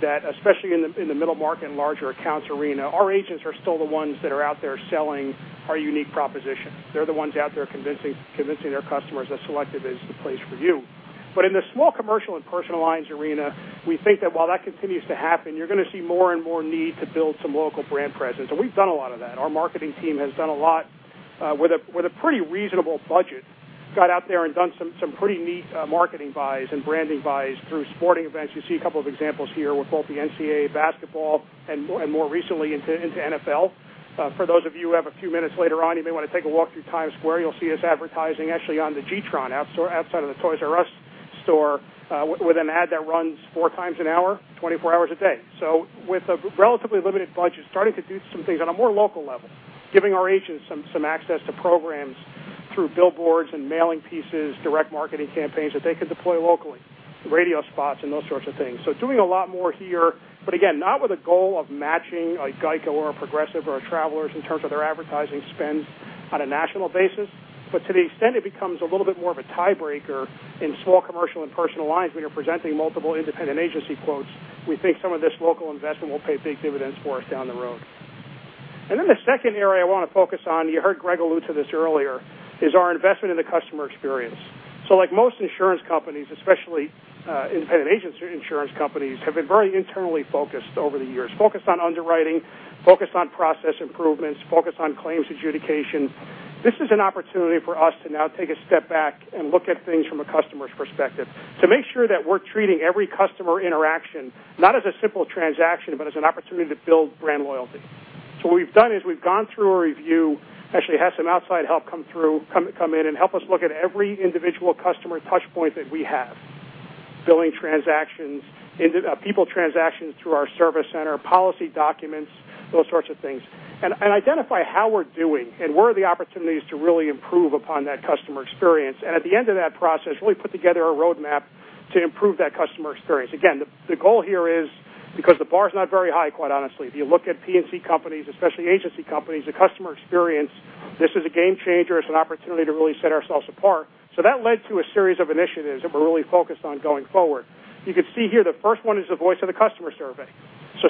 that, especially in the middle market and larger accounts arena, our agents are still the ones that are out there selling our unique proposition. They're the ones out there convincing their customers that Selective is the place for you. But in the small commercial and personal lines arena, we think that while that continues to happen, you're going to see more and more need to build some local brand presence, and we've done a lot of that. Our marketing team has done a lot with a pretty reasonable budget, got out there and done some pretty neat marketing buys and branding buys through sporting events. You see a couple of examples here with both the NCAA basketball and more recently into NFL. For those of you who have a few minutes later on, you may want to take a walk through Times Square. You'll see us advertising actually on the G-Tron outside of the Toys R Us store with an ad that runs 4 times an hour, 24 hours a day. With a relatively limited budget, starting to do some things on a more local level, giving our agents some access to programs through billboards and mailing pieces, direct marketing campaigns that they could deploy locally, radio spots, and those sorts of things. Doing a lot more here, but again, not with a goal of matching a GEICO or a Progressive or a Travelers in terms of their advertising spend on a national basis. But to the extent it becomes a little bit more of a tiebreaker in small commercial and personal lines when you're presenting multiple independent agency quotes, we think some of this local investment will pay big dividends for us down the road. Then the second area I want to focus on, you heard Greg allude to this earlier, is our investment in the customer experience. Like most insurance companies, especially independent agency insurance companies, have been very internally focused over the years, focused on underwriting, focused on process improvements, focused on claims adjudication. This is an opportunity for us to now take a step back and look at things from a customer's perspective to make sure that we're treating every customer interaction not as a simple transaction, but as an opportunity to build brand loyalty. What we've done is we've gone through a review, actually had some outside help come in and help us look at every individual customer touch point that we have, billing transactions, people transactions through our service center, policy documents, those sorts of things, and identify how we're doing and where are the opportunities to really improve upon that customer experience. At the end of that process, really put together a roadmap to improve that customer experience. Again, the goal here is because the bar is not very high, quite honestly. If you look at P&C companies, especially agency companies, the customer experience, this is a game changer. It's an opportunity to really set ourselves apart. That led to a series of initiatives that we're really focused on going forward. You can see here, the first one is the voice of the customer survey.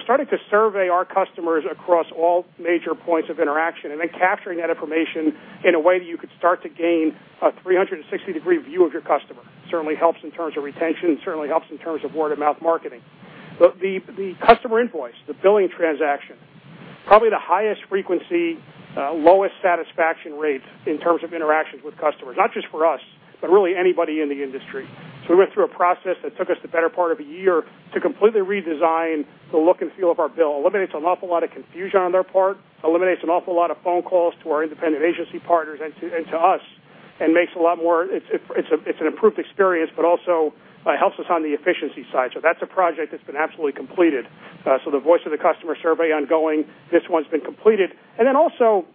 Starting to survey our customers across all major points of interaction, and then capturing that information in a way that you could start to gain a 360-degree view of your customer certainly helps in terms of retention, certainly helps in terms of word of mouth marketing. The customer invoice, the billing transaction, probably the highest frequency, lowest satisfaction rates in terms of interactions with customers, not just for us, but really anybody in the industry. We went through a process that took us the better part of a year to completely redesign the look and feel of our bill. Eliminates an awful lot of confusion on their part, eliminates an awful lot of phone calls to our independent agency partners and to us, and it's an improved experience, but also helps us on the efficiency side. That's a project that's been absolutely completed. The voice of the customer survey ongoing. This one's been completed. Also,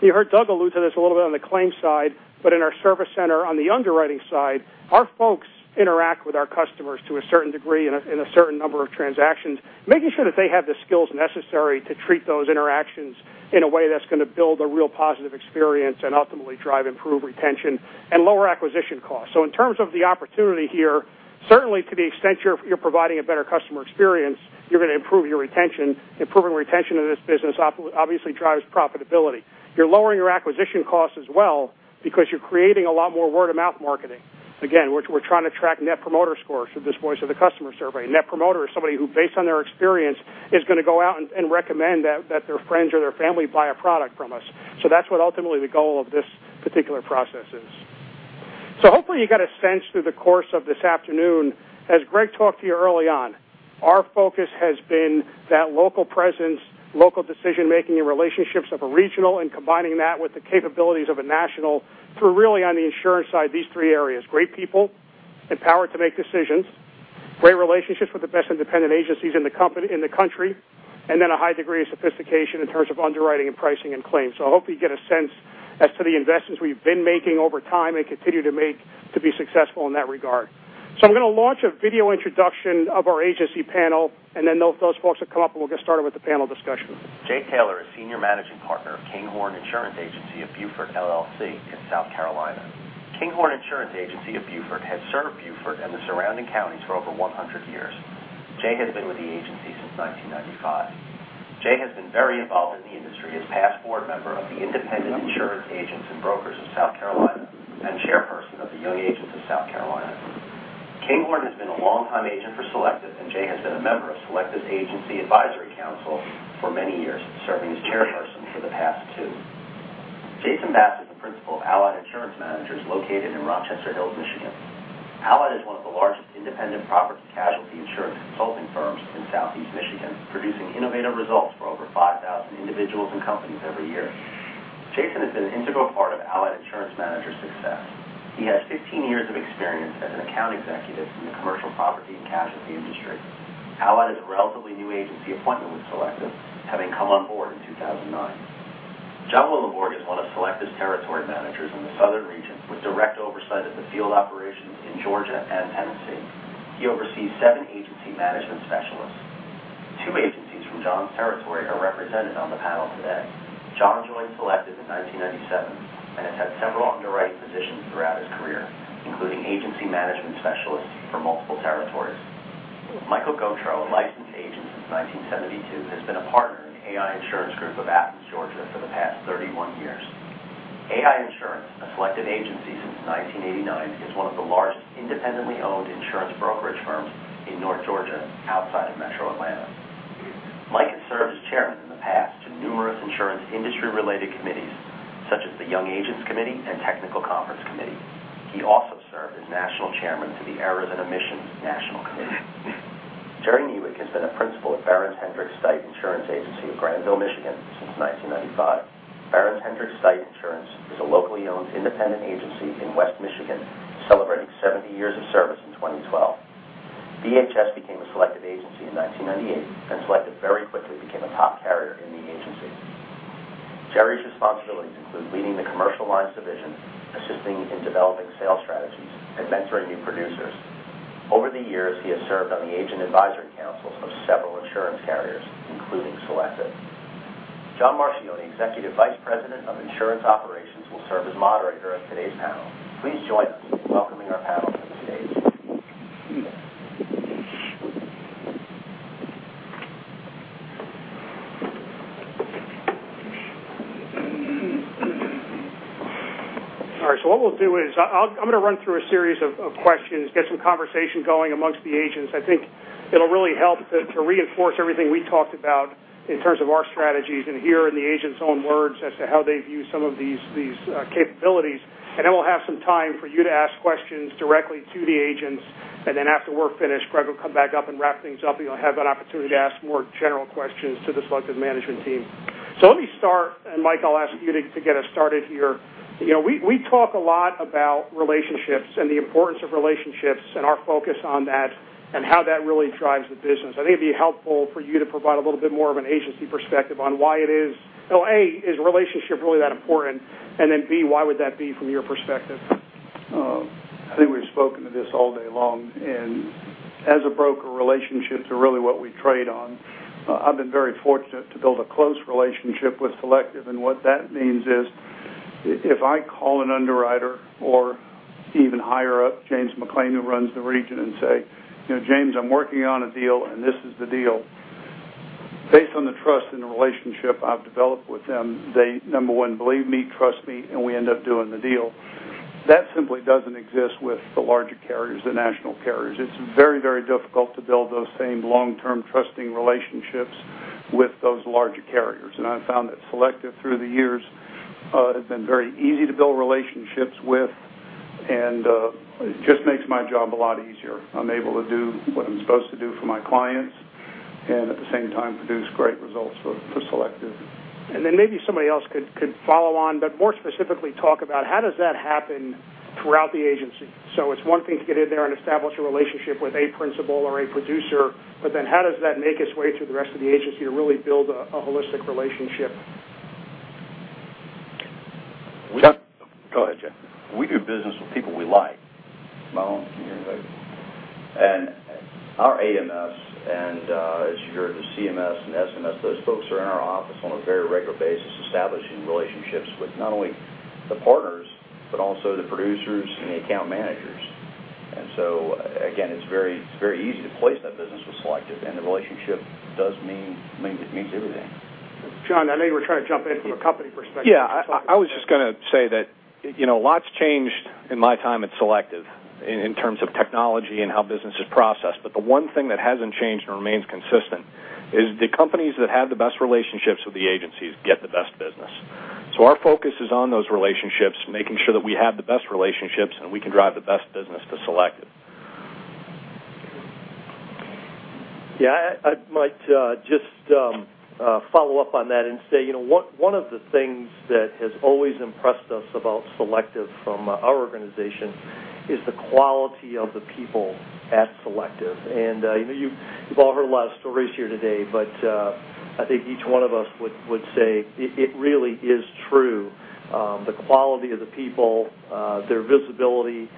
you heard Doug allude to this a little bit on the claims side, but in our service center on the underwriting side, our folks interact with our customers to a certain degree in a certain number of transactions, making sure that they have the skills necessary to treat those interactions in a way that's going to build a real positive experience and ultimately drive improved retention and lower acquisition costs. In terms of the opportunity here, certainly to the extent you're providing a better customer experience, you're going to improve your retention. Improving retention of this business obviously drives profitability. You're lowering your acquisition costs as well because you're creating a lot more word of mouth marketing. Again, we're trying to track Net Promoter Scores through this voice of the customer survey. Net Promoter is somebody who, based on their experience, is going to go out and recommend that their friends or their family buy a product from us. That's what ultimately the goal of this particular process is. Hopefully you got a sense through the course of this afternoon, as Greg talked to you early on, our focus has been that local presence, local decision making, and relationships of a regional, and combining that with the capabilities of a national through really on the insurance side, these three areas, great people, empowered to make decisions, great relationships with the best independent agencies in the country, and then a high degree of sophistication in terms of underwriting and pricing and claims. I hope you get a sense as to the investments we've been making over time and continue to make to be successful in that regard. I'm going to launch a video introduction of our agency panel, and then those folks will come up, and we'll get started with the panel discussion. Jay Taylor is Senior Managing Partner of Kinghorn Insurance Agency of Beaufort, LLC in South Carolina. Kinghorn Insurance Agency of Beaufort has served Beaufort and the surrounding counties for over 100 years. Jay has been with the agency since 1995. Jay has been very involved in the industry as past board member of the Independent Insurance Agents & Brokers of South Carolina and chairperson of the Young Agents of South Carolina. Kinghorn has been a longtime agent for Selective, and Jay has been a member of Selective's Agency Advisory Council for many years, serving as chairperson for the past 2. Jayson Bass is the Principal of Allied Insurance Managers, located in Rochester Hills, Michigan. Allied is one of the largest independent property casualty insurance consulting firms in Southeast Michigan, producing innovative results for over 5,000 individuals and companies every year. Jayson has been an integral part of Allied Insurance Managers' success. He has 15 years of experience as an account executive in the commercial property and casualty industry. Allied is a relatively new agency appointment with Selective, having come on board in 2009. John Willenborg is one of Selective's territory managers in the southern region with direct oversight of the field operations in Georgia and Tennessee. He oversees seven agency management specialists. Two agencies from John's territory are represented on the panel today. John joined Selective in 1997 and has had several underwriting positions throughout his career, including agency management specialists for multiple territories. Michael Gautreaux, a licensed agent since 1972, has been a partner in AI Insurance Group of Athens, Georgia for the past 31 years. AI Insurance, a Selective agency since 1989, is one of the largest independently owned insurance brokerage firms in north Georgia outside of metro Atlanta. Mike has served as chairman in the past to numerous insurance industry related committees such as the Young Agents Committee and Technical Conference Committee. He also served as national chairman to the Errors and Omissions National Committee. Jerry Niewiek has been a principal at Berends Hendricks Stuit Insurance Agency of Grandville, Michigan since 1995. Berends Hendricks Stuit Insurance is a locally owned independent agency in West Michigan, celebrating 70 years of service in 2012. BHS became a Selective agency in 1998, and Selective very quickly became a top carrier in the agency. Jerry's responsibilities include leading the commercial lines division, assisting in developing sales strategies, and mentoring new producers. Over the years, he has served on the agent advisory councils of several insurance carriers, including Selective. John Marchioni, Executive Vice President of Insurance Operations, will serve as moderator of today's panel. Please join us in welcoming our panel to the stage. All right. What we'll do is I'm going to run through a series of questions, get some conversation going amongst the agents. I think it'll really help to reinforce everything we talked about in terms of our strategies and hear in the agent's own words as to how they view some of these capabilities. We'll have some time for you to ask questions directly to the agents, and after we're finished, Greg will come back up and wrap things up, and you'll have an opportunity to ask more general questions to the Selective management team. Let me start, and Mike, I'll ask you to get us started here. We talk a lot about relationships and the importance of relationships and our focus on that and how that really drives the business. I think it'd be helpful for you to provide a little bit more of an agency perspective on why it is, A, is relationship really that important? B, why would that be from your perspective? I think we've spoken to this all day long, as a broker, relationships are really what we trade on. I've been very fortunate to build a close relationship with Selective, what that means is if I call an underwriter or even higher up, James McLean, who runs the region, say, "James, I'm working on a deal, this is the deal." Based on the trust and the relationship I've developed with them, they, number 1, believe me, trust me, and we end up doing the deal. That simply doesn't exist with the larger carriers, the national carriers. It's very difficult to build those same long-term trusting relationships with those larger carriers. I found that Selective, through the years, have been very easy to build relationships with, and it just makes my job a lot easier. I'm able to do what I'm supposed to do for my clients and at the same time produce great results for Selective. Maybe somebody else could follow on, more specifically talk about how does that happen throughout the agency? It's one thing to get in there and establish a relationship with a principal or a producer, how does that make its way through the rest of the agency to really build a holistic relationship? Go ahead, Jay. We do business with people we like. My own opinion. Our AMS and as you heard, the CMS and SMS, those folks are in our office on a very regular basis, establishing relationships with not only the partners, but also the producers and the account managers. Again, it's very easy to place that business with Selective, and the relationship does mean everything. John, I know you were trying to jump in from a company perspective. Yeah, I was just going to say that a lot's changed in my time at Selective in terms of technology and how business is processed. The one thing that hasn't changed and remains consistent is the companies that have the best relationships with the agencies get the best business. Our focus is on those relationships, making sure that we have the best relationships, and we can drive the best business to Selective. Yeah. I might just follow up on that and say one of the things that has always impressed us about Selective from our organization is the quality of the people at Selective. I know you've all heard a lot of stories here today, I think each one of us would say it really is true. The quality of the people, their visibility,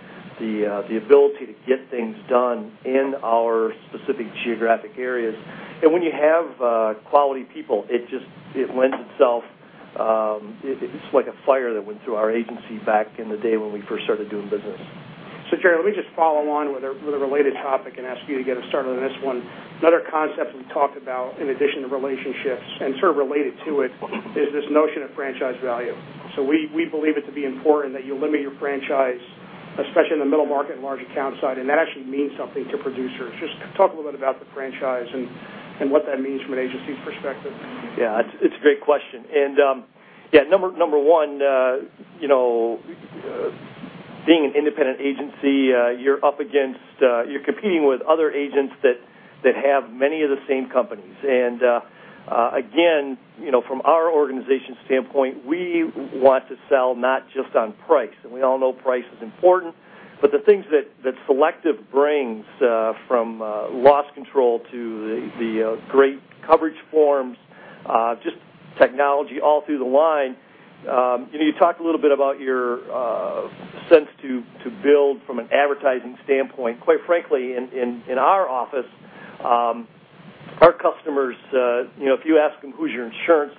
the ability to get things done in our specific geographic areas. When you have quality people, it lends itself. It's like a fire that went through our agency back in the day when we first started doing business. Jerry, let me just follow on with a related topic and ask you to get us started on this one. Another concept we've talked about in addition to relationships and related to it, is this notion of franchise value. We believe it to be important that you limit your franchise, especially in the middle market and large account side, and that actually means something to producers. Just talk a little bit about the franchise and what that means from an agency's perspective. Yeah, it's a great question. Yeah, number one, being an independent agency you're competing with other agents that have many of the same companies. Again, from our organization standpoint, we want to sell not just on price. We all know price is important The things that Selective brings from loss control to the great coverage forms, just technology all through the line. You talked a little bit about your sense to build from an advertising standpoint. Quite frankly, in our office, our customers, if you ask them, "Who's your insurance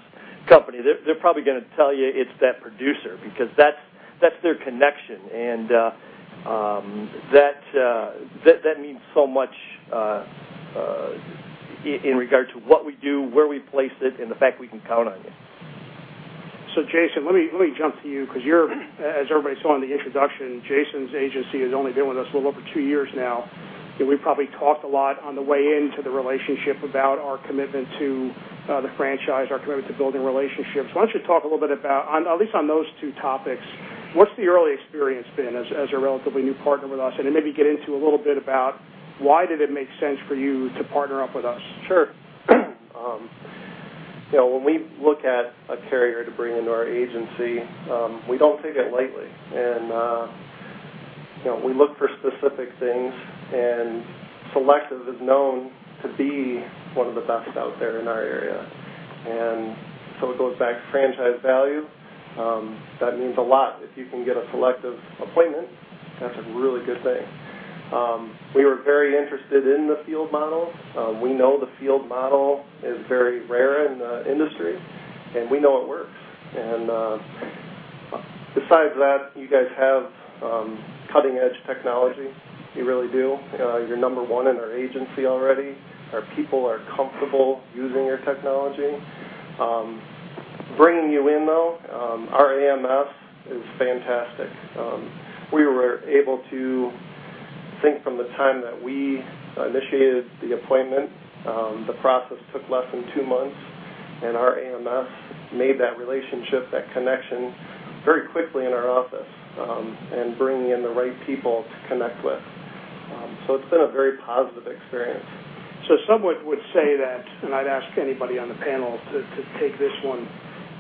company?" They're probably going to tell you it's that producer because that's their connection, and that means so much in regard to what we do, where we place it, and the fact we can count on you. Jayson, let me jump to you because as everybody saw in the introduction, Jayson's agency has only been with us a little over two years now, we've probably talked a lot on the way into the relationship about our commitment to the franchise, our commitment to building relationships. Why don't you talk a little bit about, at least on those two topics, what's the early experience been as a relatively new partner with us? Then maybe get into a little bit about why did it make sense for you to partner up with us? Sure. When we look at a carrier to bring into our agency, we don't take it lightly. We look for specific things, and Selective is known to be one of the best out there in our area. It goes back to franchise value. That means a lot. If you can get a Selective appointment, that's a really good thing. We were very interested in the field model. We know the field model is very rare in the industry, and we know it works. Besides that, you guys have cutting edge technology. You really do. You're number one in our agency already. Our people are comfortable using your technology. Bringing you in, though, our AMS is fantastic. We were able to think from the time that we initiated the appointment, the process took less than two months. Our AMS made that relationship, that connection very quickly in our office, and bringing in the right people to connect with. It's been a very positive experience. Somewhat would say that, and I'd ask anybody on the panel to take this one,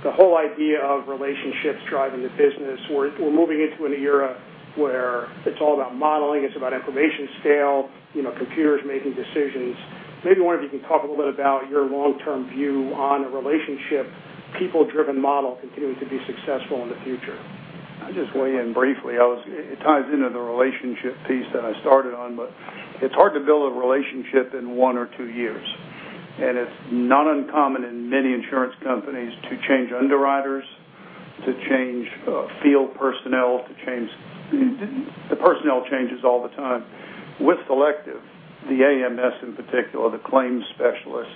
the whole idea of relationships driving the business, we're moving into an era where it's all about modeling, it's about information scale, computers making decisions. Maybe one of you can talk a little bit about your long-term view on a relationship, people-driven model continuing to be successful in the future. I'll just weigh in briefly. It ties into the relationship piece that I started on. It's hard to build a relationship in one or two years, and it's not uncommon in many insurance companies to change underwriters, to change field personnel. The personnel changes all the time. With Selective, the AMS in particular, the claims specialists,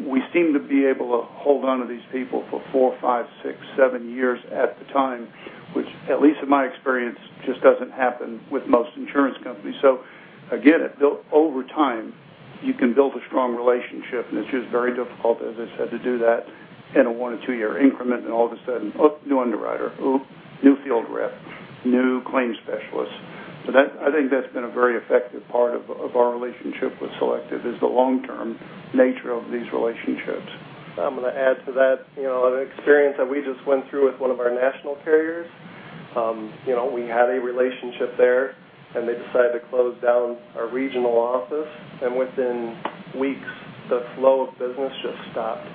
we seem to be able to hold on to these people for four, five, six, seven years at a time, which, at least in my experience, just doesn't happen with most insurance companies. Again, over time, you can build a strong relationship, and it's just very difficult, as I said, to do that in a one or two year increment, and all of a sudden, oh, new underwriter, oh, new field rep, new claims specialist. I think that's been a very effective part of our relationship with Selective is the long-term nature of these relationships. I'm going to add to that. An experience that we just went through with one of our national carriers. We had a relationship there, and they decided to close down our regional office, and within weeks, the flow of business just stopped.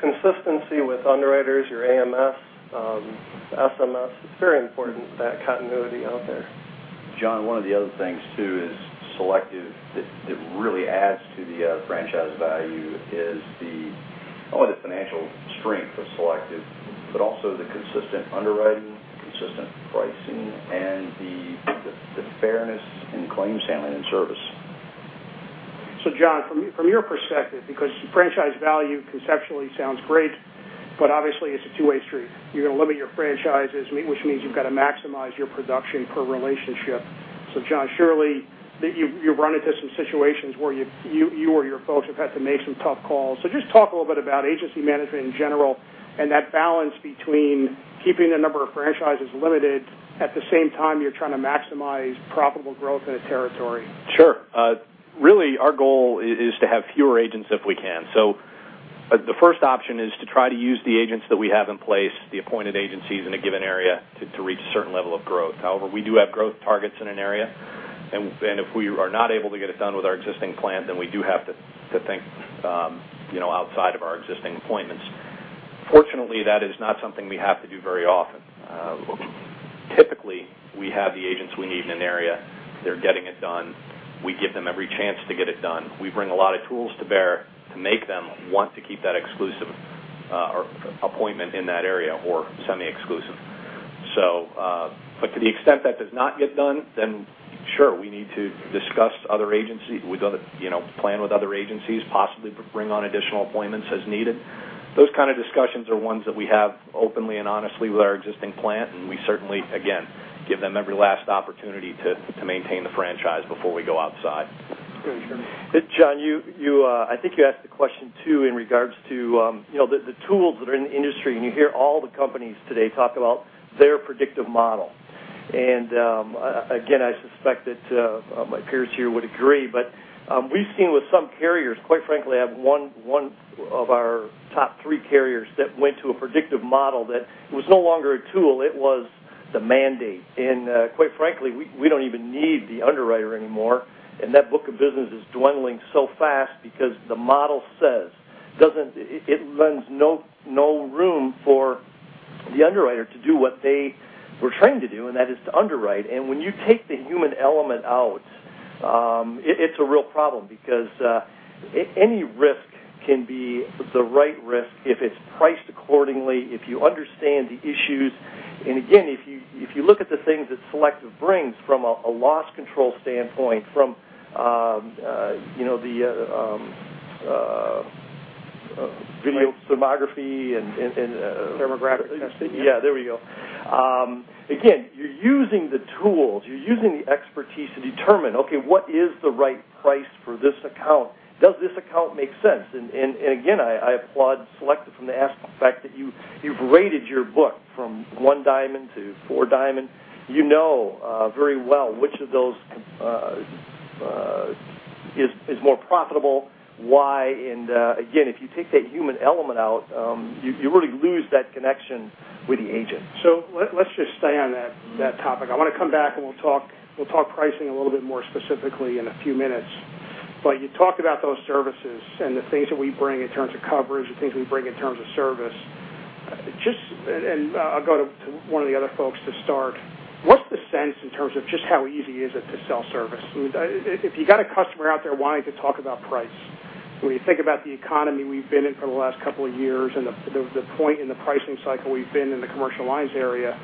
Consistency with underwriters, your AMS, SMS, it's very important, that continuity out there. John, one of the other things, too, is Selective, it really adds to the franchise value is not only the financial strength of Selective, but also the consistent underwriting, consistent pricing, and the fairness in claims handling and service. John, from your perspective, because franchise value conceptually sounds great, but obviously it's a two-way street. You're going to limit your franchises, which means you've got to maximize your production per relationship. John, surely you run into some situations where you or your folks have had to make some tough calls. Just talk a little bit about agency management in general and that balance between keeping the number of franchises limited, at the same time, you're trying to maximize profitable growth in a territory. Sure. Really, our goal is to have fewer agents if we can. The first option is to try to use the agents that we have in place, the appointed agencies in a given area to reach a certain level of growth. However, we do have growth targets in an area, if we are not able to get it done with our existing plan, we do have to think outside of our existing appointments. Fortunately, that is not something we have to do very often. Typically, we have the agents we need in an area. They're getting it done. We give them every chance to get it done. We bring a lot of tools to bear to make them want to keep that exclusive appointment in that area or semi-exclusive. To the extent that does not get done, sure, we need to discuss other agencies. We plan with other agencies, possibly bring on additional appointments as needed. Those kind of discussions are ones that we have openly and honestly with our existing plan, we certainly, again, give them every last opportunity to maintain the franchise before we go outside. Great. John, I think you asked the question, too, in regards to the tools that are in the industry, you hear all the companies today talk about their predictive model. Again, I suspect that my peers here would agree, we've seen with some carriers, quite frankly, I have one of our top three carriers that went to a predictive model that was no longer a tool, it was The mandate. Quite frankly, we don't even need the underwriter anymore, that book of business is dwindling so fast because the model says it lends no room for the underwriter to do what they were trained to do, that is to underwrite. When you take the human element out, it's a real problem because any risk can be the right risk if it's priced accordingly, if you understand the issues. Again, if you look at the things that Selective brings from a loss control standpoint, from the video thermography. Thermographic testing. Again, you're using the tools, you're using the expertise to determine, okay, what is the right price for this account? Does this account make sense? Again, I applaud Selective from the aspect that you've rated your book from one diamond to four diamond. You know very well which of those is more profitable, why, and again, if you take that human element out, you really lose that connection with the agent. Let's just stay on that topic. I want to come back, and we'll talk pricing a little bit more specifically in a few minutes. You talked about those services and the things that we bring in terms of coverage, the things we bring in terms of service. Just, and I'll go to one of the other folks to start, what's the sense in terms of just how easy is it to sell service? If you got a customer out there wanting to talk about price, when you think about the economy we've been in for the last couple of years and the point in the pricing cycle we've been in the commercial lines area,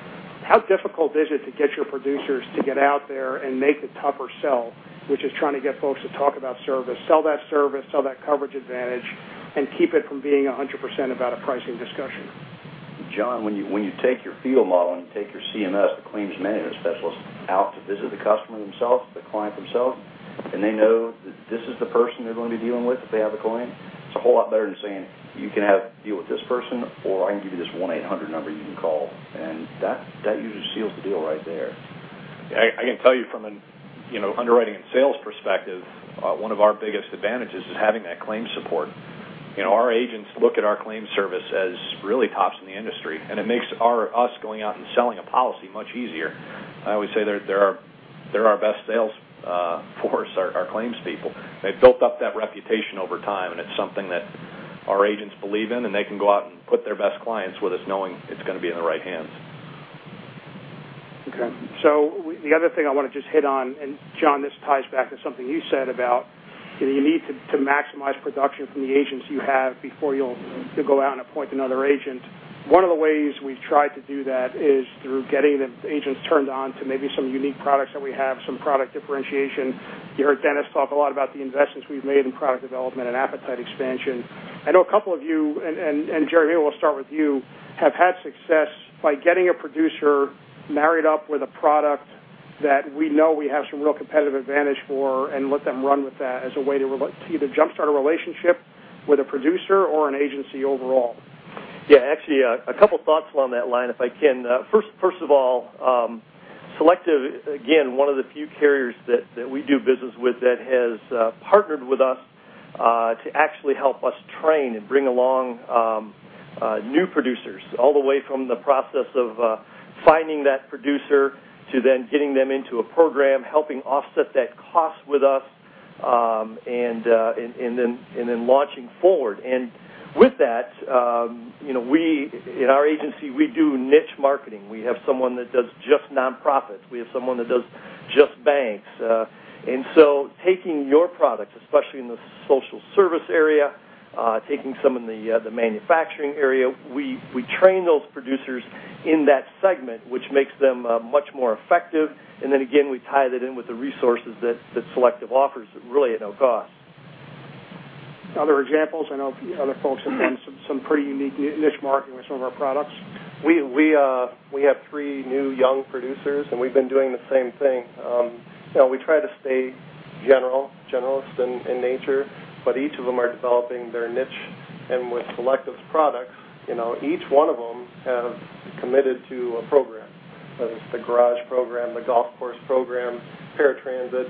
how difficult is it to get your producers to get out there and make the tougher sell, which is trying to get folks to talk about service, sell that service, sell that coverage advantage, and keep it from being 100% about a pricing discussion? John, when you take your field model and you take your CMS, the claims management specialist, out to visit the customer themselves, the client themselves, and they know that this is the person they're going to be dealing with if they have a claim, it's a whole lot better than saying, "You can deal with this person," or, "I can give you this 1-800 number you can call." That usually seals the deal right there. I can tell you from an underwriting and sales perspective, one of our biggest advantages is having that claims support. Our agents look at our claims service as really tops in the industry, it makes us going out and selling a policy much easier. I always say they're our best sales force, our claims people. They've built up that reputation over time, it's something that our agents believe in, they can go out and put their best clients with us knowing it's going to be in the right hands. Okay. The other thing I want to just hit on, John, this ties back to something you said about you need to maximize production from the agents you have before you'll go out and appoint another agent. One of the ways we've tried to do that is through getting the agents turned on to maybe some unique products that we have, some product differentiation. You heard Dennis talk a lot about the investments we've made in product development and appetite expansion. I know a couple of you, Jerry, maybe we'll start with you, have had success by getting a producer married up with a product that we know we have some real competitive advantage for, let them run with that as a way to either jumpstart a relationship with a producer or an agency overall. Yeah. Actually, a couple thoughts along that line, if I can. First of all, Selective, again, one of the few carriers that we do business with that has partnered with us to actually help us train and bring along new producers, all the way from the process of finding that producer to then getting them into a program, helping offset that cost with us, then launching forward. With that, in our agency, we do niche marketing. We have someone that does just nonprofits. We have someone that does just banks. Taking your products, especially in the social service area, taking some in the manufacturing area, we train those producers in that segment, which makes them much more effective. Then again, we tie that in with the resources that Selective offers, really at no cost. Other examples? I know other folks have done some pretty unique niche marketing with some of our products. We have three new young producers, we've been doing the same thing. We try to stay generalists in nature, each of them are developing their niche. With Selective's products, each one of them have committed to a program, whether it's the garage program, the golf course program, paratransit.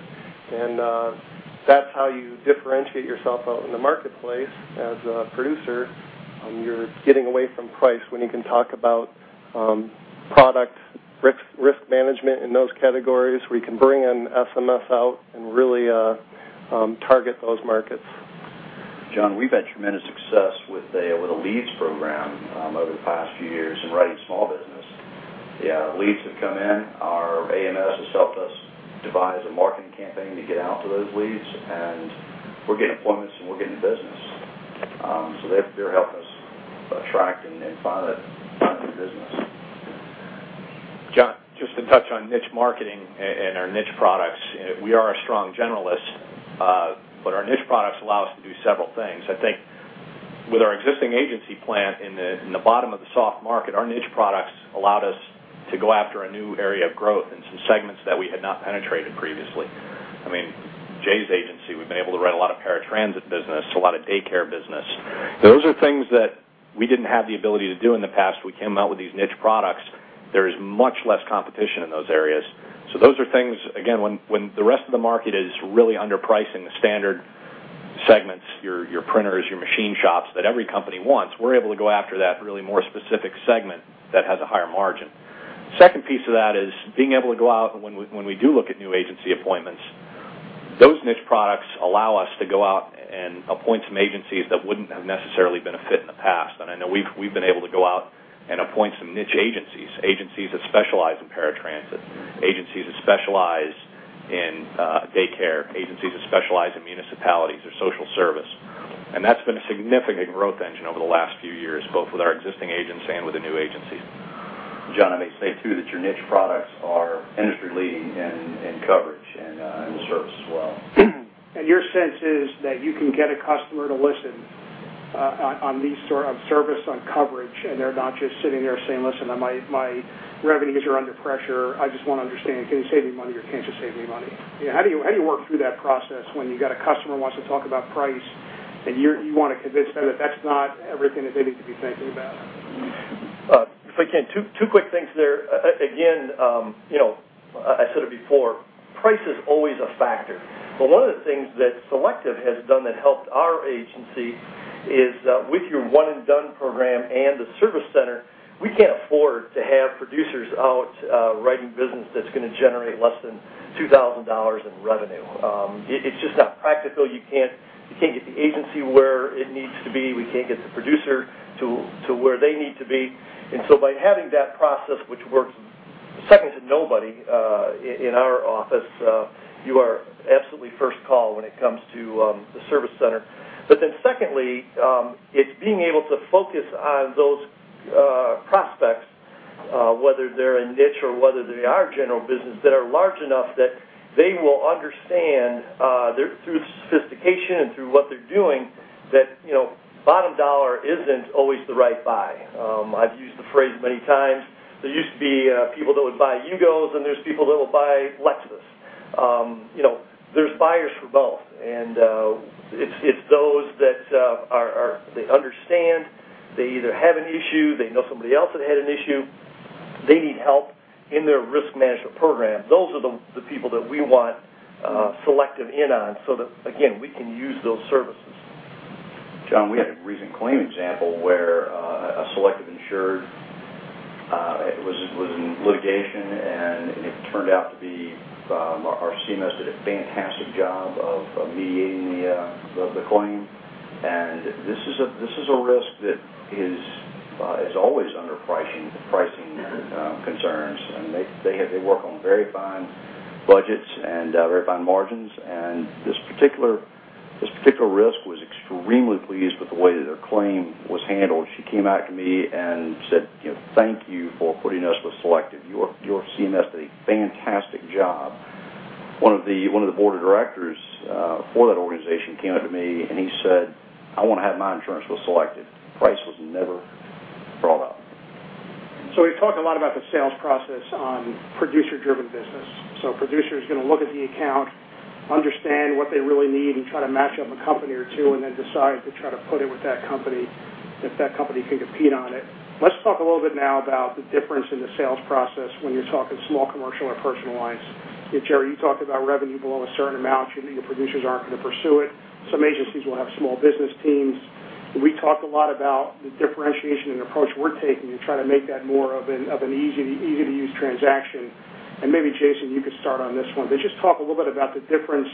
That's how you differentiate yourself out in the marketplace as a producer. You're getting away from price when you can talk about product risk management in those categories. We can bring an SMS out and really target those markets. John, we've had tremendous success with a leads program over the past few years in writing small business. The leads have come in. Our AMS has helped us devise a marketing campaign to get out to those leads, and we're getting appointments and we're getting business. They're helping us attract and find new business. John, just to touch on niche marketing and our niche products, we are a strong generalist, our niche products allow us to do several things. I think with our existing agency plan in the bottom of the soft market, our niche products allowed us to go after a new area of growth in some segments that we had not penetrated previously. Jay's agency, we've been able to write a lot of paratransit business, a lot of daycare business. Those are things that we didn't have the ability to do in the past. We came out with these niche products. There is much less competition in those areas. Those are things, again, when the rest of the market is really underpricing the standard segments, your printers, your machine shops that every company wants. We're able to go after that really more specific segment that has a higher margin. Second piece of that is being able to go out when we do look at new agency appointments, those niche products allow us to go out and appoint some agencies that wouldn't have necessarily been a fit in the past. I know we've been able to go out and appoint some niche agencies that specialize in paratransit, agencies that specialize in daycare, agencies that specialize in municipalities or social service. That's been a significant growth engine over the last few years, both with our existing agencies and with the new agencies. John, I may say too, that your niche products are industry leading in coverage and in service as well. Your sense is that you can get a customer to listen on these service on coverage, and they're not just sitting there saying, "Listen, my revenues are under pressure. I just want to understand, can you save me money or can't you save me money?" How do you work through that process when you got a customer who wants to talk about price, and you want to convince them that that's not everything that they need to be thinking about? If I can, two quick things there. Again, I said it before, price is always a factor. One of the things that Selective has done that helped our agency is with your One and Done program and the service center, we can't afford to have producers out writing business that's going to generate less than $2,000 in revenue. It's just not practical. You can't get the agency where it needs to be. We can't get the producer to where they need to be. By having that process, which works second to nobody in our office, you are absolutely first call when it comes to the service center. Secondly, it's being able to focus on those prospects, whether they're a niche or whether they are general business that are large enough that they will understand through sophistication and through what they're doing, that bottom dollar isn't always the right buy. I've used the phrase many times. There used to be people that would buy Yugos and there's people that would buy Lexus. There's buyers for both, and it's those that they understand, they either have an issue, they know somebody else that had an issue. They need help in their risk management program. Those are the people that we want Selective in on so that, again, we can use those services. John, we had a recent claim example where a Selective insured was in litigation, and it turned out to be our CMS did a fantastic job of mediating the claim. This is a risk that is always under pricing concerns. They work on very fine budgets and very fine margins. This particular risk was extremely pleased with the way that her claim was handled. She came out to me and said, "Thank you for putting us with Selective. Your CMS did a fantastic job." One of the board of directors for that organization came up to me, and he said, "I want to have my insurance with Selective." Price was never brought up. We've talked a lot about the sales process on producer-driven business. A producer is going to look at the account, understand what they really need, and try to match up a company or two, and then decide to try to put it with that company, if that company can compete on it. Let's talk a little bit now about the difference in the sales process when you're talking small commercial or personal lines. Jerry, you talked about revenue below a certain amount, your producers aren't going to pursue it. Some agencies will have small business teams. We talked a lot about the differentiation and approach we're taking to try to make that more of an easy to use transaction. Maybe Jayson, you could start on this one, but just talk a little bit about the difference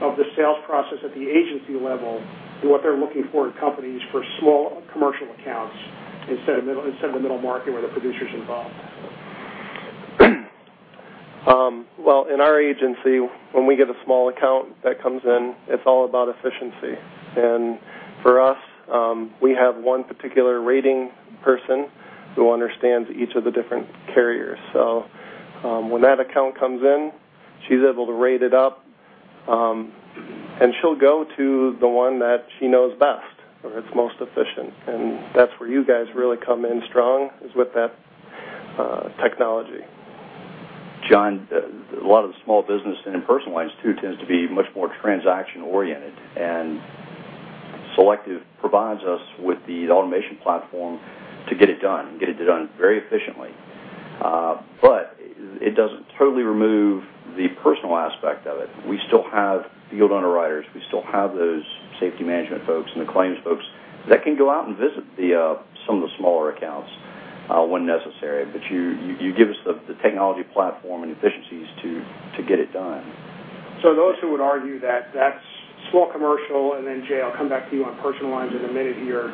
of the sales process at the agency level and what they're looking for in companies for small commercial accounts instead of the middle market where the producer's involved. Well, in our agency, when we get a small account that comes in, it's all about efficiency. For us, we have one particular rating person who understands each of the different carriers. When that account comes in, she's able to rate it up, and she'll go to the one that she knows best or that's most efficient. That's where you guys really come in strong, is with that technology. John, a lot of the small business and in personal lines too, tends to be much more transaction oriented. Selective provides us with the automation platform to get it done and get it done very efficiently. It doesn't totally remove the personal aspect of it. We still have field underwriters. We still have those safety management folks and the claims folks that can go out and visit some of the smaller accounts when necessary. You give us the technology platform and efficiencies to get it done. Those who would argue that that's small commercial, Jay, I'll come back to you on personal lines in a minute here,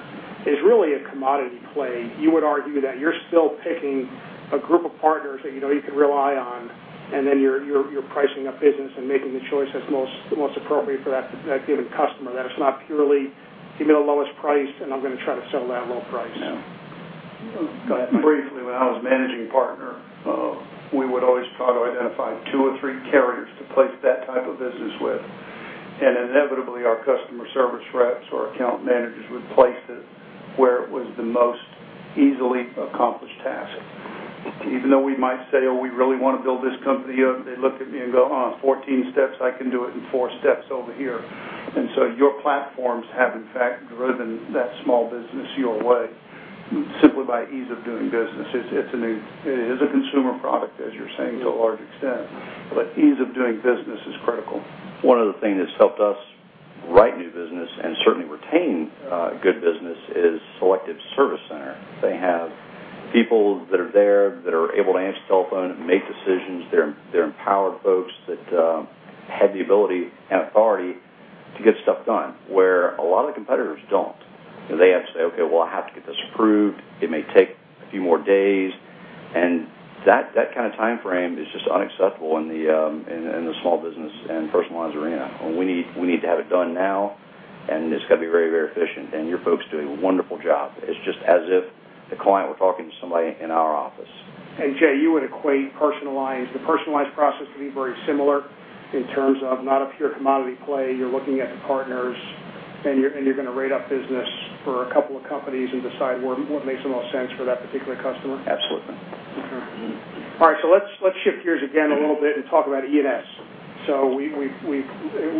is really a commodity play. You would argue that you're still picking a group of partners that you know you can rely on, you're pricing up business and making the choice that's most appropriate for that given customer. That it's not purely the lowest price, I'm going to try to sell that low price. No. Go ahead. Briefly, when I was managing partner, we would always try to identify two or three carriers to place that type of business with. Inevitably, our customer service reps or account managers would place it where it was the most easily accomplished task. Even though we might say, "Oh, we really want to build this company up," they look at me and go, "Oh, 14 steps. I can do it in four steps over here." Your platforms have in fact driven that small business your way. Simply by ease of doing business. It is a consumer product, as you're saying, to a large extent, ease of doing business is critical. One of the things that's helped us write new business and certainly retain good business is Selective's service center. They have people that are there that are able to answer the telephone and make decisions. They're empowered folks that have the ability and authority to get stuff done, where a lot of the competitors don't. They have to say, "Okay, well, I have to get this approved." It may take a few more days, that kind of timeframe is just unacceptable in the small business and personalized arena. We need to have it done now, it's got to be very efficient, your folks do a wonderful job. It's just as if the client were talking to somebody in our office. Jay, you would equate the personalized process to be very similar in terms of not a pure commodity play. You're looking at the partners, and you're going to rate up business for a couple of companies and decide what makes the most sense for that particular customer? Absolutely. Okay. All right. Let's shift gears again a little bit and talk about E&S. We've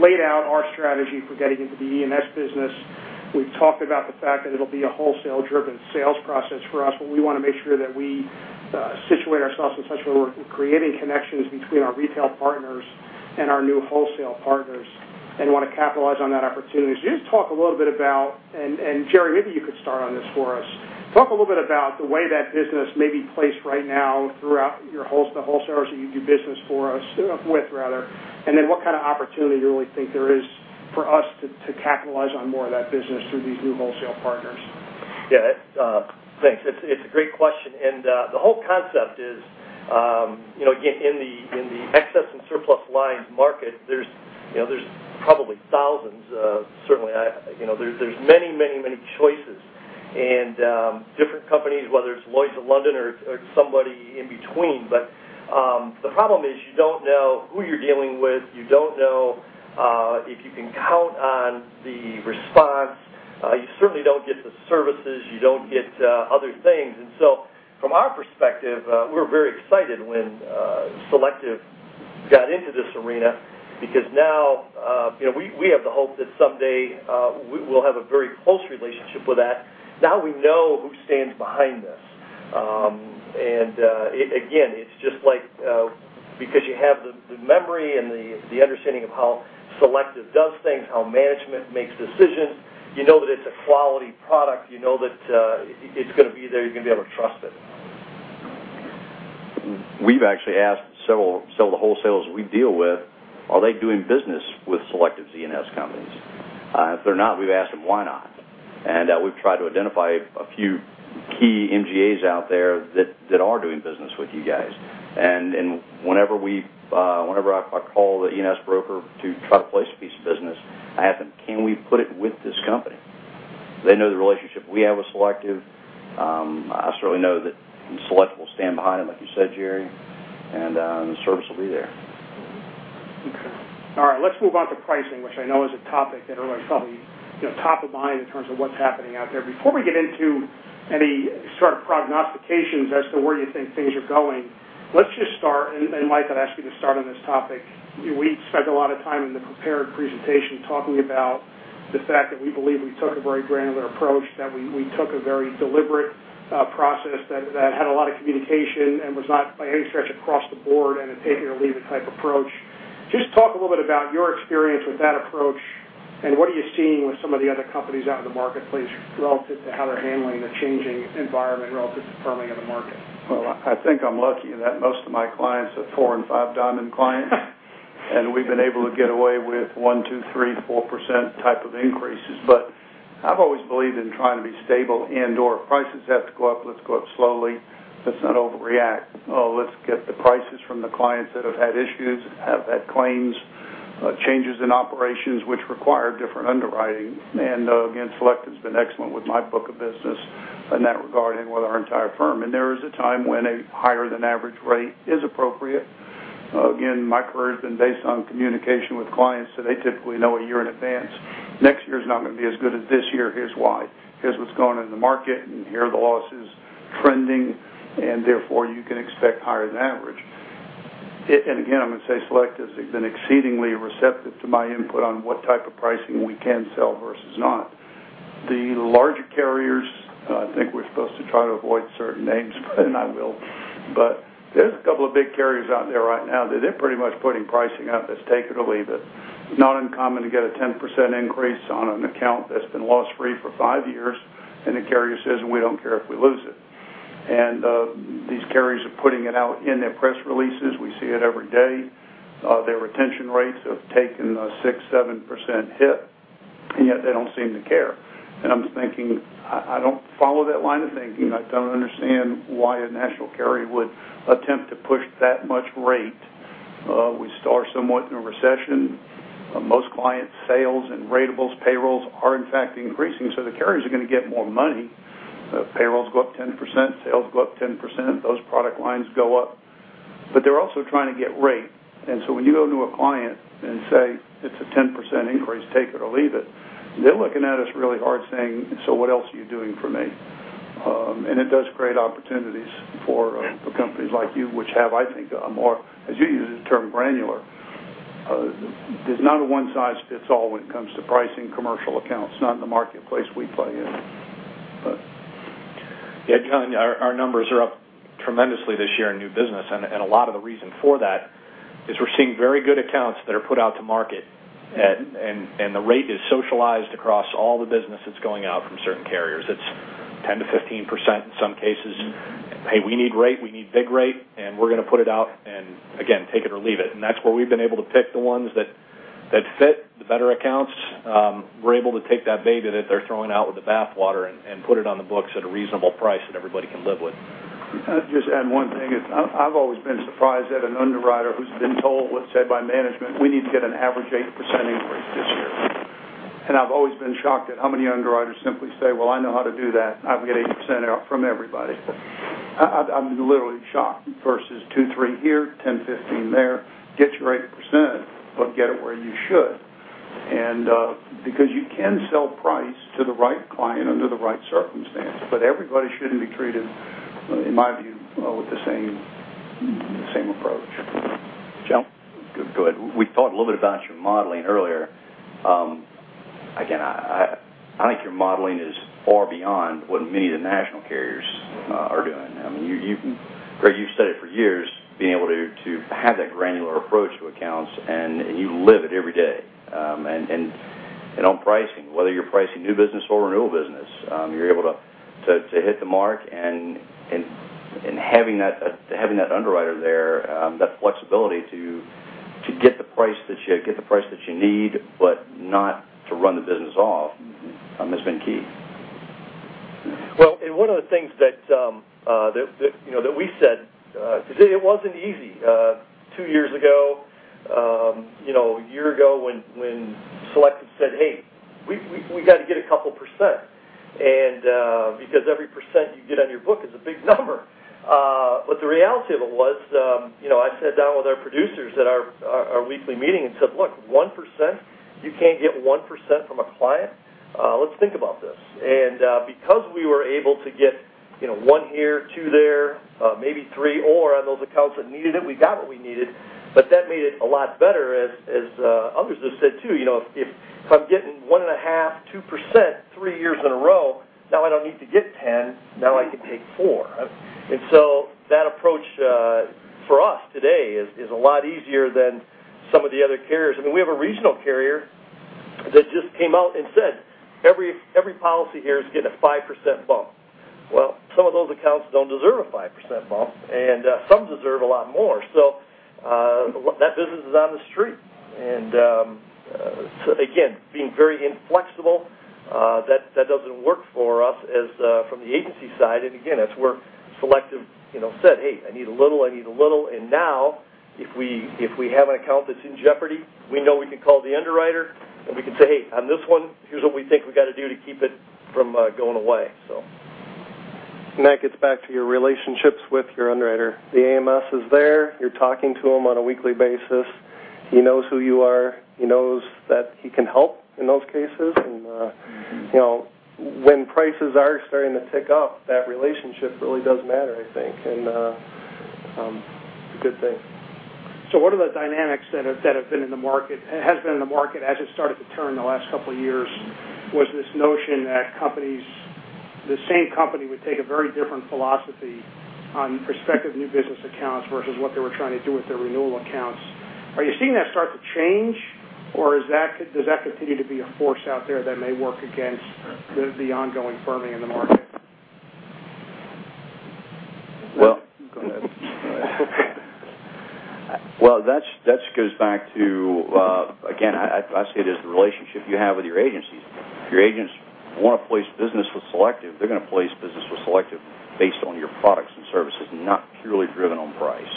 laid out our strategy for getting into the E&S business. We've talked about the fact that it will be a wholesale-driven sales process for us, but we want to make sure that we situate ourselves in such a way we are creating connections between our retail partners and our new wholesale partners and want to capitalize on that opportunity. Just talk a little bit about, and Jerry, maybe you could start on this for us. Talk a little bit about the way that business may be placed right now throughout the wholesalers that you do business with. What kind of opportunity you really think there is for us to capitalize on more of that business through these new wholesale partners. Yeah. Thanks. It's a great question. The whole concept is, in the excess and surplus lines market, there's probably thousands of. There's many choices and different companies, whether it's Lloyd's of London or somebody in between. The problem is you don't know who you're dealing with. You don't know if you can count on the response. You certainly don't get the services. You don't get other things. From our perspective, we were very excited when Selective got into this arena because now we have the hope that someday we will have a very close relationship with that. Now we know who stands behind this. Again, it's just like because you have the memory and the understanding of how Selective does things, how management makes decisions, you know that it's a quality product. You know that it's going to be there. You're going to be able to trust it. We've actually asked several of the wholesalers we deal with, are they doing business with Selective's E&S companies? If they're not, we've asked them why not, and we've tried to identify a few key MGAs out there that are doing business with you guys. Whenever I call the E&S broker to try to place a piece of business, I ask them, "Can we put it with this company?" They know the relationship we have with Selective. I certainly know that Selective will stand behind them, like you said, Jerry. The service will be there. Okay. All right. Let's move on to pricing, which I know is a topic that everybody's probably top of mind in terms of what's happening out there. Before we get into any sort of prognostications as to where you think things are going, let's just start, and Mike, I'd ask you to start on this topic. We spent a lot of time in the prepared presentation talking about the fact that we believe we took a very granular approach, that we took a very deliberate process that had a lot of communication and was not, by any stretch, across the board and a take it or leave it type approach. Talk a little bit about your experience with that approach and what are you seeing with some of the other companies out in the marketplace relative to how they're handling the changing environment relative to firming of the market. Well, I think I'm lucky in that most of my clients are four and five diamond clients, and we've been able to get away with 1%, 2%, 3%, 4% type of increases. I've always believed in trying to be stable and/or if prices have to go up, let's go up slowly. Let's not overreact. Let's get the prices from the clients that have had issues, have had claims, changes in operations which require different underwriting. Again, Selective's been excellent with my book of business in that regard and with our entire firm. There is a time when a higher than average rate is appropriate. Again, my career has been based on communication with clients, so they typically know a year in advance. Next year is not going to be as good as this year. Here's why. Here's what's going on in the market, here are the losses trending, and therefore, you can expect higher than average. Again, I'm going to say Selective's been exceedingly receptive to my input on what type of pricing we can sell versus not. The larger carriers, I think we're supposed to try to avoid certain names, and I will, but there's a couple of big carriers out there right now that they're pretty much putting pricing up that's take it or leave it. It's not uncommon to get a 10% increase on an account that's been loss-free for five years, and the carrier says, "We don't care if we lose it." These carriers are putting it out in their press releases. We see it every day. Their retention rates have taken a 6%, 7% hit, yet they don't seem to care. I'm thinking, I don't follow that line of thinking. I don't understand why a national carrier would attempt to push that much rate. We still are somewhat in a recession. Most clients' sales and ratables payrolls are in fact increasing, so the carriers are going to get more money. Payrolls go up 10%, sales go up 10%, those product lines go up. They're also trying to get rate. When you go to a client and say, "It's a 10% increase, take it or leave it," they're looking at us really hard saying, "So what else are you doing for me?" It does create opportunities for companies like you, which have, I think, a more, as you use the term, granular There's not a one-size-fits-all when it comes to pricing commercial accounts, not in the marketplace we play in. Yeah, John, our numbers are up tremendously this year in new business. A lot of the reason for that is we're seeing very good accounts that are put out to market, and the rate is socialized across all the business that's going out from certain carriers. It's 10%-15% in some cases. "Hey, we need rate. We need big rate, and we're going to put it out. Again, take it or leave it." That's where we've been able to pick the ones that fit, the better accounts. We're able to take that data that they're throwing out with the bathwater and put it on the books at a reasonable price that everybody can live with. Can I just add one thing? I've always been surprised at an underwriter who's been told, let's say, by management, we need to get an average 8% increase this year. I've always been shocked at how many underwriters simply say, "Well, I know how to do that. I can get 8% out from everybody." I'm literally shocked versus 2%, 3% here, 10%, 15% there. Get your 8%, but get it where you should. You can sell price to the right client under the right circumstance, but everybody shouldn't be treated, in my view, with the same approach. John, go ahead. We thought a little bit about your modeling earlier. Again, I think your modeling is far beyond what many of the national carriers are doing. Greg, you've said it for years, being able to have that granular approach to accounts, and you live it every day. On pricing, whether you're pricing new business or renewal business, you're able to hit the mark, and having that underwriter there, that flexibility to get the price that you need, but not to run the business off, has been key. Well, one of the things that we said, because it wasn't easy. Two years ago, one year ago when Selective said, "Hey, we got to get a couple percent." Because every % you get on your book is a big number. The reality of it was, I sat down with our producers at our weekly meeting and said, "Look, 1%? You can't get 1% from a client? Let's think about this." Because we were able to get one here, two there, maybe three or on those accounts that needed it, we got what we needed. That made it a lot better, as others have said, too. If I'm getting 1.5%, 2% three years in a row, now I don't need to get 10%. Now I can take 4%. That approach for us today is a lot easier than some of the other carriers. We have a regional carrier that just came out and said, "Every policy here is getting a 5% bump." Some of those accounts don't deserve a 5% bump, and some deserve a lot more. That business is on the street. Again, being very inflexible, that doesn't work for us from the agency side. Again, that's where Selective said, "Hey, I need a little, I need a little." Now if we have an account that's in jeopardy, we know we can call the underwriter, and we can say, "Hey, on this one, here's what we think we got to do to keep it from going away. That gets back to your relationships with your underwriter. The AMS is there. You're talking to him on a weekly basis. He knows who you are. He knows that he can help in those cases. When prices are starting to tick up, that relationship really does matter, I think. It's a good thing. One of the dynamics that has been in the market as it started to turn the last couple of years was this notion that the same company would take a very different philosophy on prospective new business accounts versus what they were trying to do with their renewal accounts. Are you seeing that start to change, or does that continue to be a force out there that may work against the ongoing firming in the market? Well- You go ahead. That goes back to, again, I say it is the relationship you have with your agencies. If your agents want to place business with Selective, they're going to place business with Selective based on your products and services, not purely driven on price.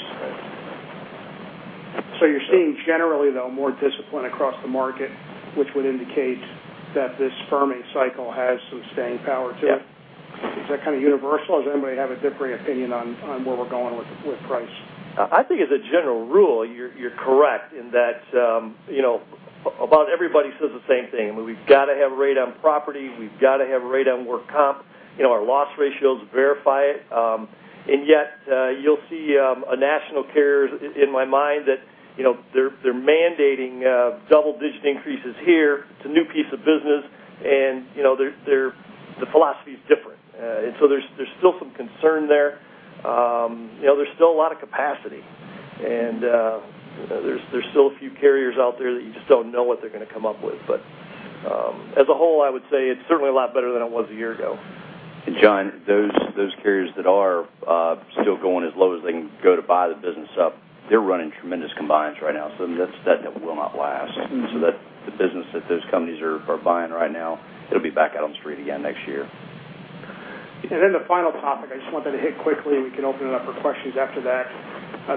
You're seeing generally, though, more discipline across the market, which would indicate that this firming cycle has some staying power to it. Yeah. Is that kind of universal, or does anybody have a differing opinion on where we're going with price? I think as a general rule, you're correct in that about everybody says the same thing. We've got to have rate on property. We've got to have rate on work comp. Our loss ratios verify it. Yet you'll see a national carrier, in my mind, that they're mandating double-digit increases here to new piece of business, the philosophy is different. There's still some concern there. There's still a lot of capacity, there's still a few carriers out there that you just don't know what they're going to come up with. As a whole, I would say it's certainly a lot better than it was a year ago. John, those carriers that are still going as low as they can go to buy the business up, they're running tremendous combined ratios right now. That will not last. The business that those companies are buying right now, it'll be back out on the street again next year. The final topic I just wanted to hit quickly, and we can open it up for questions after that.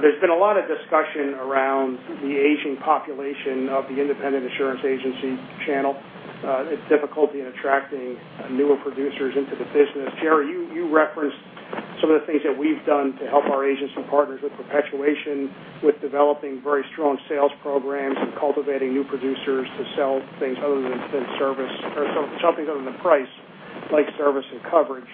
There's been a lot of discussion around the aging population of the independent insurance agency channel, its difficulty in attracting newer producers into the business. Jerry, you referenced some of the things that we've done to help our agents and partners with perpetuation, with developing very strong sales programs and cultivating new producers to sell things other than service, or something other than price, like service and coverage.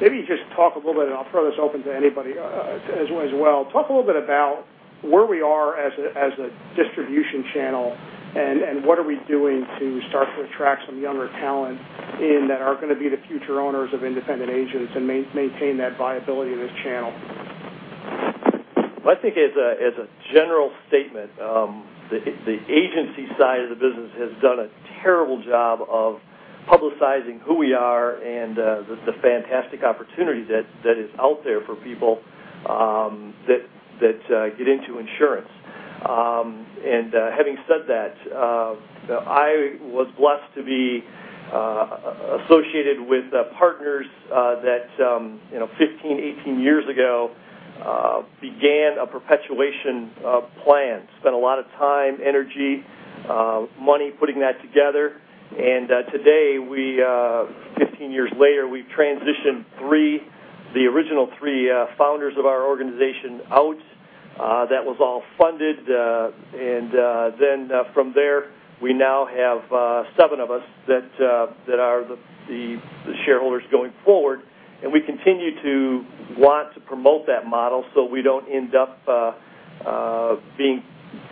Maybe just talk a little bit, and I'll throw this open to anybody as well. Talk a little bit about where we are as a distribution channel, and what are we doing to start to attract some younger talent in that are going to be the future owners of independent agents and maintain that viability of this channel? Well, I think as a general statement, the agency side of the business has done a terrible job of publicizing who we are and the fantastic opportunity that is out there for people that get into insurance. Having said that, I was blessed to be associated with partners that 15, 18 years ago began a perpetuation plan. Spent a lot of time, energy, money putting that together. Today, 15 years later, we've transitioned the original three founders of our organization out. That was all funded. From there, we now have seven of us that are the shareholders going forward, and we continue to want to promote that model so we don't end up being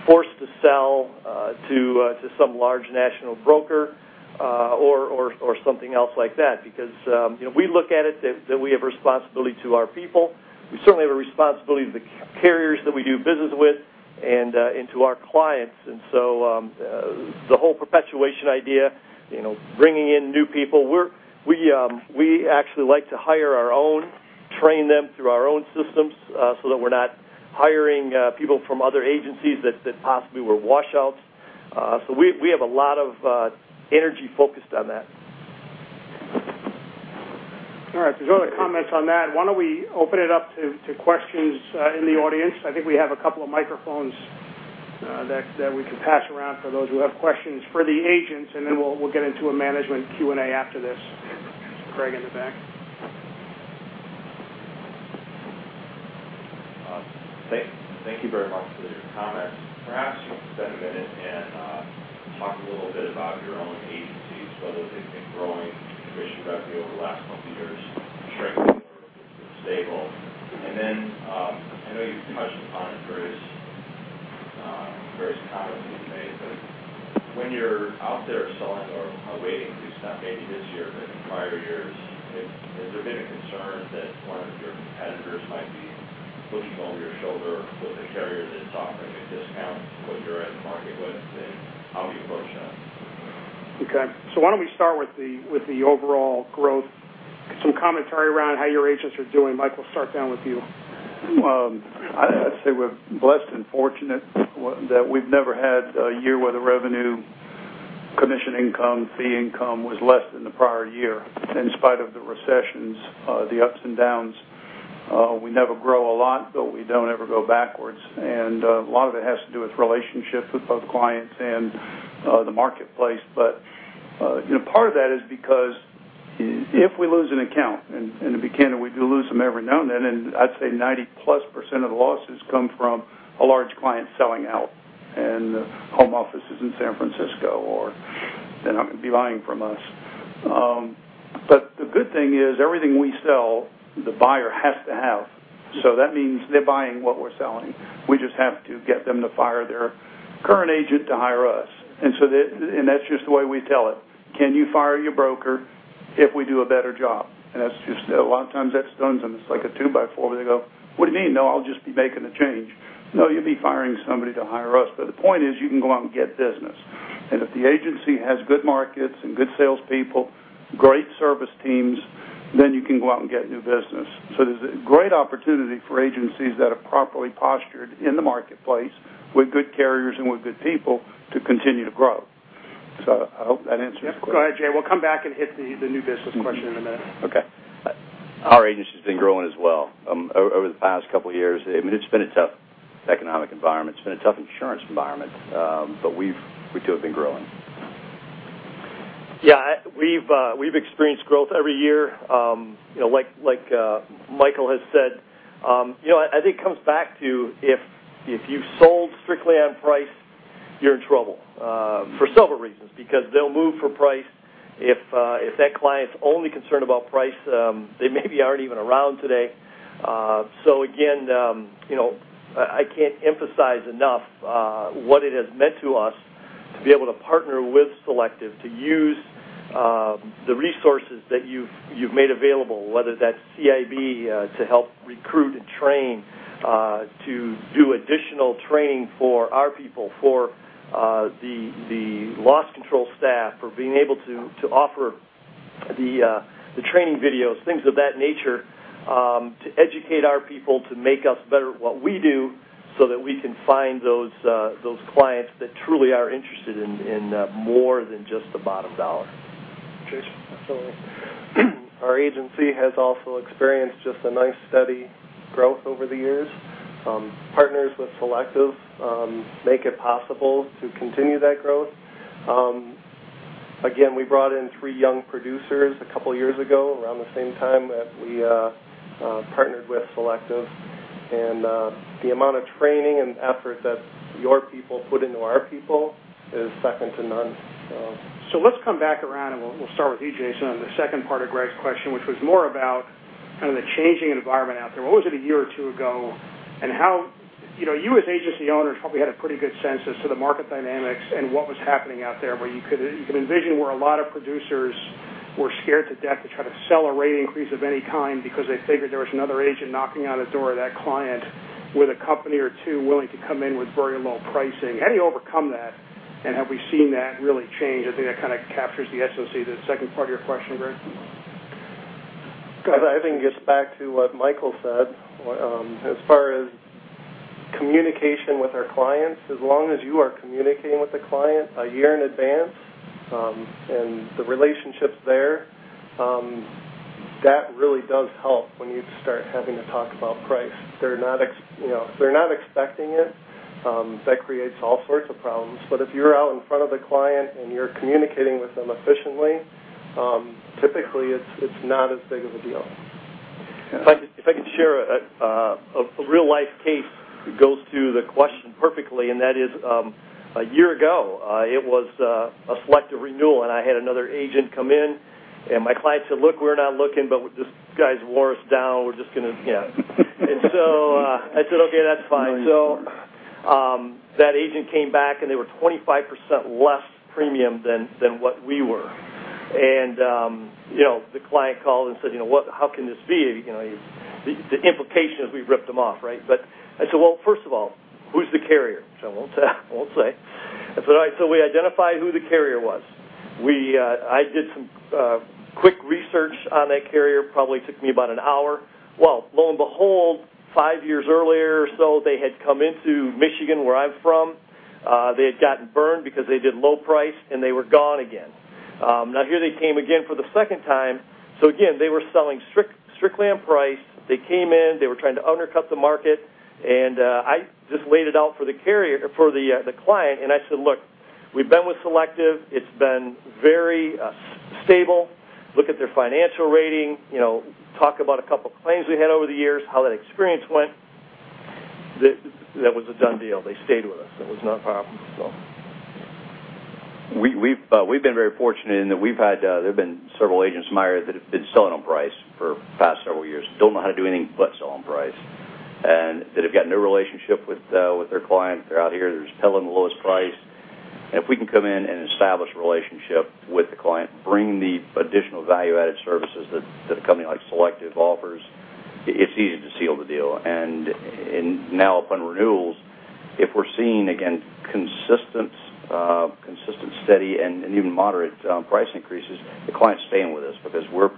forced to sell to some large national broker or something else like that. We look at it that we have a responsibility to our people. We certainly have a responsibility to the carriers that we do business with and to our clients. The whole perpetuation idea, bringing in new people, we actually like to hire our own, train them through our own systems, so that we're not hiring people from other agencies that possibly were washouts. We have a lot of energy focused on that. All right. There's other comments on that. Why don't we open it up to questions in the audience? I think we have a couple of microphones that we can pass around for those who have questions for the agents, and then we'll get into a management Q&A after this. Craig in the back. Thank you very much for your comments. Perhaps you can spend a minute and talk a little bit about your own agencies, whether they've been growing commission revenue over the last couple of years, shrinking or stable. Then, I know you've touched upon it various times in the day, but when you're out there selling or awaiting at least not maybe this year, but in prior years, has there been a concern that one of your competitors might be looking over your shoulder with the carriers and offering a discount to what you're in the market with, and how have you approached that? Okay. Why don't we start with the overall growth? Some commentary around how your agents are doing. Mike, we'll start down with you. I'd say we're blessed and fortunate that we've never had a year where the revenue commission income, fee income was less than the prior year in spite of the recessions, the ups and downs. We never grow a lot, but we don't ever go backwards. A lot of it has to do with relationships with both clients and the marketplace. Part of that is because if we lose an account, and to begin with, we lose them every now and then, and I'd say 90-plus % of the losses come from a large client selling out, and the home office is in San Francisco, or they're not going to be buying from us. The good thing is everything we sell, the buyer has to have. That means they're buying what we're selling. We just have to get them to fire their current agent to hire us. That's just the way we tell it. Can you fire your broker if we do a better job? A lot of times that stuns them. It's like a two by four, they go, "What do you mean? No, I'll just be making a change." No, you'll be firing somebody to hire us. The point is, you can go out and get business. If the agency has good markets and good salespeople, great service teams, then you can go out and get new business. There's a great opportunity for agencies that are properly postured in the marketplace with good carriers and with good people to continue to grow. I hope that answers your question. Go ahead, Jay. We'll come back and hit the new business question in a minute. Okay. Our agency's been growing as well over the past couple of years. It's been a tough economic environment. It's been a tough insurance environment. We too have been growing. Yeah, we've experienced growth every year like Michael has said. I think it comes back to if you've sold strictly on price, you're in trouble, for several reasons. They'll move for price. If that client's only concerned about price, they maybe aren't even around today. Again, I can't emphasize enough what it has meant to us to be able to partner with Selective to use the resources that you've made available, whether that's CIB to help recruit and train, to do additional training for our people, for the loss control staff, for being able to offer the training videos, things of that nature, to educate our people, to make us better at what we do so that we can find those clients that truly are interested in more than just the bottom dollar. Jason. Absolutely. Our agency has also experienced just a nice, steady growth over the years. Partners with Selective make it possible to continue that growth. Again, we brought in three young producers a couple of years ago around the same time that we partnered with Selective. The amount of training and effort that your people put into our people is second to none. Let's come back around, and we'll start with you, Jayson, on the second part of Craig's question, which was more about the changing environment out there. What was it a year or two ago, you, as agency owners, probably had a pretty good sense as to the market dynamics and what was happening out there, where you could envision where a lot of producers were scared to death to try to sell a rate increase of any kind because they figured there was another agent knocking on the door of that client with a company or two willing to come in with very low pricing. How do you overcome that, have we seen that really change? I think that kind of captures the essence of the second part of your question, Greg. I think it gets back to what Michael said. As far as communication with our clients, as long as you are communicating with the client a year in advance, the relationship's there, that really does help when you start having to talk about price. If they're not expecting it, that creates all sorts of problems, if you're out in front of the client and you're communicating with them efficiently, typically, it's not as big of a deal. If I could share a real-life case that goes to the question perfectly, that is, a year ago, it was a Selective renewal, I had another agent come in, my client said, "Look, we're not looking, but this guy's wore us down." I said, "Okay, that's fine. Nice story. That agent came back, and they were 25% less premium than what we were. The client called and said, "How can this be?" The implication is we've ripped them off, right? I said, "First of all, who's the carrier?" He said, "I won't say." I said, "All right." We identified who the carrier was. I did some quick research on that carrier, probably took me about an hour. Lo and behold, five years earlier or so, they had come into Michigan, where I'm from. They had gotten burned because they did low price, and they were gone again. Here they came again for the second time. Again, they were selling strictly on price. They came in, they were trying to undercut the market, and I just laid it out for the client, and I said, "Look, we've been with Selective. It's been very stable. Look at their financial rating." Talked about a couple of claims we had over the years, how that experience went. That was a done deal. They stayed with us. It was no problem. We've been very fortunate in that there have been several agents in my area that have been selling on price for the past several years, don't know how to do anything but sell on price, and that have got no relationship with their clients. They're out here, they're just telling the lowest price. If we can come in and establish a relationship with the client, bring the additional value-added services that a company like Selective offers, it's easy to seal the deal. Now upon renewals, if we're seeing, again, consistent, steady, and even moderate price increases, the client's staying with us because we're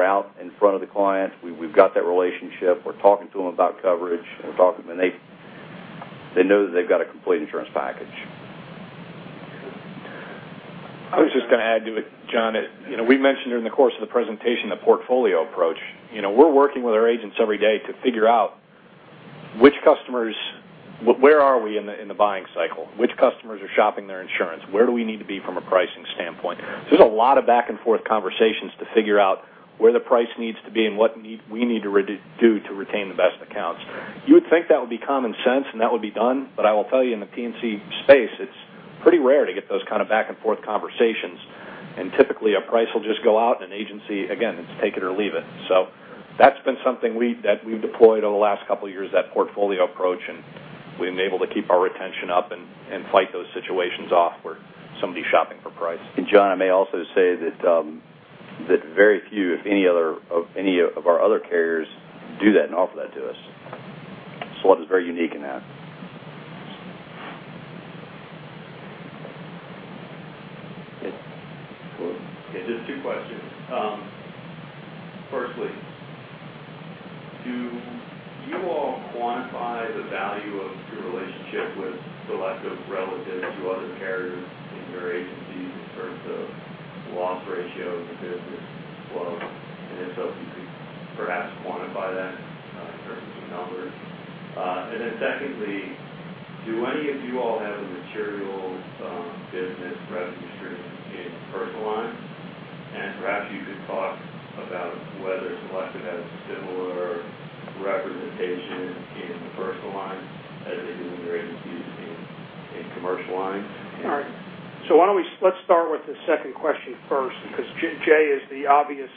out in front of the client. We've got that relationship. We're talking to them about coverage, and they know that they've got a complete insurance package. I was just going to add to it, John, that we mentioned during the course of the presentation, the portfolio approach. We're working with our agents every day to figure out where are we in the buying cycle, which customers are shopping their insurance, where do we need to be from a pricing standpoint. There's a lot of back-and-forth conversations to figure out where the price needs to be and what we need to do to retain the best accounts. You would think that would be common sense and that would be done, I will tell you, in the P&C space, it's pretty rare to get those kind of back-and-forth conversations, and typically, a price will just go out and an agency, again, it's take it or leave it. That's been something that we've deployed over the last couple of years, that portfolio approach, and we've been able to keep our retention up and fight those situations off where somebody's shopping for price. John, I may also say that very few, if any of our other carriers do that and offer that to us. Selective's very unique in that. Yes. William. Just two questions. Firstly, do you all quantify the value of your relationship with Selective relative to other carriers in your agencies in terms of loss ratio in your business flow? If so, could you perhaps quantify that in terms of some numbers? Secondly, do any of you all have a material business revenue stream in personal lines? Perhaps you could talk about whether Selective has a similar representation in personal lines as they do in their agencies in commercial lines. All right. Let's start with the second question first, because Jay is the obvious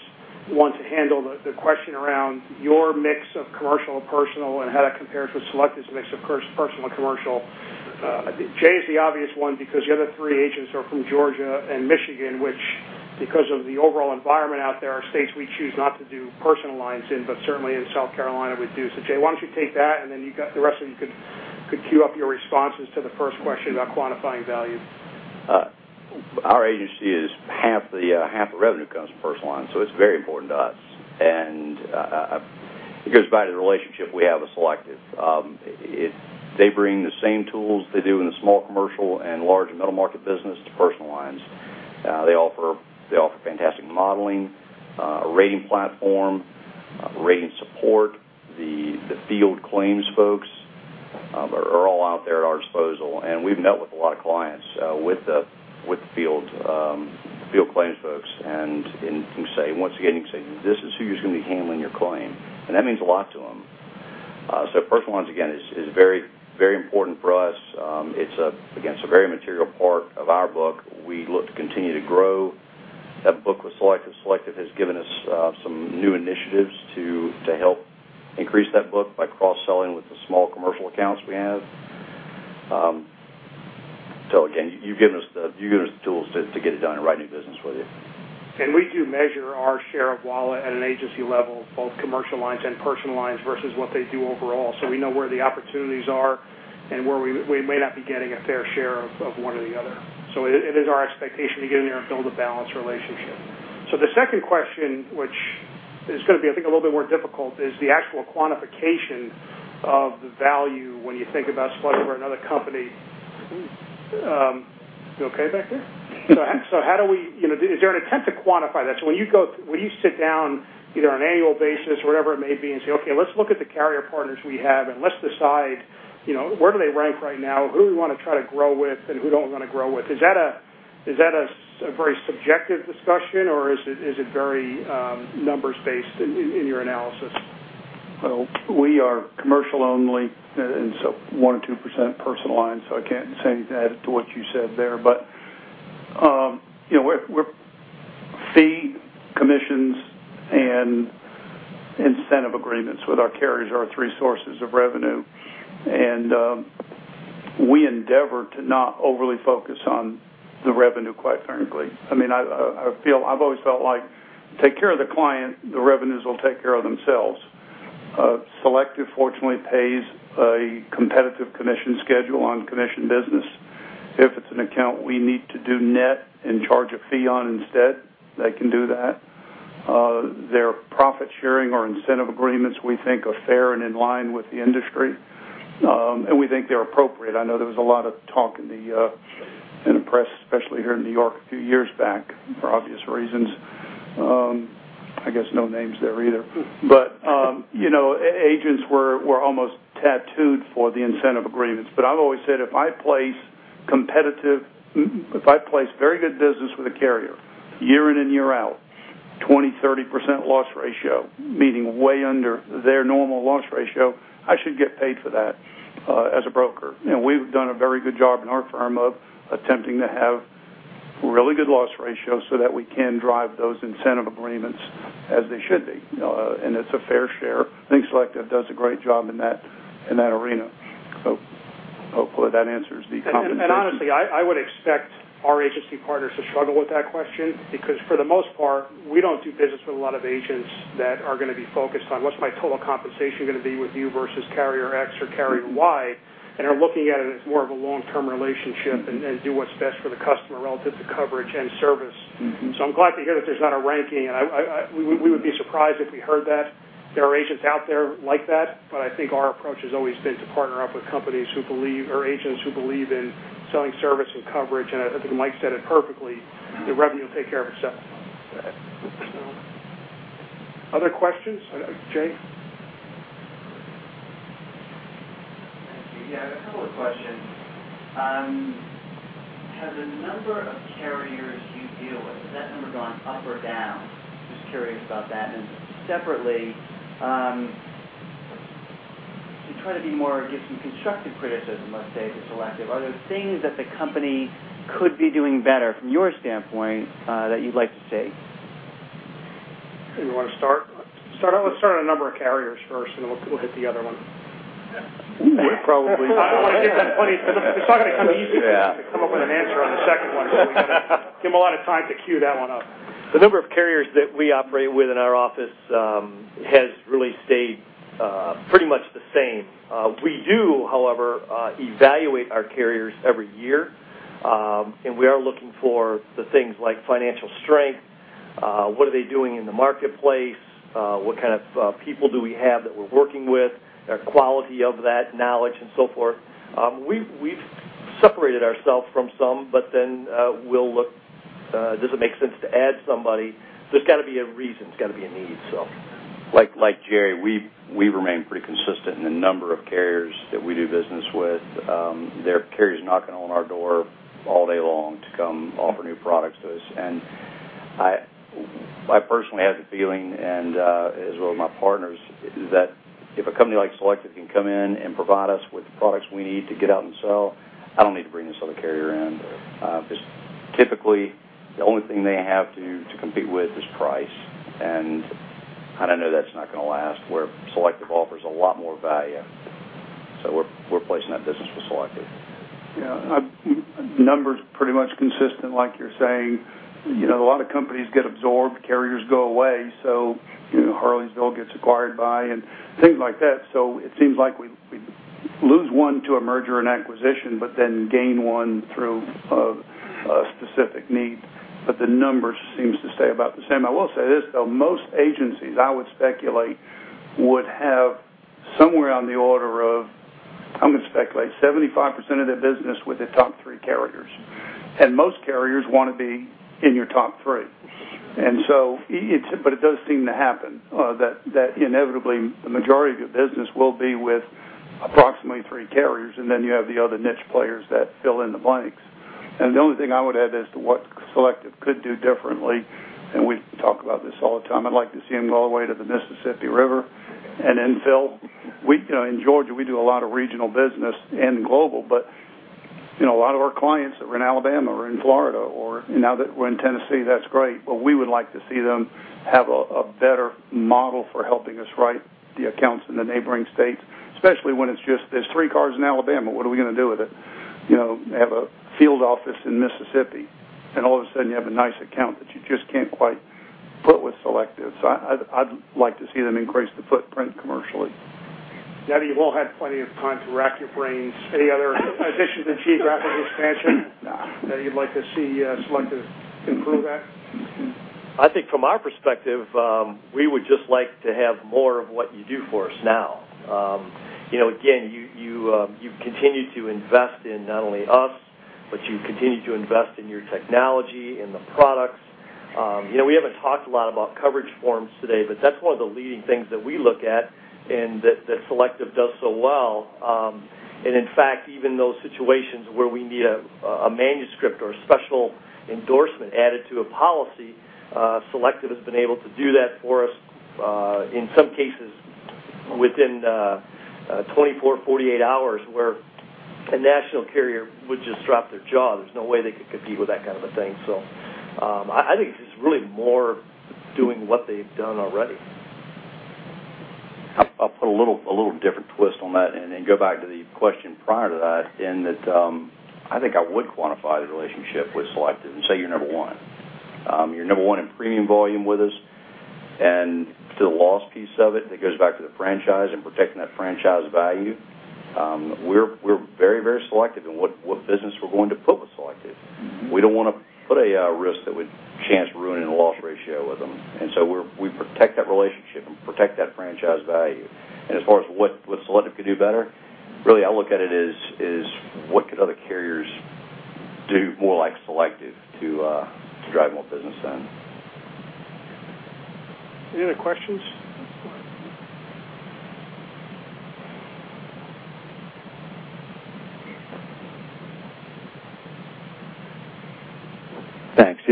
one to handle the question around your mix of commercial and personal and how that compares with Selective's mix of personal and commercial. Jay is the obvious one because the other three agents are from Georgia and Michigan, which because of the overall environment out there, are states we choose not to do personal lines in, but certainly in South Carolina, we do. Jay, why don't you take that, and then the rest of you could queue up your responses to the first question about quantifying value. Our agency is half the revenue comes from personal lines, it's very important to us, and it goes by the relationship we have with Selective. They bring the same tools they do in the small commercial and large middle market business to personal lines. They offer fantastic modeling, a rating platform, rating support, the field claims folks are all out there at our disposal, and we've met with a lot of clients with the field claims folks. Once again, you can say, "This is who's going to be handling your claim." That means a lot to them. Personal lines, again, is very important for us. It's, again, a very material part of our book. We look to continue to grow that book with Selective. Selective has given us some new initiatives to help increase that book by cross-selling with the small commercial accounts we have. Again, you've given us the tools to get it done and write new business with you. We do measure our share of wallet at an agency level, both commercial lines and personal lines, versus what they do overall. We know where the opportunities are and where we may not be getting a fair share of one or the other. It is our expectation to get in there and build a balanced relationship. The second question, which is going to be, I think, a little bit more difficult, is the actual quantification of the value when you think about Selective or another company. You okay back there? Yeah. Is there an attempt to quantify that? When you sit down, either on an annual basis, whatever it may be, and say, "Okay, let's look at the carrier partners we have, and let's decide where do they rank right now, who do we want to try to grow with and who don't we want to grow with?" Is that a very subjective discussion, or is it very numbers based in your analysis? Well, we are commercial only, 1%-2% personal lines, I can't say anything to add to what you said there. Fee, commissions, and incentive agreements with our carriers are our three sources of revenue. We endeavor to not overly focus on the revenue, quite frankly. I've always felt like take care of the client, the revenues will take care of themselves. Selective, fortunately, pays a competitive commission schedule on commission business. If it's an account we need to do net and charge a fee on instead, they can do that. Their profit sharing or incentive agreements, we think, are fair and in line with the industry. We think they're appropriate. I know there was a lot of talk in the press, especially here in New York a few years back, for obvious reasons. I guess no names there either. Agents were almost tattooed for the incentive agreements. I've always said, if I place very good business with a carrier year in and year out, 20%, 30% loss ratio, meaning way under their normal loss ratio, I should get paid for that, as a broker. We've done a very good job in our firm of attempting to have really good loss ratios so that we can drive those incentive agreements as they should be, and it's a fair share. I think Selective does a great job in that arena. Hopefully that answers the compensation. Honestly, I would expect our agency partners to struggle with that question because, for the most part, we don't do business with a lot of agents that are going to be focused on what's my total compensation going to be with you versus carrier X or carrier Y and are looking at it as more of a long-term relationship and do what's best for the customer relative to coverage and service. I'm glad to hear that there's not a ranking, and we would be surprised if we heard that. There are agents out there like that, but I think our approach has always been to partner up with companies or agents who believe in selling service and coverage. I think Mike said it perfectly. The revenue will take care of itself. Other questions? Jay? Thank you. I have a couple of questions. Has the number of carriers you deal with, has that number gone up or down? Just curious about that. Separately, to try to be more give some constructive criticism, let's say, to Selective, are there things that the company could be doing better from your standpoint that you'd like to see? You want to start? Let's start on number of carriers first, we'll hit the other one. We would probably- I want to give that plenty. It's not going to come easy for me- Yeah to come up with an answer on the second one. We got to give him a lot of time to queue that one up. The number of carriers that we operate with in our office has really stayed pretty much the same. We do, however, evaluate our carriers every year. We are looking for the things like financial strength, what are they doing in the marketplace, what kind of people do we have that we're working with, their quality of that knowledge, and so forth. We've separated ourselves from some, but then we'll look, does it make sense to add somebody? There's got to be a reason. There's got to be a need. Like Jerry, we remain pretty consistent in the number of carriers that we do business with. There are carriers knocking on our door all day long to come offer new products to us. I personally have the feeling, and as well as my partners, that if a company like Selective can come in and provide us with the products we need to get out and sell, I don't need to bring this other carrier in. Typically, the only thing they have to compete with is price. I know that's not going to last, where Selective offers a lot more value. We're placing that business with Selective. Yeah. Numbers pretty much consistent, like you're saying. A lot of companies get absorbed, carriers go away, Harleysville gets acquired by, and things like that. It seems like we lose one to a merger and acquisition, but then gain one through a specific need. The numbers seems to stay about the same. I will say this, though, most agencies, I would speculate, would have somewhere on the order of, I'm going to speculate, 75% of their business with the top three carriers. Most carriers want to be in your top three. It does seem to happen, that inevitably the majority of your business will be with approximately three carriers, and then you have the other niche players that fill in the blanks. The only thing I would add as to what Selective could do differently, and we talk about this all the time, I'd like to see them go all the way to the Mississippi River and then fill. In Georgia, we do a lot of regional business and global, but a lot of our clients that were in Alabama or in Florida or now that we're in Tennessee, that's great, but we would like to see them have a better model for helping us write the accounts in the neighboring states. Especially when it's just there's three cars in Alabama, what are we going to do with it? They have a field office in Mississippi, and all of a sudden you have a nice account that you just can't quite put with Selective. I'd like to see them increase the footprint commercially. Now that you've all had plenty of time to rack your brains, any other, in addition to geographical expansion, that you'd like to see Selective improve at? I think from our perspective, we would just like to have more of what you do for us now. You continue to invest in not only us, but you continue to invest in your technology, in the products. We haven't talked a lot about coverage forms today, but that's one of the leading things that we look at and that Selective does so well. In fact, even those situations where we need a manuscript or a special endorsement added to a policy, Selective has been able to do that for us, in some cases within 24, 48 hours, where a national carrier would just drop their jaw. There's no way they could compete with that kind of a thing. I think it's just really more doing what they've done already. I'll put a little different twist on that and then go back to the question prior to that in that I think I would quantify the relationship with Selective and say you're number one. You're number one in premium volume with us and to the loss piece of it that goes back to the franchise and protecting that franchise value. We're very selective in what business we're going to put with Selective. We don't want to put a risk that would chance ruining a loss ratio with them, and so we protect that relationship and protect that franchise value. As far as what Selective could do better, really, I look at it as what could other carriers do more like Selective to drive more business in? Any other questions?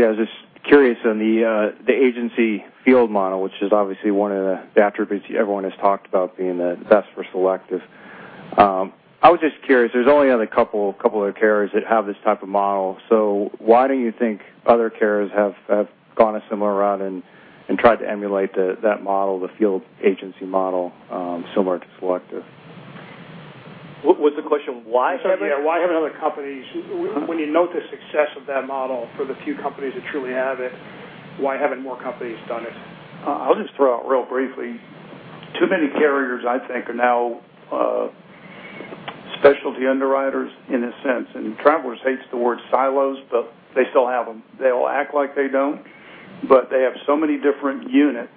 Thanks. Yeah, I was just curious on the agency field model, which is obviously one of the attributes everyone has talked about being the best for Selective. I was just curious, there's only another couple of carriers that have this type of model. Why don't you think other carriers have gone a similar route and tried to emulate that model, the field agency model, similar to Selective? What's the question? Why Selective? Yeah. When you note the success of that model for the few companies that truly have it, why haven't more companies done it? I'll just throw out real briefly. Too many carriers, I think, are now specialty underwriters in a sense. Travelers hates the word silos, but they still have them. They'll act like they don't, but they have so many different units,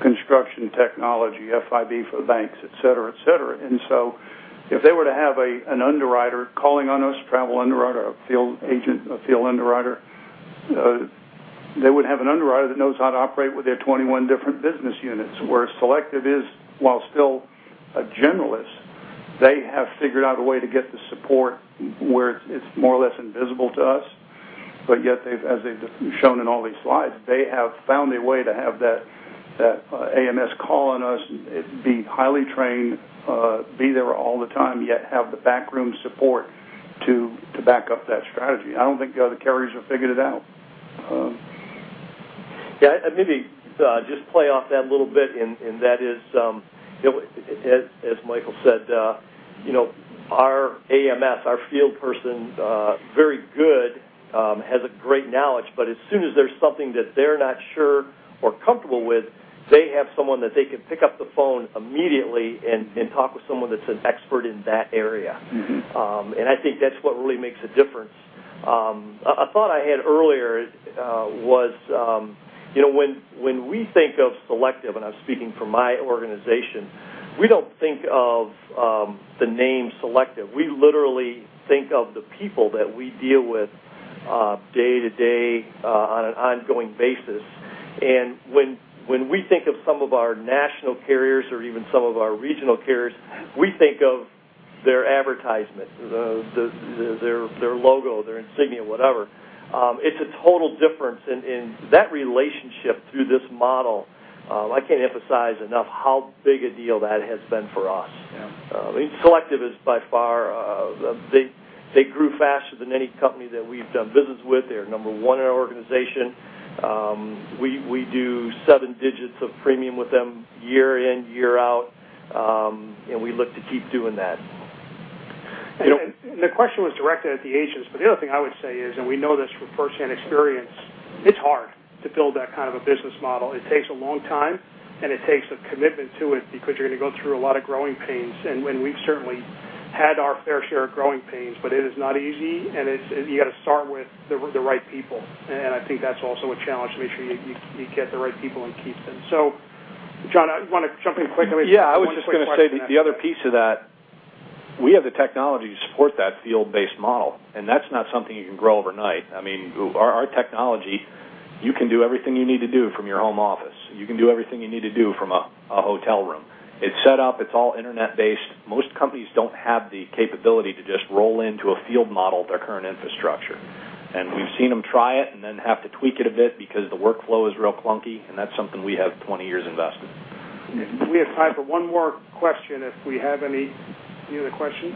construction technology, FIB for banks, et cetera. If they were to have an underwriter calling on us, a Travelers underwriter, a field agent, a field underwriter, they would have an underwriter that knows how to operate with their 21 different business units. Where Selective is, while still a generalist, they have figured out a way to get the support where it's more or less invisible to us. As they've shown in all these slides, they have found a way to have that AMS call on us, be highly trained, be there all the time, yet have the back room support to back up that strategy. I don't think the other carriers have figured it out. Yeah. Maybe just play off that a little bit, that is, as Michael said, our AMS, our field person's very good, has a great knowledge, but as soon as there's something that they're not sure or comfortable with, they have someone that they can pick up the phone immediately and talk with someone that's an expert in that area. I think that's what really makes a difference. A thought I had earlier was when we think of Selective, I'm speaking for my organization, we don't think of the name Selective. We literally think of the people that we deal with day to day on an ongoing basis. When we think of some of our national carriers or even some of our regional carriers, we think of their advertisement, their logo, their insignia, whatever. It's a total difference in that relationship through this model. I can't emphasize enough how big a deal that has been for us. Yeah. Selective is by far. They grew faster than any company that we've done business with. They're number 1 in our organization. We do 7 digits of premium with them year in, year out, we look to keep doing that. The question was directed at the agents, the other thing I would say is, we know this from firsthand experience, it's hard to build that kind of a business model. It takes a long time, it takes a commitment to it because you're going to go through a lot of growing pains. We've certainly had our fair share of growing pains, it is not easy, you've got to start with the right people. I think that's also a challenge to make sure you get the right people and keep them. John, I want to jump in quick. I was just going to say that the other piece of that We have the technology to support that field-based model, that's not something you can grow overnight. Our technology, you can do everything you need to do from your home office. You can do everything you need to do from a hotel room. It's set up. It's all internet-based. Most companies don't have the capability to just roll into a field model their current infrastructure. We've seen them try it and then have to tweak it a bit because the workflow is real clunky, that's something we have 20 years invested. We have time for one more question if we have any other questions.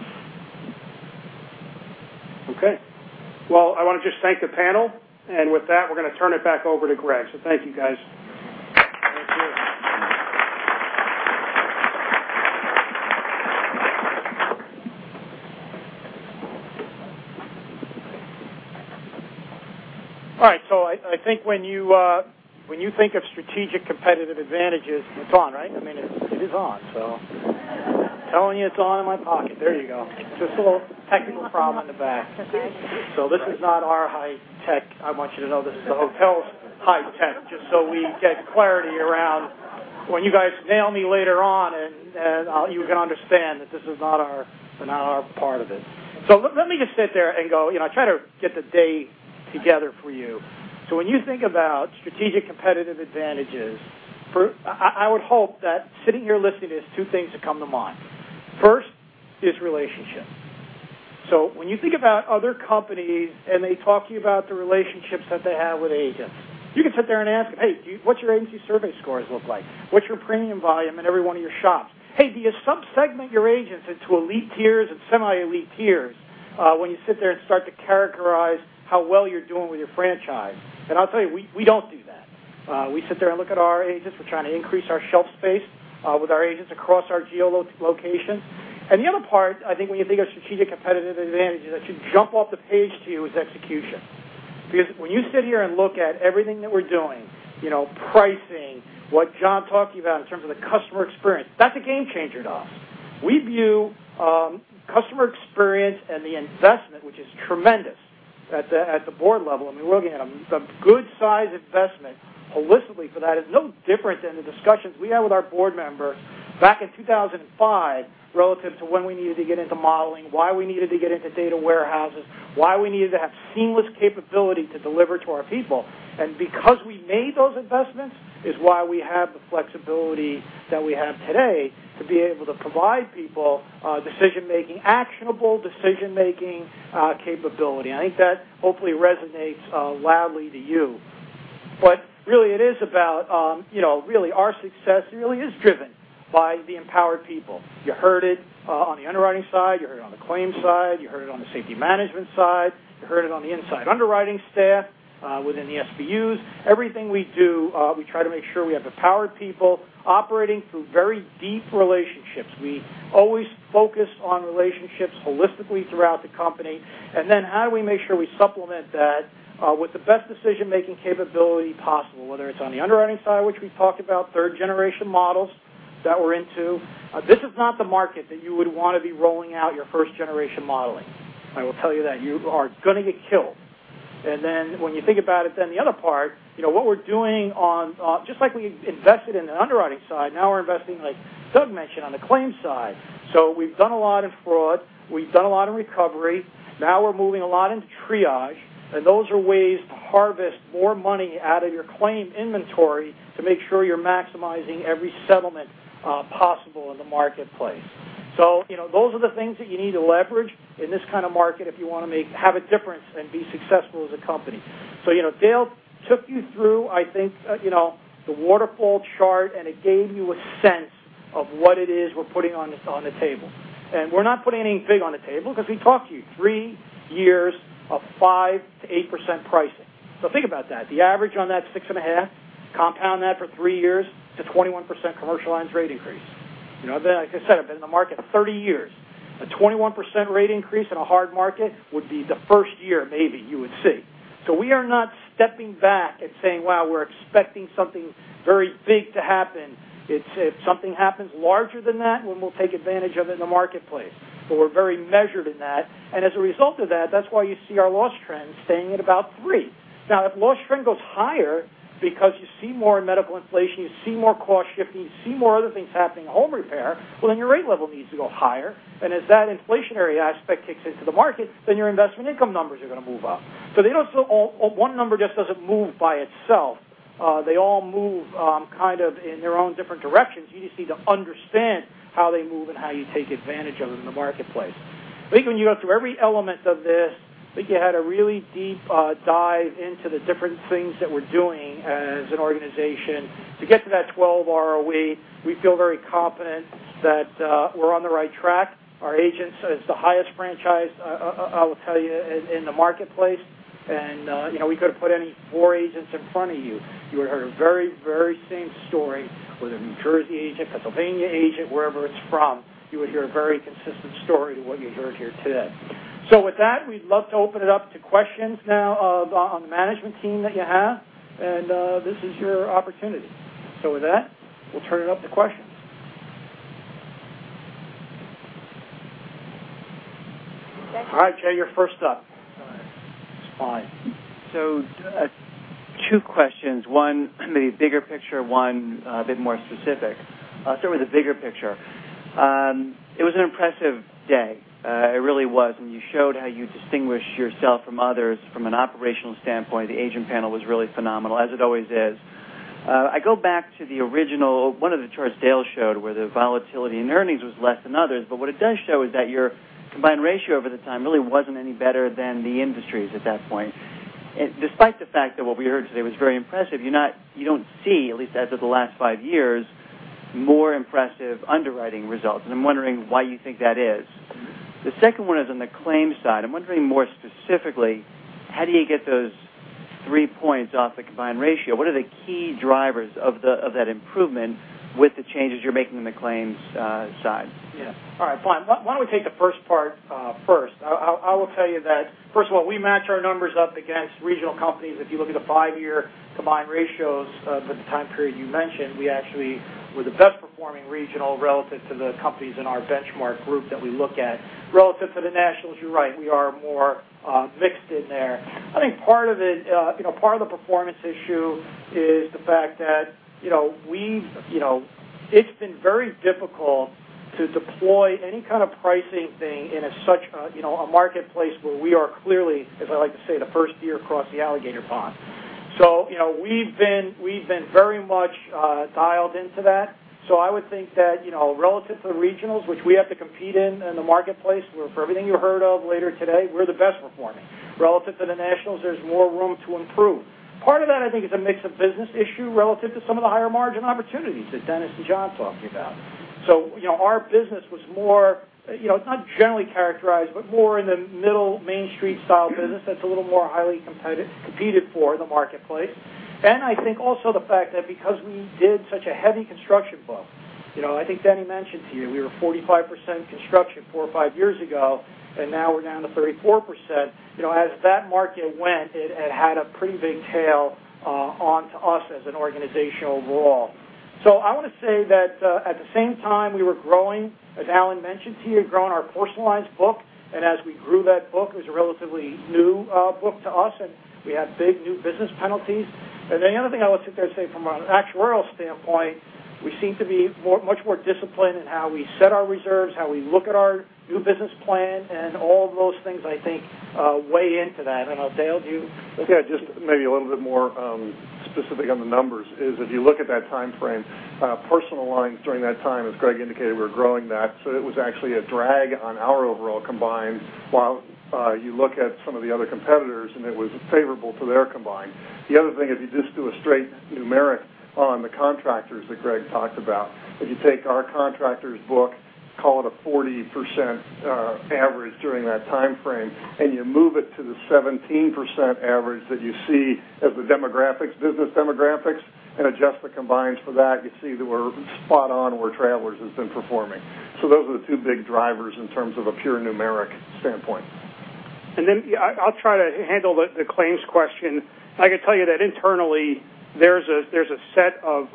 Well, I want to just thank the panel. With that, we're going to turn it back over to Greg. Thank you, guys. Thank you. I think when you think of strategic competitive advantages. It's on, right? It is on. Telling you it's on in my pocket. There you go. Just a little technical problem in the back. This is not our high tech, I want you to know. This is the hotel's high tech, just so we get clarity around when you guys nail me later on, you can understand that this is not our part of it. Let me just sit there and try to get the day together for you. When you think about strategic competitive advantages, I would hope that sitting here listening, there's two things that come to mind. First is relationship. When you think about other companies and they talk to you about the relationships that they have with agents, you can sit there and ask them, "Hey, what's your agency survey scores look like? What's your premium volume in every one of your shops? Hey, do you sub-segment your agents into elite tiers and semi-elite tiers when you sit there and start to characterize how well you're doing with your franchise?" I'll tell you, we don't do that. We sit there and look at our agents. We're trying to increase our shelf space with our agents across our geo-locations. The other part, I think when you think of strategic competitive advantages that should jump off the page to you is execution. When you sit here and look at everything that we're doing, pricing, what John talked to you about in terms of the customer experience, that's a game changer to us. We view customer experience and the investment, which is tremendous at the board level. We're looking at a good size investment holistically for that is no different than the discussions we had with our board members back in 2005 relative to when we needed to get into modeling, why we needed to get into data warehouses, why we needed to have seamless capability to deliver to our people. Because we made those investments is why we have the flexibility that we have today to be able to provide people actionable decision-making capability. I think that hopefully resonates loudly to you. Really, our success really is driven by the empowered people. You heard it on the underwriting side, you heard it on the claims side, you heard it on the safety management side, you heard it on the inside underwriting staff within the SBUs. Everything we do, we try to make sure we have empowered people operating through very deep relationships. We always focus on relationships holistically throughout the company. Then how do we make sure we supplement that with the best decision-making capability possible, whether it's on the underwriting side, which we talked about, third generation models that we're into. This is not the market that you would want to be rolling out your first generation modeling. I will tell you that. You are going to get killed. When you think about it, then the other part, what we're doing on, just like we invested in the underwriting side, now we're investing, like Doug mentioned, on the claims side. We've done a lot in fraud, we've done a lot in recovery, now we're moving a lot into triage, and those are ways to harvest more money out of your claim inventory to make sure you're maximizing every settlement possible in the marketplace. Those are the things that you need to leverage in this kind of market if you want to have a difference and be successful as a company. Dale took you through, I think, the waterfall chart, and it gave you a sense of what it is we're putting on the table. We're not putting anything big on the table because he talked to you, three years of 5%-8% pricing. Think about that. The average on that is 6.5, compound that for three years, it's a 21% commercial lines rate increase. Like I said, I've been in the market 30 years. A 21% rate increase in a hard market would be the first year, maybe, you would see. We are not stepping back and saying, "Wow, we're expecting something very big to happen." If something happens larger than that, then we'll take advantage of it in the marketplace. We're very measured in that, and as a result of that's why you see our loss trends staying at about three. If loss trend goes higher because you see more in medical inflation, you see more cost shifting, you see more other things happening, home repair, your rate level needs to go higher. As that inflationary aspect kicks into the market, your investment income numbers are going to move up. One number just doesn't move by itself. They all move in their own different directions. You just need to understand how they move and how you take advantage of them in the marketplace. I think when you go through every element of this, I think you had a really deep dive into the different things that we're doing as an organization to get to that 12% ROE. We feel very confident that we're on the right track. Our agents is the highest franchise, I will tell you, in the marketplace. We could have put any four agents in front of you. You would have heard a very same story with a New Jersey agent, Pennsylvania agent, wherever it's from. You would hear a very consistent story to what you heard here today. With that, we'd love to open it up to questions now on the management team that you have, this is your opportunity. With that, we'll turn it up to questions. Jay, you're first up Two questions, one the bigger picture, one a bit more specific. I'll start with the bigger picture. It was an impressive day. It really was, you showed how you distinguish yourself from others from an operational standpoint. The agent panel was really phenomenal, as it always is. I go back to one of the charts Dale showed, where the volatility in earnings was less than others, what it does show is that your combined ratio over the time really wasn't any better than the industry's at that point. Despite the fact that what we heard today was very impressive, you don't see, at least as of the last five years, more impressive underwriting results, I'm wondering why you think that is. The second one is on the claims side. I'm wondering more specifically, how do you get those three points off the combined ratio? What are the key drivers of that improvement with the changes you're making on the claims side? Yeah. All right. Fine. Why don't we take the first part first? I will tell you that, first of all, we match our numbers up against regional companies. If you look at the five-year combined ratios for the time period you mentioned, we actually were the best performing regional relative to the companies in our benchmark group that we look at. Relative to the nationals, you're right, we are more mixed in there. I think part of the performance issue is the fact that it's been very difficult to deploy any kind of pricing thing in a marketplace where we are clearly, as I like to say, the first deer across the alligator pond. We've been very much dialed into that. I would think that, relative to the regionals, which we have to compete in the marketplace, where for everything you heard of later today, we're the best performing. Relative to the nationals, there's more room to improve. Part of that, I think, is a mix of business issue relative to some of the higher margin opportunities that Dennis and John talked to you about. Our business was more, not generally characterized, but more in the middle, Main Street style business that's a little more highly competed for in the marketplace. I think also the fact that because we did such a heavy construction book. I think Denny mentioned to you, we were 45% construction four or five years ago, and now we're down to 34%. As that market went, it had a pretty big tail onto us as an organization overall. I want to say that, at the same time, we were growing, as Alan mentioned to you, growing our personal lines book, and as we grew that book, it was a relatively new book to us, and we had big new business penalties. The other thing I would sit there and say from an actuarial standpoint, we seem to be much more disciplined in how we set our reserves, how we look at our new business plan, and all of those things, I think, weigh into that. Dale, do you- Yeah, just maybe a little bit more specific on the numbers is if you look at that timeframe, personal lines during that time, as Greg indicated, we were growing that. It was actually a drag on our overall combined, while you look at some of the other competitors, and it was favorable to their combined. The other thing, if you just do a straight numeric on the contractors that Greg talked about. If you take our contractors book, call it a 40% average during that timeframe, and you move it to the 17% average that you see as the business demographics and adjust the combines for that, you see that we're spot on where Travelers has been performing. Those are the two big drivers in terms of a pure numeric standpoint. I'll try to handle the claims question. I can tell you that internally, there's a set of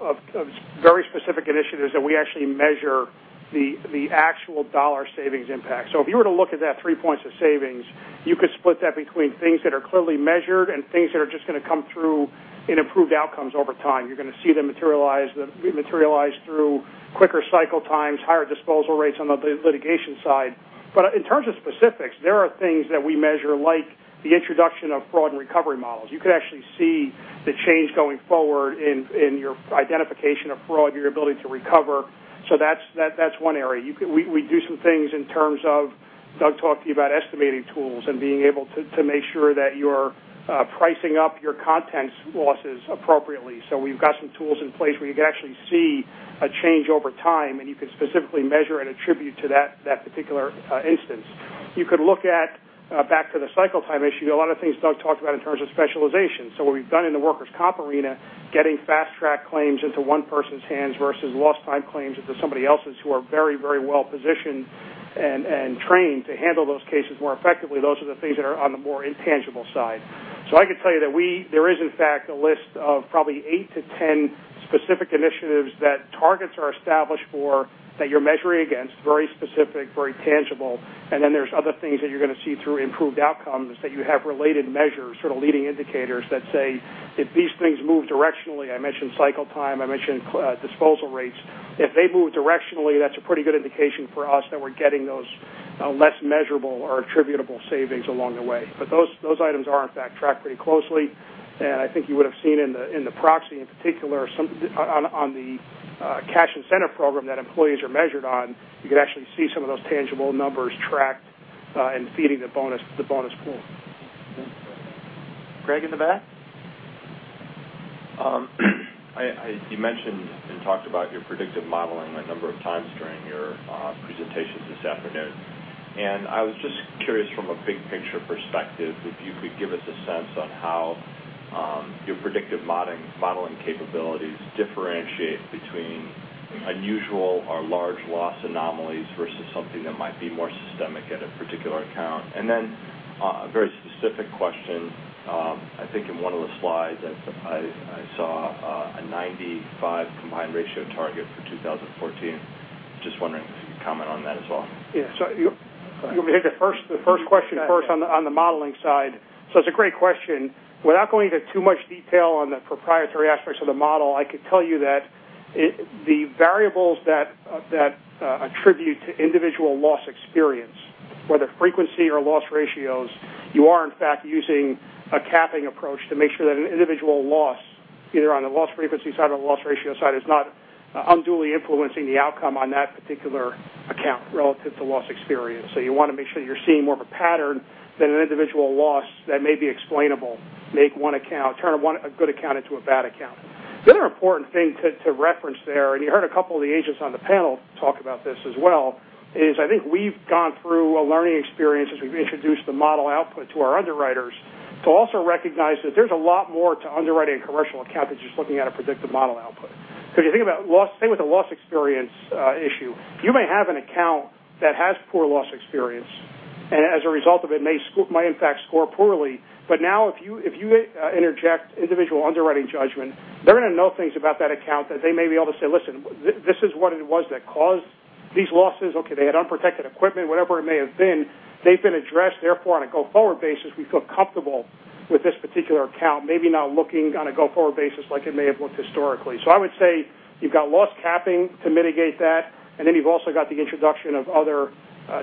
very specific initiatives that we actually measure the actual dollar savings impact. If you were to look at that three points of savings, you could split that between things that are clearly measured and things that are just going to come through in improved outcomes over time. You're going to see them materialize through quicker cycle times, higher disposal rates on the litigation side. In terms of specifics, there are things that we measure, like the introduction of fraud and recovery models. You could actually see the change going forward in your identification of fraud, your ability to recover. That's one area. We do some things in terms of Doug talked to you about estimating tools and being able to make sure that you're pricing up your contents losses appropriately. We've got some tools in place where you can actually see a change over time, and you can specifically measure and attribute to that particular instance. You could look at back to the cycle time issue, a lot of things Doug talked about in terms of specialization. What we've done in the workers' comp arena, getting fast track claims into one person's hands versus lost time claims into somebody else's who are very well positioned and trained to handle those cases more effectively. Those are the things that are on the more intangible side. I could tell you that there is, in fact, a list of probably eight to 10 specific initiatives that targets are established for that you're measuring against, very specific, very tangible. There's other things that you're going to see through improved outcomes that you have related measures, sort of leading indicators that say if these things move directionally, I mentioned cycle time, I mentioned disposal rates. If they move directionally, that's a pretty good indication for us that we're getting those less measurable or attributable savings along the way. Those items are, in fact, tracked pretty closely. I think you would've seen in the proxy, in particular on the cash incentive program that employees are measured on, you could actually see some of those tangible numbers tracked and feeding the bonus pool. Greg in the back? You mentioned and talked about your predictive modeling a number of times during your presentation this afternoon. I was just curious from a big picture perspective if you could give us a sense on how your predictive modeling capabilities differentiate between unusual or large loss anomalies versus something that might be more systemic at a particular account. Then a very specific question. I think in one of the slides I saw a 95 combined ratio target for 2014. Just wondering if you could comment on that as well. Yeah. You want me to hit the first question first on the modeling side? It's a great question. Without going into too much detail on the proprietary aspects of the model, I could tell you that the variables that attribute to individual loss experience, whether frequency or loss ratios, you are in fact using a capping approach to make sure that an individual loss, either on the loss frequency side or loss ratio side, is not unduly influencing the outcome on that particular account relative to loss experience. You want to make sure that you're seeing more of a pattern than an individual loss that may be explainable, make one account, turn a good account into a bad account. The other important thing to reference there, you heard a couple of the agents on the panel talk about this as well, is I think we've gone through a learning experience as we've introduced the model output to our underwriters to also recognize that there's a lot more to underwriting a commercial account than just looking at a predictive model output. If you think about, say, with the loss experience issue, you may have an account that has poor loss experience, as a result of it, may in fact score poorly. Now if you interject individual underwriting judgment, they're going to know things about that account that they may be able to say, "Listen, this is what it was that caused these losses. Okay, they had unprotected equipment," whatever it may have been. They've been addressed. On a go-forward basis, we feel comfortable with this particular account, maybe not looking on a go-forward basis like it may have looked historically. I would say you've got loss capping to mitigate that, and then you've also got the introduction of other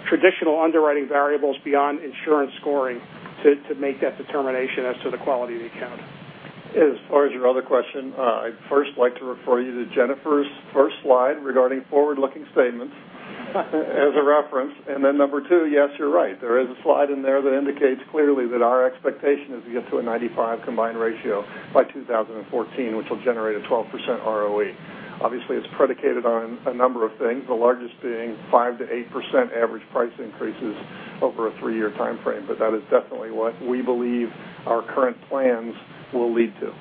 traditional underwriting variables beyond insurance scoring to make that determination as to the quality of the account. As far as your other question, I'd first like to refer you to Jennifer's first slide regarding forward-looking statements as a reference. Number 2, yes, you're right, there is a slide in there that indicates clearly that our expectation is to get to a 95 combined ratio by 2014, which will generate a 12% ROE. Obviously, it's predicated on a number of things, the largest being 5%-8% average price increases over a three-year timeframe. That is definitely what we believe our current plans will lead to.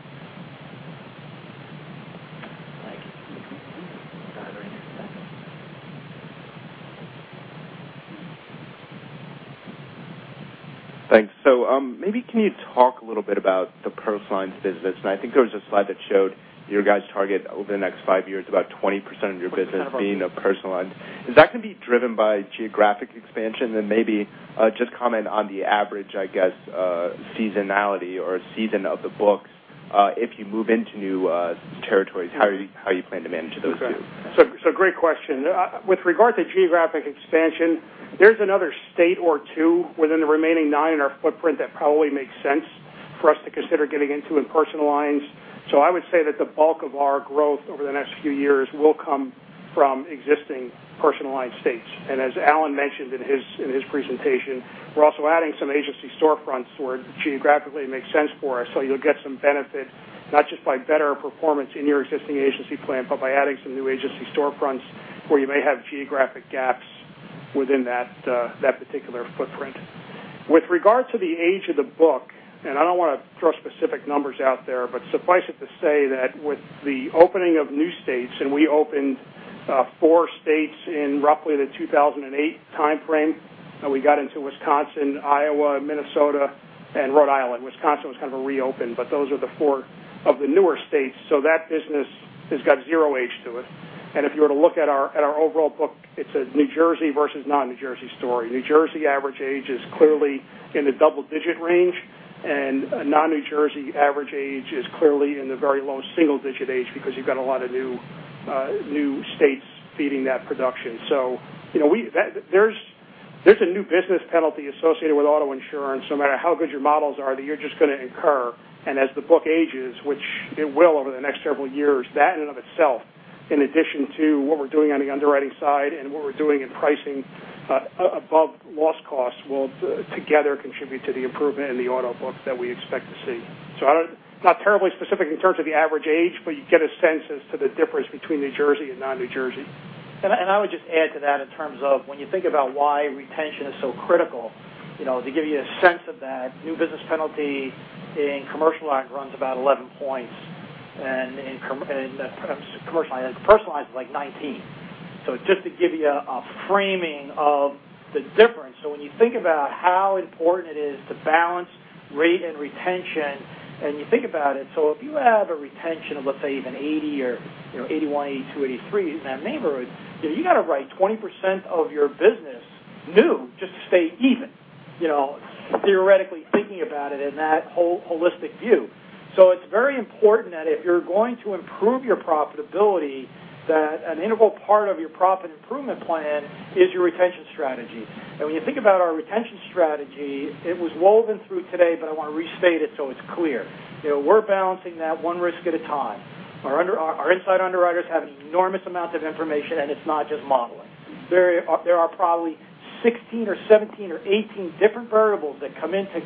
Thanks. Maybe can you talk a little bit about the personal lines business? I think there was a slide that showed your guys' target over the next five years, about 20% of your business being personal lines. Is that going to be driven by geographic expansion? Maybe just comment on the average, I guess, seasonality or season of the books. If you move into new territories, how are you planning to manage those two? Great question. With regard to geographic expansion, there's another state or two within the remaining nine in our footprint that probably makes sense for us to consider getting into in personal lines. I would say that the bulk of our growth over the next few years will come from existing personal line states. As Alan mentioned in his presentation, we're also adding some agency storefronts where geographically it makes sense for us. You'll get some benefit, not just by better performance in your existing agency plan, but by adding some new agency storefronts where you may have geographic gaps within that particular footprint. With regard to the age of the book, and I don't want to throw specific numbers out there, but suffice it to say that with the opening of new states, and we opened four states in roughly the 2008 timeframe. We got into Wisconsin, Iowa, Minnesota, and Rhode Island. Wisconsin was kind of a reopen, those are the four of the newer states. That business has got 0 age to it. If you were to look at our overall book, it's a New Jersey versus non-New Jersey story. New Jersey average age is clearly in the double-digit range, non-New Jersey average age is clearly in the very low single-digit age because you've got a lot of new states feeding that production. There's a new business penalty associated with auto insurance, no matter how good your models are, that you're just going to incur. As the book ages, which it will over the next several years, that in and of itself, in addition to what we're doing on the underwriting side and what we're doing in pricing above loss costs, will together contribute to the improvement in the auto book that we expect to see. Not terribly specific in terms of the average age, but you get a sense as to the difference between New Jersey and non-New Jersey. I would just add to that in terms of when you think about why retention is so critical, to give you a sense of that, new business penalty in commercial line runs about 11 points, personal line is like 19. Just to give you a framing of the difference. When you think about how important it is to balance rate and retention, you think about it, if you have a retention of, let's say, even 80 or 81, 82, 83, in that neighborhood, you got to write 20% of your business new just to stay even, theoretically thinking about it in that holistic view. It's very important that if you're going to improve your profitability, that an integral part of your profit improvement plan is your retention strategy. When you think about our retention strategy, it was woven through today, but I want to restate it so it's clear. We're balancing that one risk at a time. Our inside underwriters have an enormous amount of information, it's not just modeling. There are probably 16 or 17 or 18 different variables that come into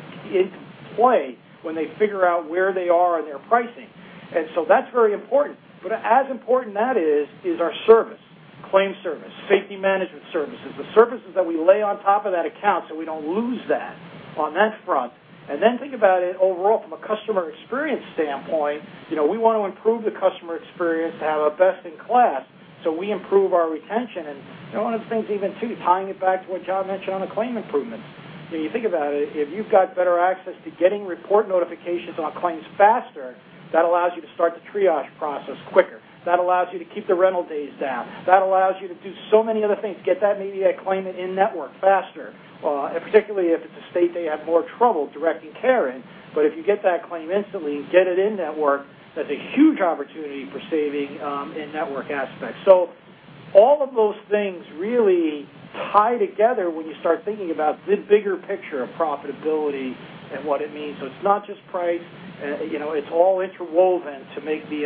play when they figure out where they are in their pricing. That's very important. As important that is our service, claim service, safety management services, the services that we lay on top of that account so we don't lose that on that front. Think about it overall from a customer experience standpoint. We want to improve the customer experience to have a best in class so we improve our retention. One of the things, even too, tying it back to what John mentioned on the claim improvements. When you think about it, if you've got better access to getting report notifications on claims faster, that allows you to start the triage process quicker. That allows you to keep the rental days down. That allows you to do so many other things, get that maybe a claim in network faster, and particularly if it's a state they have more trouble directing care in. If you get that claim instantly and get it in network, that's a huge opportunity for saving in network aspects. All of those things really tie together when you start thinking about the bigger picture of profitability and what it means. It's not just price. It's all interwoven to make the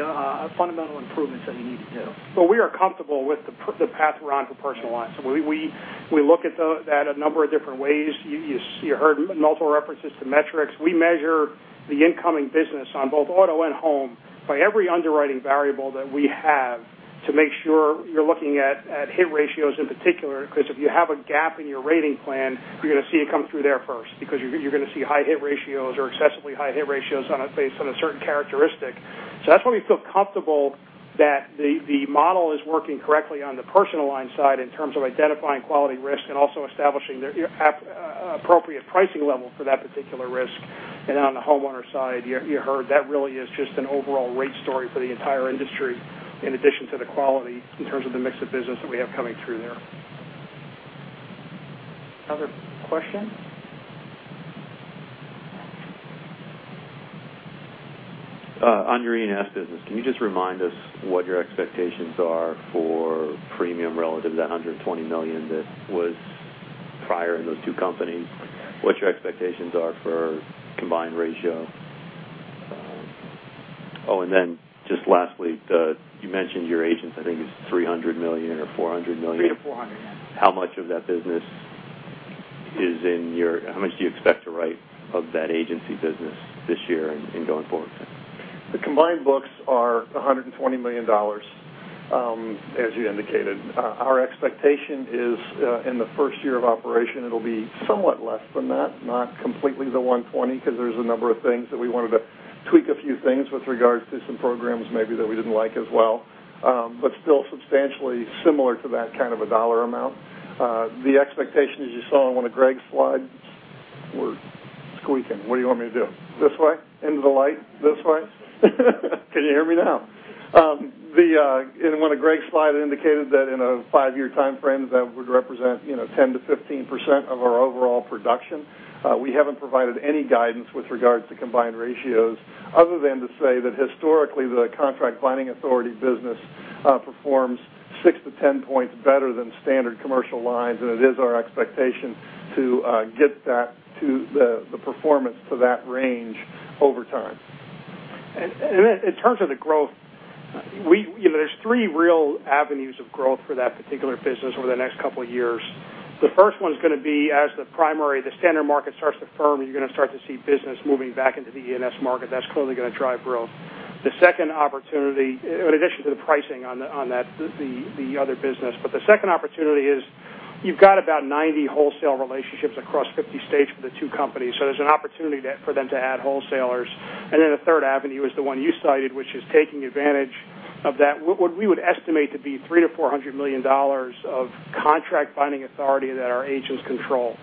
fundamental improvements that you need to do. We are comfortable with the path we're on for personal lines. We look at a number of different ways. You heard multiple references to metrics. We measure the incoming business on both auto and home by every underwriting variable that we have to make sure you're looking at hit ratios in particular, because if you have a gap in your rating plan, you're going to see it come through there first because you're going to see high hit ratios or excessively high hit ratios based on a certain characteristic. That's why we feel comfortable that the model is working correctly on the personal line side in terms of identifying quality risk and also establishing the appropriate pricing level for that particular risk. Then on the homeowner side, you heard that really is just an overall rate story for the entire industry, in addition to the quality in terms of the mix of business that we have coming through there. Other questions? On your E&S business, can you just remind us what your expectations are for premium relative to that $120 million that was prior in those two companies? What your expectations are for combined ratio? Then just lastly, you mentioned your agents, I think it's $300 million or $400 million. 3 to 400. Yeah. How much do you expect to write of that agency business this year and going forward? The combined books are $120 million, as you indicated. Our expectation is in the first year of operation, it'll be somewhat less than that, not completely the 120, because there's a number of things that we wanted to tweak a few things with regards to some programs maybe that we didn't like as well. Still substantially similar to that kind of a dollar amount. The expectation, as you saw on one of Greg's slides. We're squeaking. What do you want me to do? This way? Into the light? This way? Can you hear me now? In one of Greg's slide indicated that in a five-year timeframe, that would represent 10%-15% of our overall production. We haven't provided any guidance with regards to combined ratios other than to say that historically, the contract binding authority business performs 6 to 10 points better than standard commercial lines, and it is our expectation to get the performance to that range over time. In terms of the growth, there's three real avenues of growth for that particular business over the next couple of years. The first one's going to be as the primary, the standard market starts to firm, you're going to start to see business moving back into the E&S market. That's clearly going to drive growth. The second opportunity, in addition to the pricing on the other business. The second opportunity is you've got about 90 wholesale relationships across 50 states for the two companies. There's an opportunity for them to add wholesalers. The third avenue is the one you cited, which is taking advantage of that, what we would estimate to be $300 million to $400 million of contract binding authority that our agents control.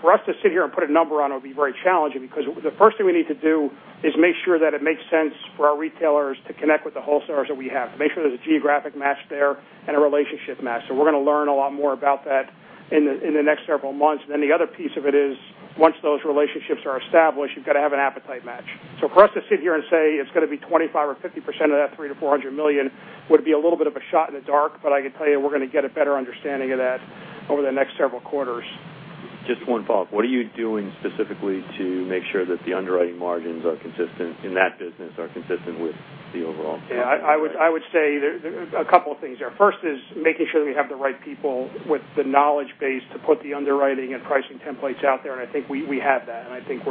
For us to sit here and put a number on it would be very challenging because the first thing we need to do is make sure that it makes sense for our retailers to connect with the wholesalers that we have, to make sure there's a geographic match there and a relationship match. We're going to learn a lot more about that in the next several months. The other piece of it is once those relationships are established, you've got to have an appetite match. For us to sit here and say it's going to be 25% or 50% of that $300 million to $400 million would be a little bit of a shot in the dark, but I can tell you we're going to get a better understanding of that over the next several quarters. Just one follow-up. What are you doing specifically to make sure that the underwriting margins in that business are consistent with the overall company? I would say there's a couple of things there. First is making sure that we have the right people with the knowledge base to put the underwriting and pricing templates out there, and I think we have that, and I think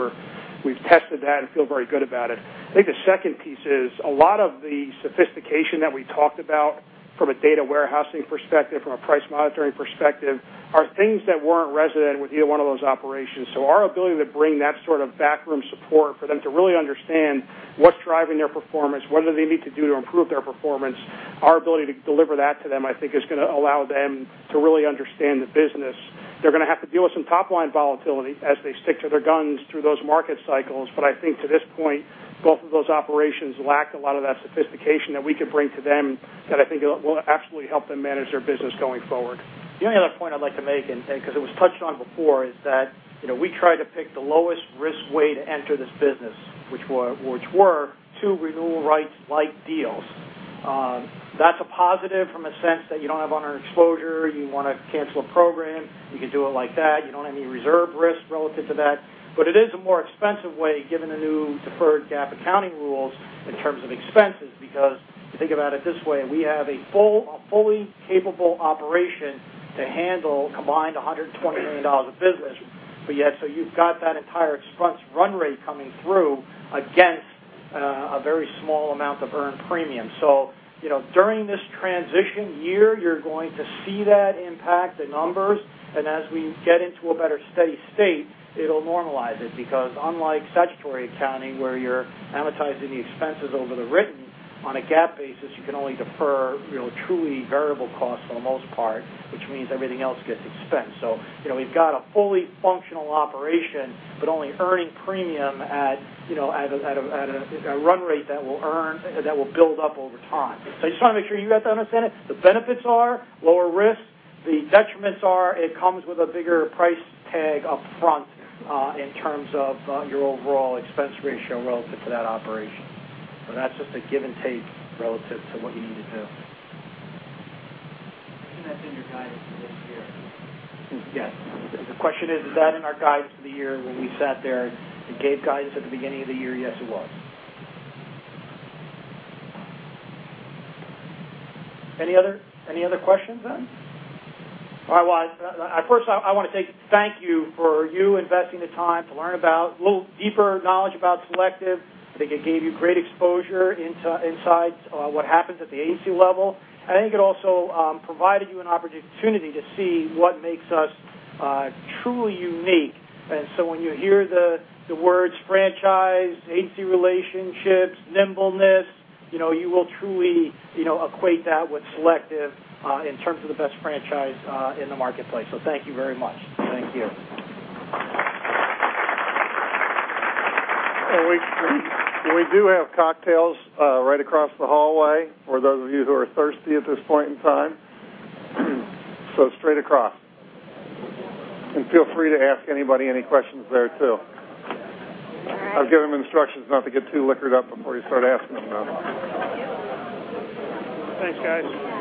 we've tested that and feel very good about it. The second piece is a lot of the sophistication that we talked about from a data warehousing perspective, from a price monitoring perspective, are things that weren't resident with either one of those operations. Our ability to bring that sort of back room support for them to really understand what's driving their performance, what do they need to do to improve their performance, our ability to deliver that to them, I think, is going to allow them to really understand the business. They're going to have to deal with some top-line volatility as they stick to their guns through those market cycles. I think to this point, both of those operations lack a lot of that sophistication that we could bring to them that I think will absolutely help them manage their business going forward. The only other point I'd like to make, and because it was touched on before, is that we try to pick the lowest risk way to enter this business, which were two renewal rights like deals. That's a positive from a sense that you don't have unearned exposure. You want to cancel a program, you can do it like that. You don't have any reserve risk relative to that. It is a more expensive way, given the new deferred GAAP accounting rules in terms of expenses, because if you think about it this way, we have a fully capable operation to handle combined $120 million of business. You've got that entire expense run rate coming through against a very small amount of earned premium. During this transition year, you're going to see that impact the numbers, and as we get into a better steady state, it'll normalize it because unlike statutory accounting where you're amortizing the expenses over the written, on a GAAP basis, you can only defer truly variable costs for the most part, which means everything else gets expensed. We've got a fully functional operation, but only earning premium at a run rate that will build up over time. I just want to make sure you guys understand it. The benefits are lower risk. The detriments are it comes with a bigger price tag up front in terms of your overall expense ratio relative to that operation. That's just a give and take relative to what you need to do. That's in your guidance for this year? Yes. The question is that in our guidance for the year when we sat there and gave guidance at the beginning of the year? Yes, it was. Any other questions? All right, well, first I want to thank you for you investing the time to learn about a little deeper knowledge about Selective. I think it gave you great exposure, insights what happens at the agency level. I think it also provided you an opportunity to see what makes us truly unique. When you hear the words franchise, agency relationships, nimbleness, you will truly equate that with Selective in terms of the best franchise in the marketplace. Thank you very much. Thank you. We do have cocktails right across the hallway for those of you who are thirsty at this point in time. Straight across. Feel free to ask anybody any questions there, too. All right. I've given them instructions not to get too liquored up before you start asking them, though. Thanks, guys.